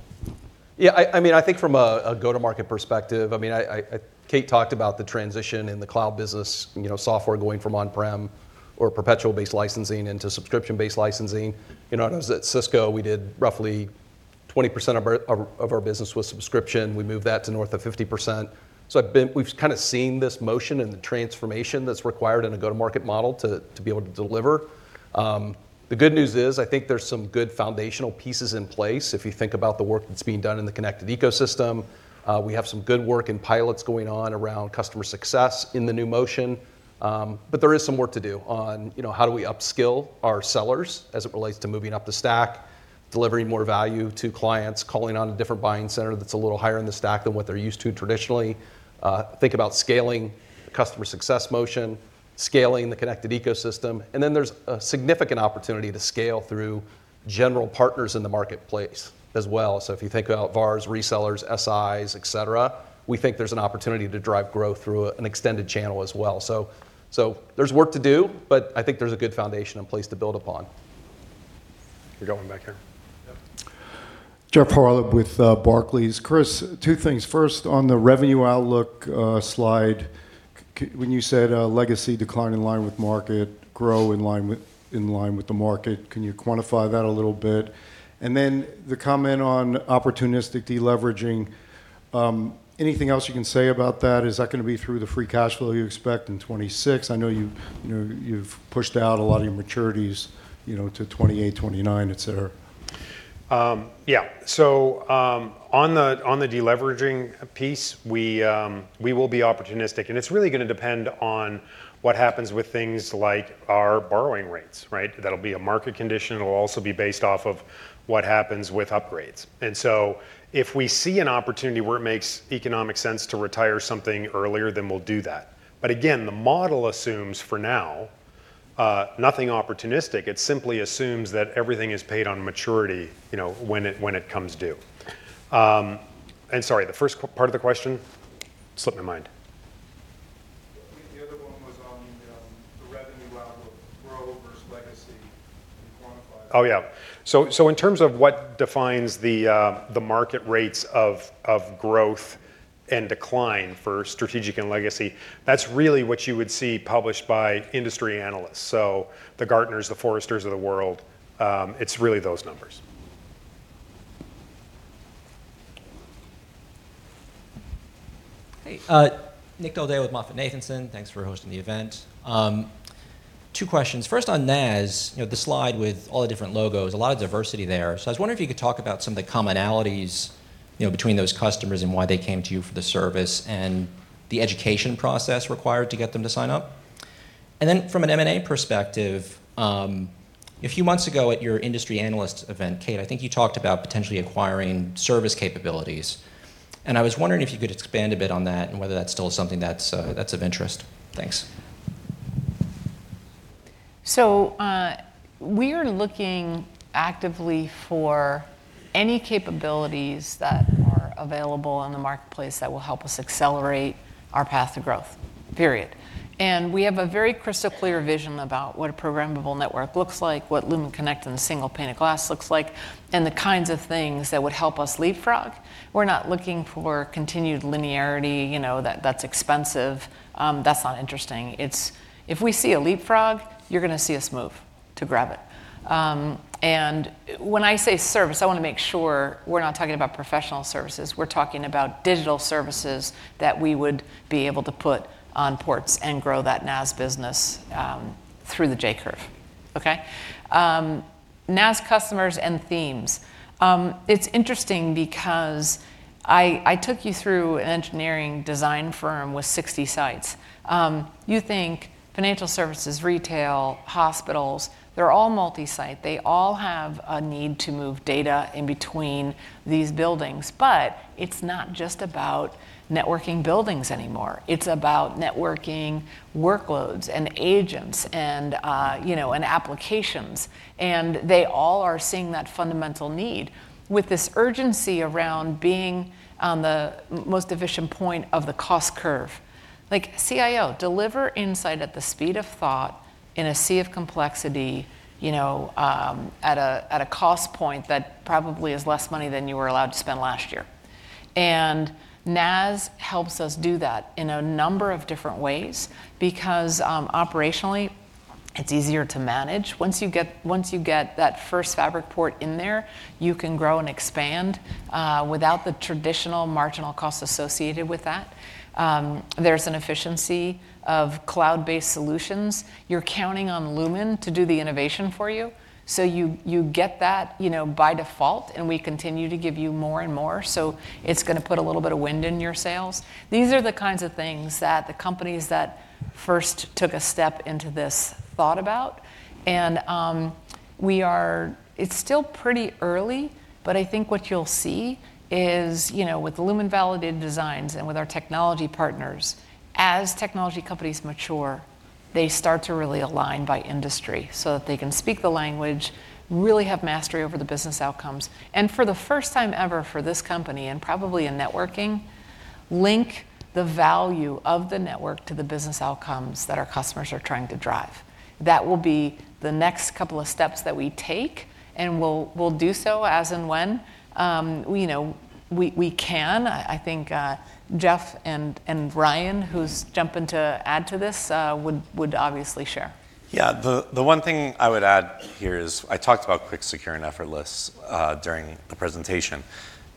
ahead. I mean, I think from a go-to-market perspective, I mean, Kate talked about the transition in the cloud business, you know, software going from on-prem or perpetual-based licensing into subscription-based licensing. You know, when I was at Cisco, we did roughly 20% of our business was subscription. We moved that to north of 50%. We've kind of seen this motion and the transformation that's required in a go-to-market model to be able to deliver. The good news is, I think there's some good foundational pieces in place. If you think about the work that's being done in the connected ecosystem, we have some good work and pilots going on around customer success in the new motion. There is some work to do on, you know, how do we upskill our sellers as it relates to moving up the stack, delivering more value to clients, calling on a different buying center that's a little higher in the stack than what they're used to traditionally? Think about scaling customer success motion, scaling the connected ecosystem, there's a significant opportunity to scale through general partners in the marketplace as well. If you think about VARs, resellers, SIs, et cetera, we think there's an opportunity to drive growth through an extended channel as well. There's work to do, but I think there's a good foundation in place to build upon. We've got one back here. Yep. Jeff Kvaal with Barclays. Chris, two things. First, on the revenue outlook slide, when you said legacy decline in line with market, grow in line with the market, can you quantify that a little bit? The comment on opportunistic deleveraging, anything else you can say about that. Is that gonna be through the free cash flow you expect in 2026? I know you know, you've pushed out a lot of your maturities, you know, to 2028, 2029, et cetera. Yeah. On the deleveraging piece, we will be opportunistic, and it's really gonna depend on what happens with things like our borrowing rates, right? That'll be a market condition. It'll also be based off of what happens with upgrades. If we see an opportunity where it makes economic sense to retire something earlier, then we'll do that. Again, the model assumes, for now, nothing opportunistic. It simply assumes that everything is paid on maturity, you know, when it comes due. Sorry, the first part of the question? Slipped my mind. The other one was on, the revenue out of growth versus legacy, can you quantify? Oh, yeah. In terms of what defines the market rates of growth and decline for strategic and legacy, that's really what you would see published by industry analysts. The Gartner, the Forrester of the world, it's really those numbers. Hey, Nick Del Deo with MoffettNathanson. Thanks for hosting the event. Two questions. First, on NaaS, you know, the slide with all the different logos, a lot of diversity there. I was wondering if you could talk about some of the commonalities, you know, between those customers and why they came to you for the service, and the education process required to get them to sign up. Then from an M&A perspective, a few months ago at your industry analyst event, Kate, I think you talked about potentially acquiring service capabilities, and I was wondering if you could expand a bit on that and whether that's still something that's of interest. Thanks. We are looking actively for any capabilities that are available in the marketplace that will help us accelerate our path to growth. We have a very crystal clear vision about what a programmable network looks like, what Lumen Connect and a single pane of glass looks like, and the kinds of things that would help us leapfrog. We're not looking for continued linearity, you know, that's expensive. That's not interesting. If we see a leapfrog, you're gonna see us move to grab it. And when I say service, I want to make sure we're not talking about professional services, we're talking about digital services that we would be able to put on ports and grow that NaaS business through the J-curve. Okay? NaaS customers and themes. It's interesting because I took you through an engineering design firm with 60 sites. You think financial services, retail, hospitals, they're all multi-site. They all have a need to move data in between these buildings. It's not just about networking buildings anymore, it's about networking workloads and agents, you know, and applications. They all are seeing that fundamental need, with this urgency around being on the most efficient point of the cost curve. Like, CIO, deliver insight at the speed of thought in a sea of complexity, you know, at a cost point that probably is less money than you were allowed to spend last year. NaaS helps us do that in a number of different ways because operationally, it's easier to manage. Once you get that first Fabric Port in there, you can grow and expand without the traditional marginal cost associated with that. There's an efficiency of cloud-based solutions. You're counting on Lumen to do the innovation for you, so you get that, you know, by default, and we continue to give you more and more, so it's gonna put a little bit of wind in your sails. These are the kinds of things that the companies that first took a step into this thought about. we are... It's still pretty early, but I think what you'll see is, you know, with Lumen Validated Designs and with our technology partners, as technology companies mature, they start to really align by industry so that they can speak the language, really have mastery over the business outcomes, and for the first time ever for this company, and probably in networking, link the value of the network to the business outcomes that our customers are trying to drive. That will be the next couple of steps that we take, and we'll do so as and when, you know, we can. I think Jeff and Ryan, who's jumping to add to this, would obviously share. The one thing I would add here is, I talked about quick, secure, and effortless during the presentation,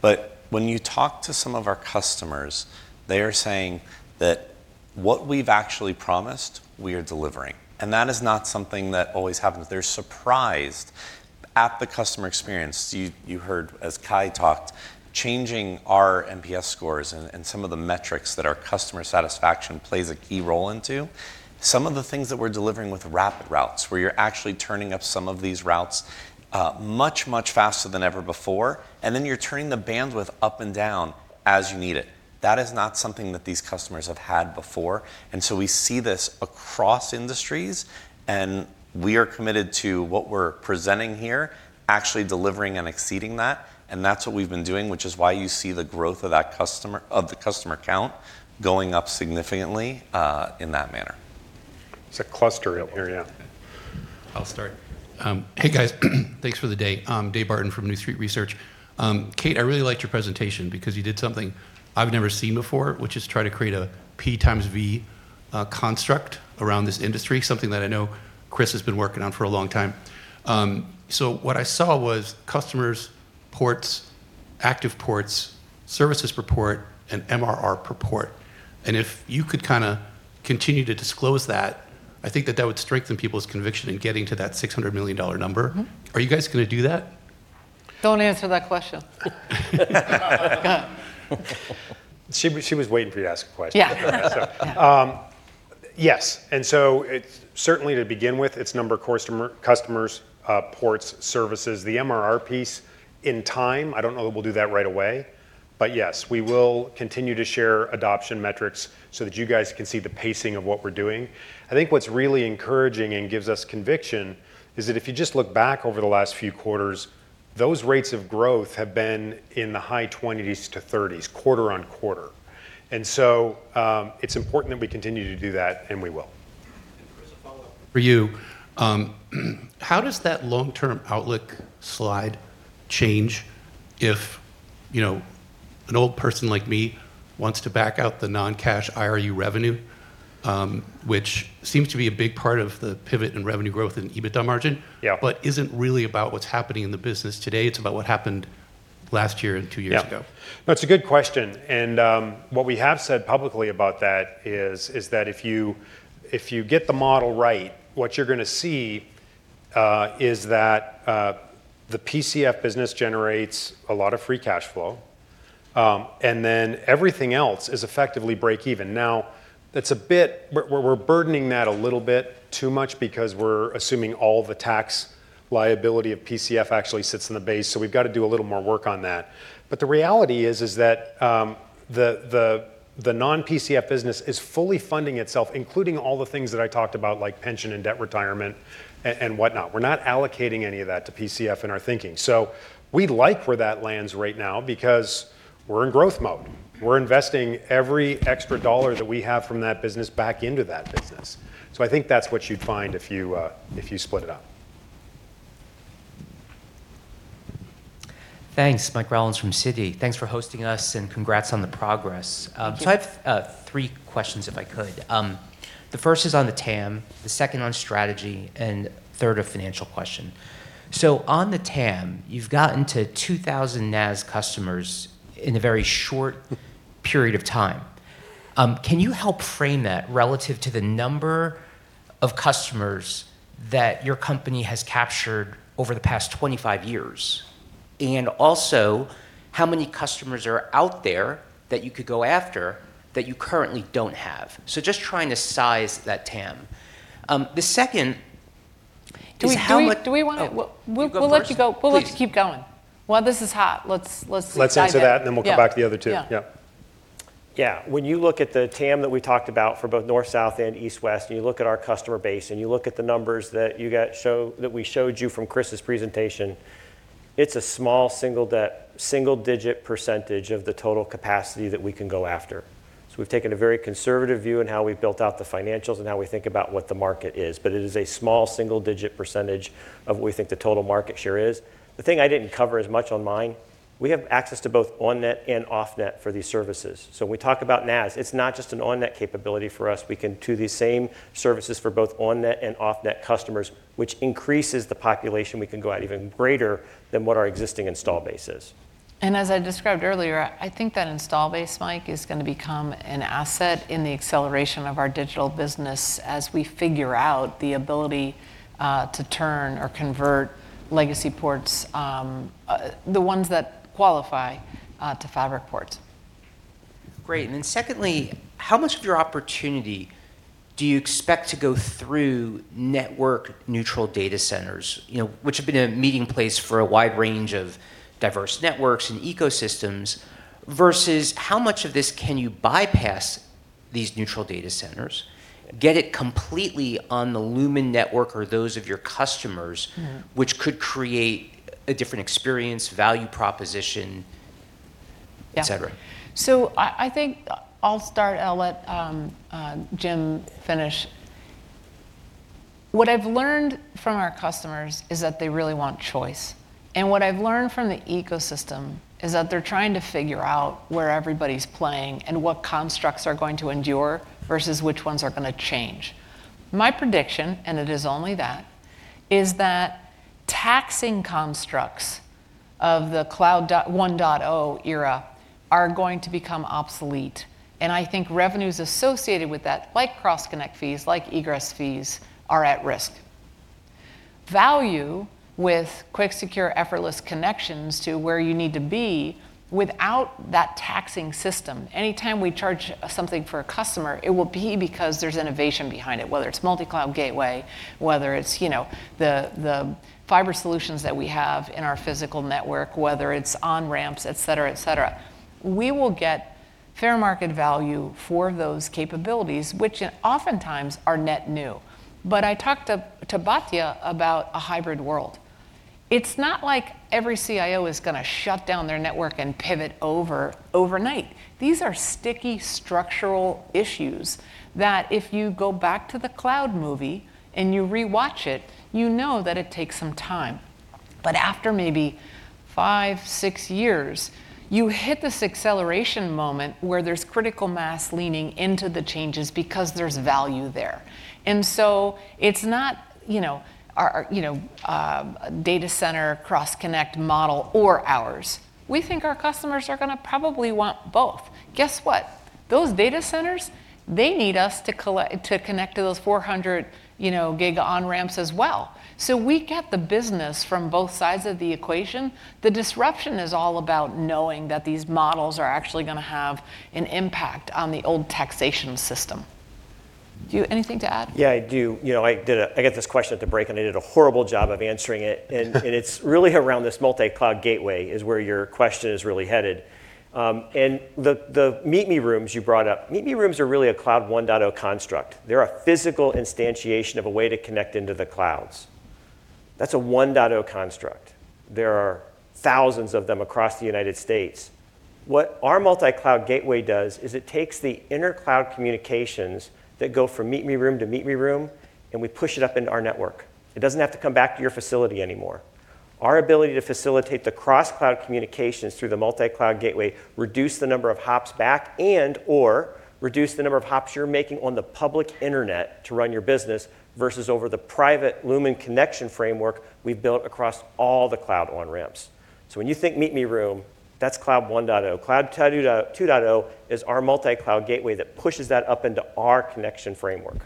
but when you talk to some of our customers, they are saying that what we've actually promised, we are delivering, and that is not something that always happens. They're surprised at the customer experience. You heard, as Kye talked, changing our NPS scores and some of the metrics that our customer satisfaction plays a key role into. Some of the things that we're delivering with RapidRoutes, where you're actually turning up some of these routes much, much faster than ever before, and then you're turning the bandwidth up and down as you need it, that is not something that these customers have had before. We see this across industries, and we are committed to what we're presenting here, actually delivering and exceeding that, and that's what we've been doing, which is why you see the growth of the customer count going up significantly in that manner. There's a cluster out here. Yeah. I'll start. Hey, guys. Thanks for the day. David Barden from New Street Research. Kate, I really liked your presentation because you did something I've never seen before, which is try to create a P times V construct around this industry, something that I know Chris has been working on for a long time. What I saw was customers, active ports, services per port, and MRR per port. If you could kind of continue to disclose that, I think that that would strengthen people's conviction in getting to that $600 million number. Mm-hmm. Are you guys going to do that? Don't answer that question. She was waiting for you to ask the question. Yeah. Yes, it's certainly to begin with, it's number of customers, ports, services. The MRR piece, in time, I don't know that we'll do that right away, but yes, we will continue to share adoption metrics so that you guys can see the pacing of what we're doing. I think what's really encouraging and gives us conviction is that if you just look back over the last few quarters, those rates of growth have been in the high 20s to 30s, quarter-on-quarter. It's important that we continue to do that, and we will. Chris, a follow-up for you. How does that long-term outlook slide change if, you know, an old person like me wants to back out the non-cash IRU revenue? Which seems to be a big part of the pivot in revenue growth and EBITDA margin. Yeah. Isn't really about what's happening in the business today, it's about what happened last year and two years ago? Yeah. That's a good question. What we have said publicly about that is that if you get the model right, what you're going to see, is that the PCF business generates a lot of free cash flow, and then everything else is effectively break even. We're burdening that a little bit too much because we're assuming all the tax liability of PCF actually sits in the base, so we've got to do a little more work on that. The reality is that the non-PCF business is fully funding itself, including all the things that I talked about, like pension and debt retirement and whatnot. We're not allocating any of that to PCF in our thinking. We like where that lands right now because we're in growth mode. We're investing every extra dollar that we have from that business back into that business. I think that's what you'd find if you, if you split it out. Thanks. Michael Rollins from Citi. Thanks for hosting us, and congrats on the progress. Thank you. I have three questions, if I could. The first is on the TAM, the second on strategy, and third, a financial question. On the TAM, you've gotten to 2,000 NaaS customers in a very short period of time. Can you help frame that relative to the number of customers that your company has captured over the past 25 years? Also, how many customers are out there that you could go after that you currently don't have? Just trying to size that TAM. The second is how much- Do we want to. Oh. We'll let you go-. You go first. We'll let you keep going. While this is hot, let's dive in. Let's answer that, and then we'll go back to the other two. Yeah. Yeah. Yeah. When you look at the TAM that we talked about for both north-south and east-west, and you look at our customer base, and you look at the numbers that we showed you from Chris's presentation, it's a small single-digit % of the total capacity that we can go after. We've taken a very conservative view in how we've built out the financials and how we think about what the market is, but it is a small single digit % of what we think the total market share is. The thing I didn't cover as much on mine. We have access to both on-net and off-net for these services. When we talk about NaaS, it's not just an on-net capability for us. We can do these same services for both on-net and off-net customers, which increases the population we can go at even greater than what our existing install base is. As I described earlier, I think that install base, Mike, is going to become an asset in the acceleration of our digital business as we figure out the ability to turn or convert legacy ports, the ones that qualify to Fabric Ports. Great. Then secondly, how much of your opportunity do you expect to go through network neutral data centers, you know, which have been a meeting place for a wide range of diverse networks and ecosystems, versus how much of this can you bypass these neutral data centers, get it completely on the Lumen network or those of your customers? Mm-hmm... which could create a different experience, value proposition. Yeah et cetera? I think I'll start, and I'll let Jim finish. What I've learned from our customers is that they really want choice. What I've learned from the ecosystem is that they're trying to figure out where everybody's playing and what constructs are going to endure versus which ones are going to change. My prediction, and it is only that, is that taxing constructs of the Cloud 1.0 era are going to become obsolete, and I think revenues associated with that, like cross-connect fees, like egress fees, are at risk. Value with quick, secure, effortless connections to where you need to be without that taxing system, anytime we charge something for a customer, it will be because there's innovation behind it, whether it's Multi-Cloud Gateway, whether it's, you know, the fiber solutions that we have in our physical network, whether it's on-ramps, et cetera, et cetera. I talked to Batya about a hybrid world. It's not like every CIO is going to shut down their network and pivot over overnight. These are sticky, structural issues that if you go back to the cloud movie and you rewatch it, you know that it takes some time... but after maybe 5, 6 years, you hit this acceleration moment where there's critical mass leaning into the changes because there's value there. It's not, you know, our, you know, data center cross-connect model or ours. We think our customers are gonna probably want both. Guess what? Those data centers, they need us to connect to those 400, you know, giga on-ramps as well. We get the business from both sides of the equation. The disruption is all about knowing that these models are actually gonna have an impact on the old taxation system. Do you have anything to add? Yeah, I do. You know, I got this question at the break, and I did a horrible job of answering it. It's really around this Multi-Cloud Gateway, is where your question is really headed. The meet-me room you brought up, meet-me room are really a Cloud 1.0 construct. They're a physical instantiation of a way to connect into the clouds. That's a 1.0 construct. There are thousands of them across the United States. What our Multi-Cloud Gateway does, is it takes the inter-cloud communications that go from meet-me room to meet-me room, and we push it up into our network. It doesn't have to come back to your facility anymore. Our ability to facilitate the cross-cloud communications through the Multi-Cloud Gateway reduce the number of hops back and/or reduce the number of hops you're making on the public internet to run your business, versus over the private Lumen connection framework we've built across all the cloud on-ramps. When you think meet-me room, that's Cloud 1.0. Cloud 2.0 is our Multi-Cloud Gateway that pushes that up into our connection framework.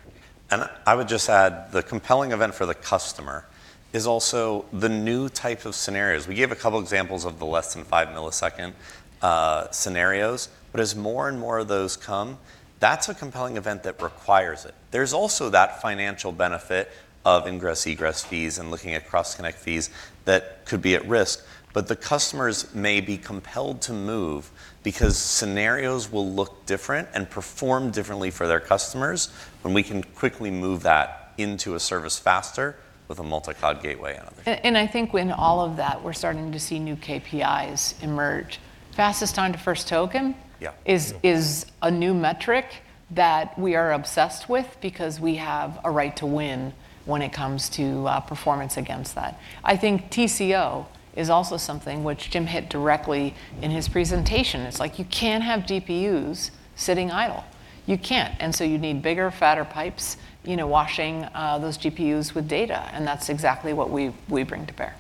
I would just add, the compelling event for the customer is also the new type of scenarios. We gave a couple examples of the less than 5-millisecond scenarios, as more and more of those come, that's a compelling event that requires it. There's also that financial benefit of ingress, egress fees and looking at cross-connect fees that could be at risk, the customers may be compelled to move because scenarios will look different and perform differently for their customers, when we can quickly move that into a service faster with a Multi-Cloud Gateway out there. I think in all of that, we're starting to see new KPIs emerge. Fastest time to first token. Yeah... is a new metric that we are obsessed with because we have a right to win when it comes to performance against that. I think TCO is also something which Jim hit directly in his presentation. It's like you can't have DPUs sitting idle. You can't, and so you need bigger, fatter pipes, you know, washing those GPUs with data, and that's exactly what we bring to bear.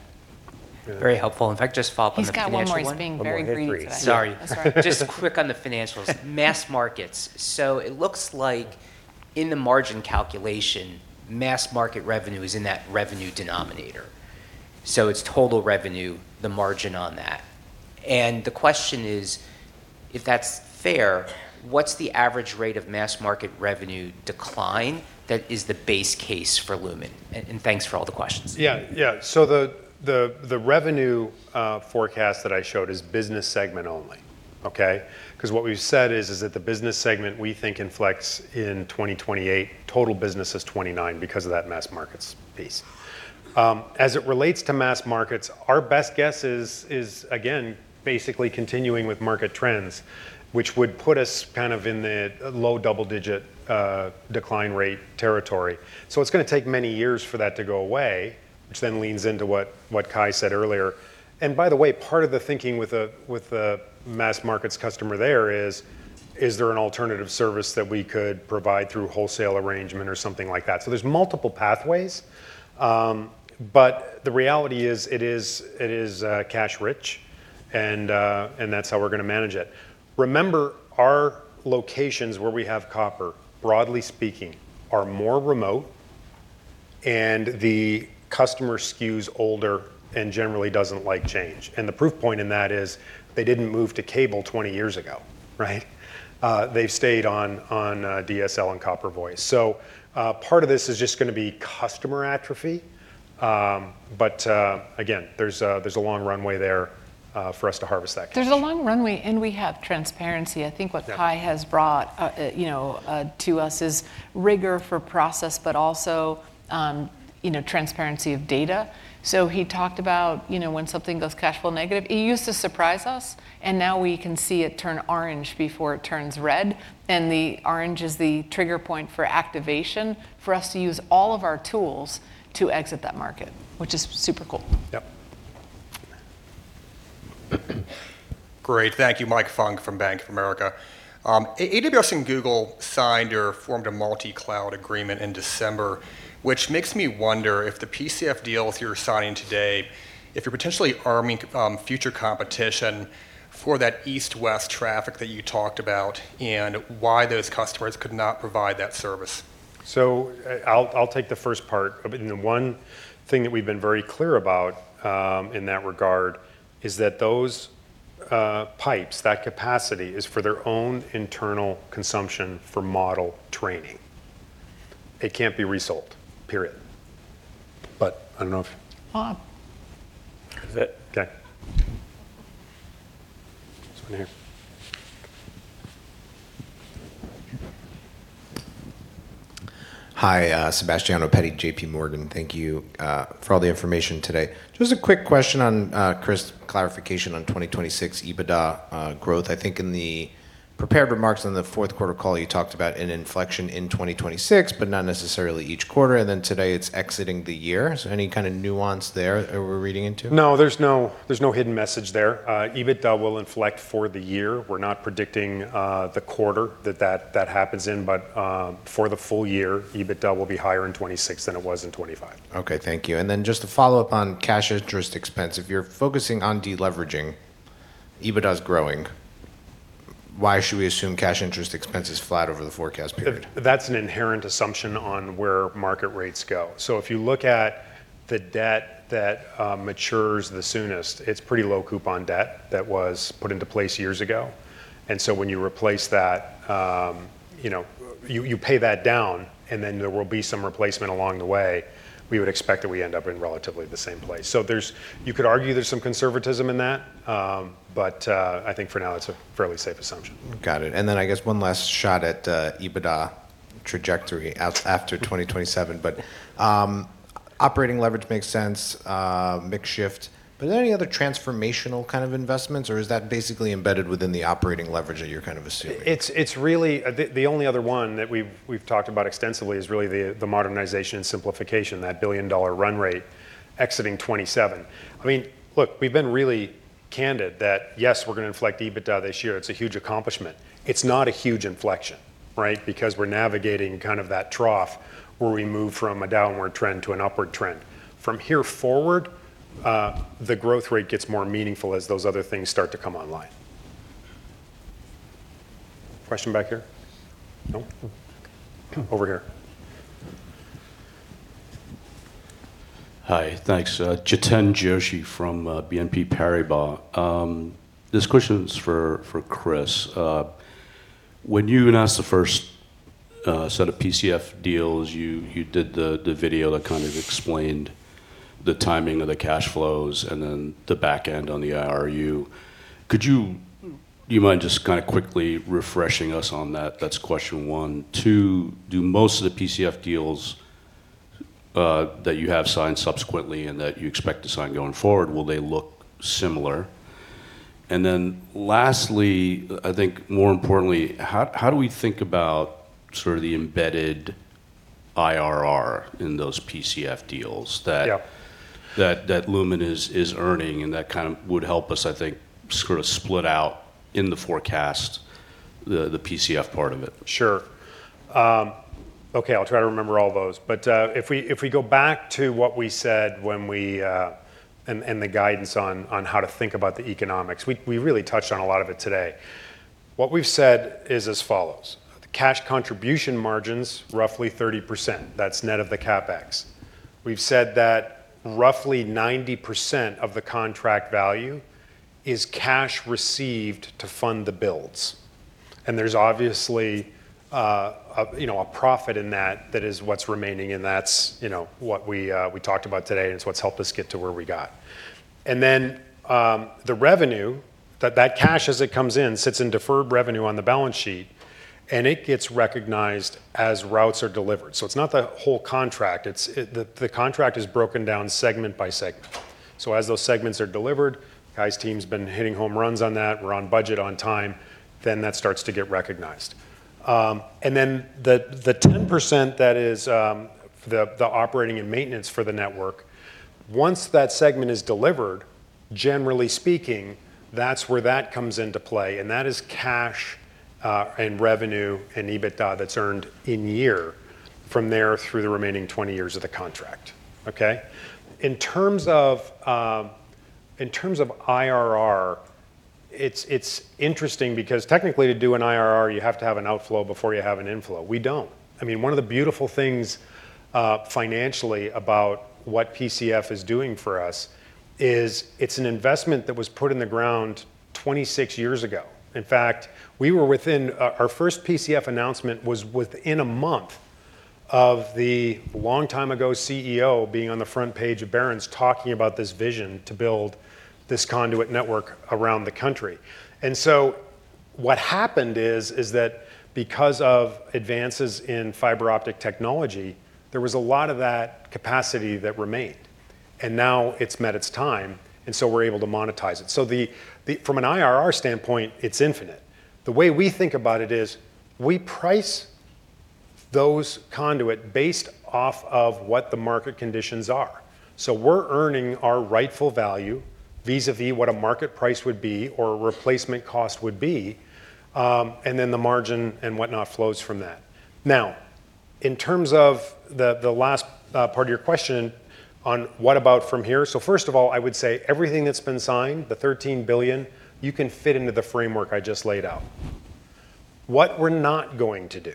Really- Very helpful. In fact, just to follow up on the financial. He's got more. He's being very brief today. Go ahead, please. Sorry. I'm sorry. Just quick on the financials. Mass markets. It looks like in the margin calculation, mass market revenue is in that revenue denominator. It's total revenue, the margin on that, and the question is, if that's fair, what's the average rate of mass market revenue decline that is the base case for Lumen? Thanks for all the questions. Yeah. The revenue forecast that I showed is business segment only, okay? What we've said is that the business segment, we think, inflects in 2028. Total business is 2029 because of that mass markets piece. As it relates to mass markets, our best guess is again, basically continuing with market trends, which would put us kind of in the low double-digit decline rate territory. It's gonna take many years for that to go away, which leans into what Kye said earlier. By the way, part of the thinking with the mass markets customer there is: Is there an alternative service that we could provide through wholesale arrangement or something like that? There's multiple pathways, but the reality is, it is cash rich, and that's how we're gonna manage it. Remember, our locations where we have copper, broadly speaking, are more remote, and the customer skews older and generally doesn't like change. The proof point in that is they didn't move to cable 20 years ago, right? They've stayed on DSL and copper voice. Part of this is just gonna be customer atrophy. Again, there's a long runway there for us to harvest that cash. There's a long runway, and we have transparency. Yeah. I think what Kye has brought, you know, to us is rigor for process, but also, you know, transparency of data. He talked about, you know, when something goes cash flow negative, it used to surprise us. Now we can see it turn orange before it turns red. The orange is the trigger point for activation, for us to use all of our tools to exit that market, which is super cool. Yep. Great. Thank you. Mike Funk from Bank of America. AWS and Google signed or formed a multi-cloud agreement in December, which makes me wonder if the PCF deals, you're signing today, if you're potentially arming, future competition for that east-west traffic that you talked about, and why those customers could not provide that service. I'll take the first part. The one thing that we've been very clear about in that regard is that those pipes, that capacity, is for their own internal consumption for model training. It can't be resold, period. I don't know if- Well... That's it. Okay. There's one here. Hi, Sebastiano Petti, J.P. Morgan. Thank you for all the information today. Just a quick question on Chris, clarification on 2026 EBITDA growth. I think in the prepared remarks on the fourth quarter call, you talked about an inflection in 2026, but not necessarily each quarter, and then today it's exiting the year. Any kind of nuance there that we're reading into? No, there's no hidden message there. EBITDA will inflect for the year. We're not predicting the quarter that happens in, but for the full year, EBITDA will be higher in 2026 than it was in 2025. Okay, thank you. Just to follow up on cash interest expense, if you're focusing on deleveraging, EBITDA is growing, why should we assume cash interest expense is flat over the forecast period? That's an inherent assumption on where market rates go. If you look at the debt that matures the soonest, it's pretty low coupon debt that was put into place years ago. When you replace that, you know, you pay that down, and then there will be some replacement along the way, we would expect that we end up in relatively the same place. You could argue there's some conservatism in that, but I think for now, it's a fairly safe assumption. Got it. I guess one last shot at EBITDA trajectory after 2027. Operating leverage makes sense, mix shift, but are there any other transformational kind of investments, or is that basically embedded within the operating leverage that you're kind of assuming? It's really, the only other one that we've talked about extensively is really the modernization and simplification, that $1 billion run rate exiting 2027. I mean, look, we've been really candid that, yes, we're going to inflect EBITDA this year. It's a huge accomplishment. It's not a huge inflection, right? Because we're navigating kind of that trough where we move from a downward trend to an upward trend. From here forward, the growth rate gets more meaningful as those other things start to come online. Question back here? No. Over here. Hi, thanks. Jiten Joshi from BNP Paribas. This question is for Chris. When you announced the first set of PCF deals, you did the video that kind of explained the timing of the cash flows and then the IRU. Do you mind just quickly refreshing us on that? That's question one. Two, do most of the PCF deals that you have signed subsequently and that you expect to sign going forward, will they look similar? Lastly, I think more importantly, how do we think about sort of the embedded IRR in those PCF deals that. Yeah... that Lumen is earning, and that kind of would help us, I think, sort of split out in the forecast, the PCF part of it. Sure. Okay, I'll try to remember all those. If we go back to what we said when we and the guidance on how to think about the economics, we really touched on a lot of it today. What we've said is as follows: the cash contribution margins, roughly 30%. That's net of the CapEx. We've said that roughly 90% of the contract value is cash received to fund the builds. There's obviously, a, you know, a profit in that that is what's remaining, and that's, you know, what we talked about today, and it's what's helped us get to where we got. Then, the revenue, that cash as it comes in, sits in deferred revenue on the balance sheet, and it gets recognized as routes are delivered. It's not the whole contract, it's, the contract is broken down segment by segment. As those segments are delivered, Guy's team's been hitting home runs on that, we're on budget on time, then that starts to get recognized. The, the 10% that is the operating and maintenance for the network, once that segment is delivered, generally speaking, that's where that comes into play, and that is cash and revenue and EBITDA that's earned in year from there through the remaining 20 years of the contract. Okay? In terms of IRR, it's interesting because technically, to do an IRR, you have to have an outflow before you have an inflow. We don't. I mean, one of the beautiful things, financially about what PCF is doing for us is it's an investment that was put in the ground 26 years ago. In fact, our first PCF announcement was within a month of the long time ago CEO being on the front page of Barron's, talking about this vision to build this conduit network around the country. What happened is that because of advances in fiber optic technology, there was a lot of that capacity that remained, and now it's met its time, and so we're able to monetize it. From an IRR standpoint, it's infinite. The way we think about it is, we price those conduit based off of what the market conditions are. We're earning our rightful value vis-a-vis what a market price would be, or a replacement cost would be, and then the margin and whatnot flows from that. In terms of the last part of your question on what about from here? First of all, I would say everything that's been signed, the $13 billion, you can fit into the framework I just laid out. What we're not going to do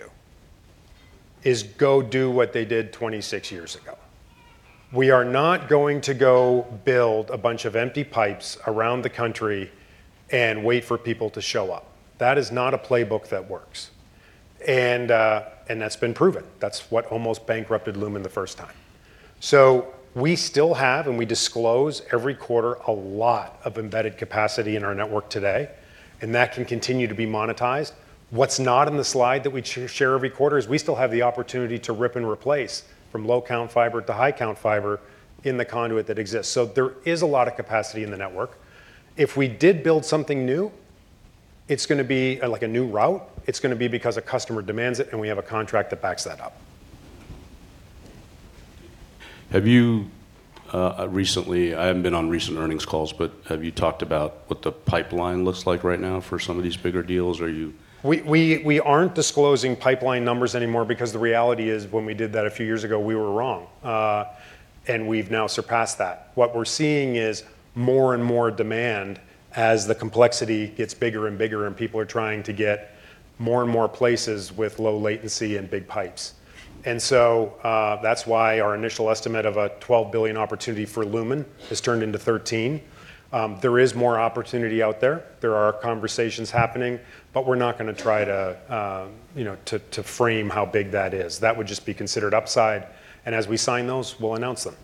is go do what they did 26 years ago. We are not going to go build a bunch of empty pipes around the country and wait for people to show up. That is not a playbook that works. That's been proven. That's what almost bankrupted Lumen the first time. We still have, and we disclose every quarter, a lot of embedded capacity in our network today, and that can continue to be monetized. What's not in the slide that we share every quarter is we still have the opportunity to rip and replace from low-count fiber to high-count fiber in the conduit that exists. There is a lot of capacity in the network. If we did build something new, it's gonna be like a new route. It's gonna be because a customer demands it, and we have a contract that backs that up. Have you recently... I haven't been on recent earnings calls, but have you talked about what the pipeline looks like right now for some of these bigger deals? We aren't disclosing pipeline numbers anymore because the reality is, when we did that a few years ago, we were wrong. We've now surpassed that. What we're seeing is more and more demand as the complexity gets bigger and bigger, and people are trying to get more and more places with low latency and big pipes. That's why our initial estimate of a $12 billion opportunity for Lumen has turned into $13 billion. There is more opportunity out there. There are conversations happening, but we're not gonna try to, you know, to frame how big that is. That would just be considered upside, and as we sign those, we'll announce them.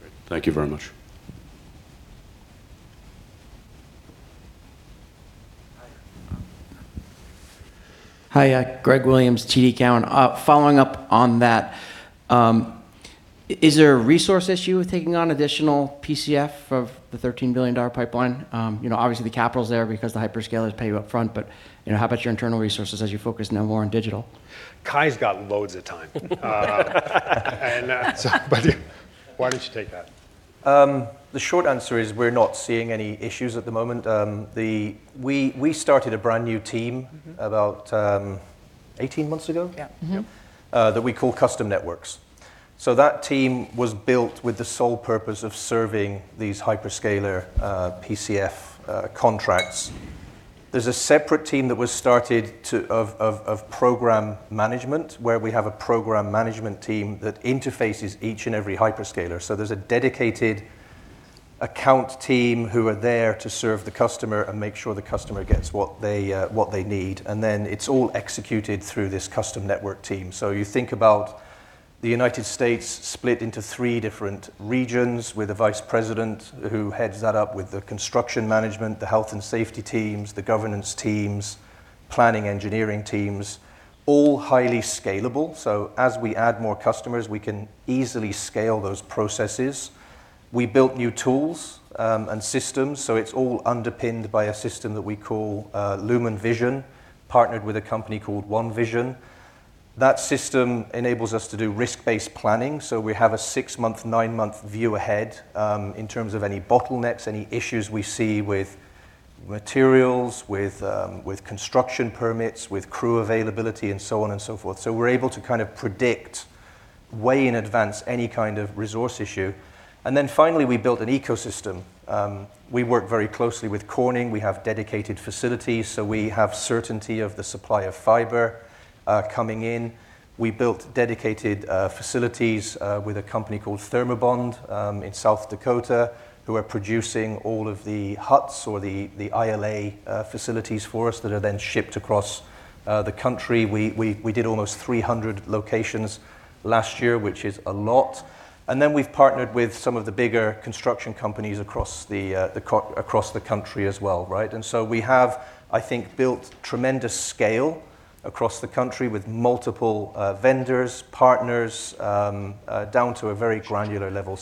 Great. Thank you very much. Hi, Greg Williams, TD Cowen. Following up on that, is there a resource issue with taking on additional PCF of the $13 billion pipeline? You know, obviously, the capital's there because the hyperscalers pay you up front, but, you know, how about your internal resources as you focus now more on digital? Kye's got loads of time. Why don't you take that? The short answer is we're not seeing any issues at the moment. We started a brand-new team- Mm-hmm... about 18 months ago? Yeah. Mm-hmm. Yeah. That we call Custom Networks. That team was built with the sole purpose of serving these hyperscaler PCF contracts. There's a separate team that was started of program management, where we have a program management team that interfaces each and every hyperscaler. There's a dedicated account team who are there to serve the customer and make sure the customer gets what they need, and then it's all executed through this Custom Networks team. You think about the United States split into three different regions, with a vice president who heads that up, with the construction management, the health and safety teams, the governance teams, planning engineering teams, all highly scalable. As we add more customers, we can easily scale those processes. We built new tools and systems, so it's all underpinned by a system that we call Lumen Vision, partnered with a company called One Vision. That system enables us to do risk-based planning, so we have a 6-month, 9-month view ahead in terms of any bottlenecks, any issues we see with materials, with construction permits, with crew availability, and so on and so forth. We're able to kind of predict way in advance any kind of resource issue. Finally, we built an ecosystem. We work very closely with Corning. We have dedicated facilities, so we have certainty of the supply of fiber coming in. We built dedicated facilities with a company called ThermoBond in South Dakota, who are producing all of the huts or the ILA facilities for us that are then shipped across the country. We did almost 300 locations last year, which is a lot. We've partnered with some of the bigger construction companies across the country as well, right? We have, I think, built tremendous scale across the country with multiple vendors, partners, down to a very granular level.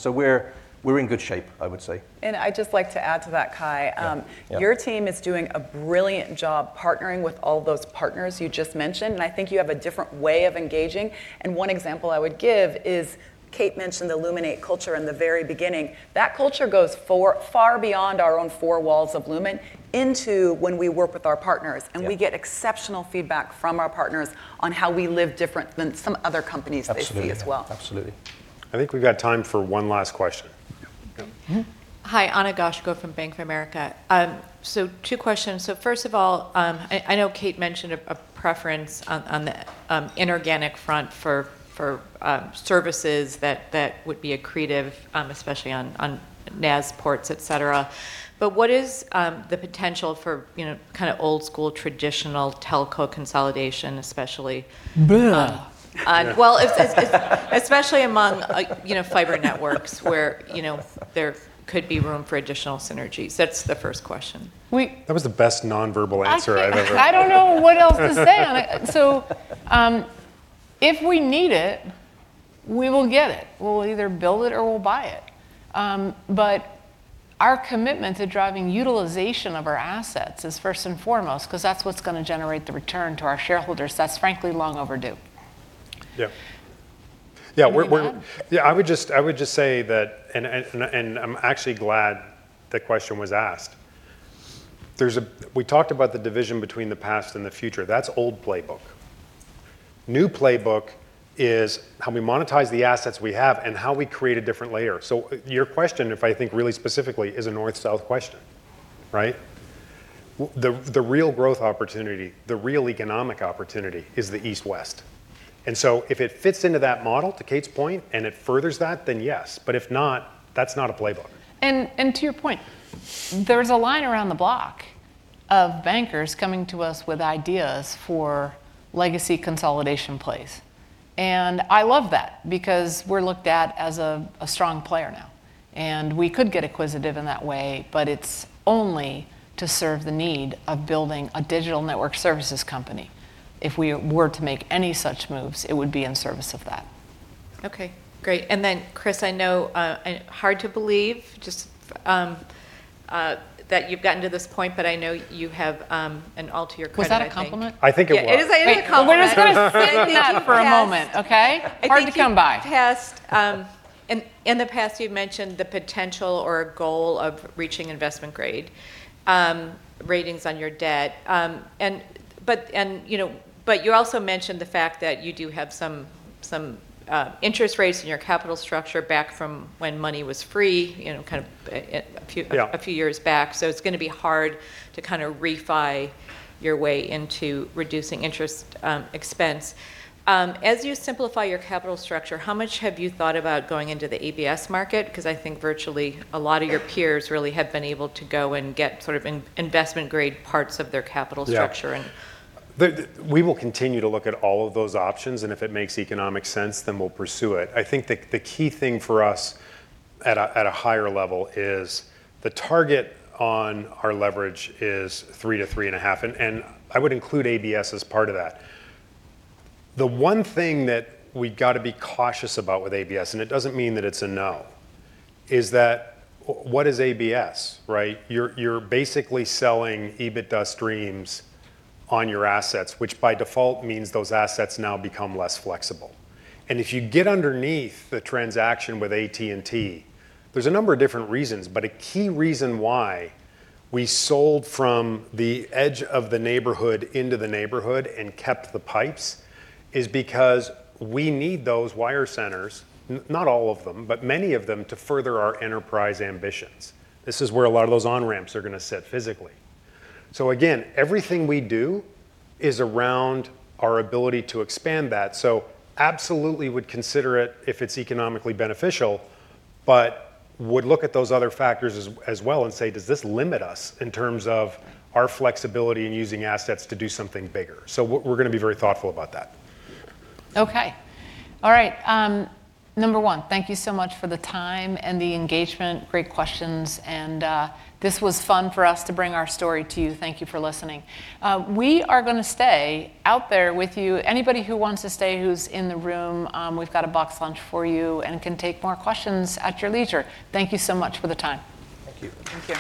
We're in good shape, I would say. I'd just like to add to that, Kye. Yeah, yeah. Your team is doing a brilliant job partnering with all those partners you just mentioned, and I think you have a different way of engaging. One example I would give is Kate mentioned the Luminate culture in the very beginning. That culture goes far beyond our own four walls of Lumen into when we work with our partners. Yeah. We get exceptional feedback from our partners on how we live different than some other companies they see as well. Absolutely. Absolutely. I think we've got time for one last question. Yeah. Mm-hmm. Hi, Ana Goshko from Bank of America. Two questions. First of all, I know Kate mentioned a preference on the inorganic front for services that would be accretive, especially on NaaS ports, et cetera. What is the potential for, you know, kind of old-school, traditional telco consolidation, especially? Blah! Well, especially among, like, you know, fiber networks, where, you know, there could be room for additional synergies. That's the first question. That was the best non-verbal answer I've ever heard. I don't know what else to say. If we need it, we will get it. We'll either build it or we'll buy it. But our commitment to driving utilization of our assets is first and foremost, 'cause that's what's gonna generate the return to our shareholders. That's frankly long overdue. Yeah. Anything to add? I would just say that, and I'm actually glad that question was asked. we talked about the division between the past and the future. That's old playbook. New playbook is how we monetize the assets we have and how we create a different layer. Your question, if I think really specifically, is a north-south question, right? The real growth opportunity, the real economic opportunity is the east-west. If it fits into that model, to Kate's point, and it furthers that, then yes, but if not, that's not a playbook. To your point, there's a line around the block.... of bankers coming to us with ideas for legacy consolidation plays. I love that because we're looked at as a strong player now, and we could get acquisitive in that way, but it's only to serve the need of building a digital network services company. If we were to make any such moves, it would be in service of that. Okay, great. Chris, I know, and hard to believe just that you've gotten to this point, but I know you have an all to your credit, I think... Was that a compliment? I think it was. Yeah, it is, it is a compliment. Enjoy that for a moment, okay? Hard to come by. I think you've passed, in the past, you've mentioned the potential or goal of reaching investment grade ratings on your debt. You know, you also mentioned the fact that you do have some interest rates in your capital structure back from when money was free, you know. Yeah... a few years back. It's gonna be hard to kind of refi your way into reducing interest expense. As you simplify your capital structure, how much have you thought about going into the ABS market? I think virtually a lot of your peers really have been able to go and get sort of investment grade parts of their capital structure. Yeah We will continue to look at all of those options, and if it makes economic sense, then we'll pursue it. I think the key thing for us at a higher level is the target on our leverage is 3 to 3.5, and I would include ABS as part of that. The one thing that we've got to be cautious about with ABS, and it doesn't mean that it's a no, is that what is ABS, right? You're basically selling EBITDA streams on your assets, which by default means those assets now become less flexible. If you get underneath the transaction with AT&T, there's a number of different reasons, but a key reason why we sold from the edge of the neighborhood into the neighborhood and kept the pipes, is because we need those wire centers, not all of them, but many of them, to further our enterprise ambitions. This is where a lot of those on-ramps are gonna sit physically. Again, everything we do is around our ability to expand that, so absolutely would consider it if it's economically beneficial, but would look at those other factors as well and say: Does this limit us in terms of our flexibility in using assets to do something bigger? We're gonna be very thoughtful about that. Okay. All right, number 1, thank you so much for the time and the engagement. Great questions, and this was fun for us to bring our story to you. Thank you for listening. We are gonna stay out there with you. Anybody who wants to stay who's in the room, we've got a box lunch for you and can take more questions at your leisure. Thank you so much for the time. Thank you. Thank you.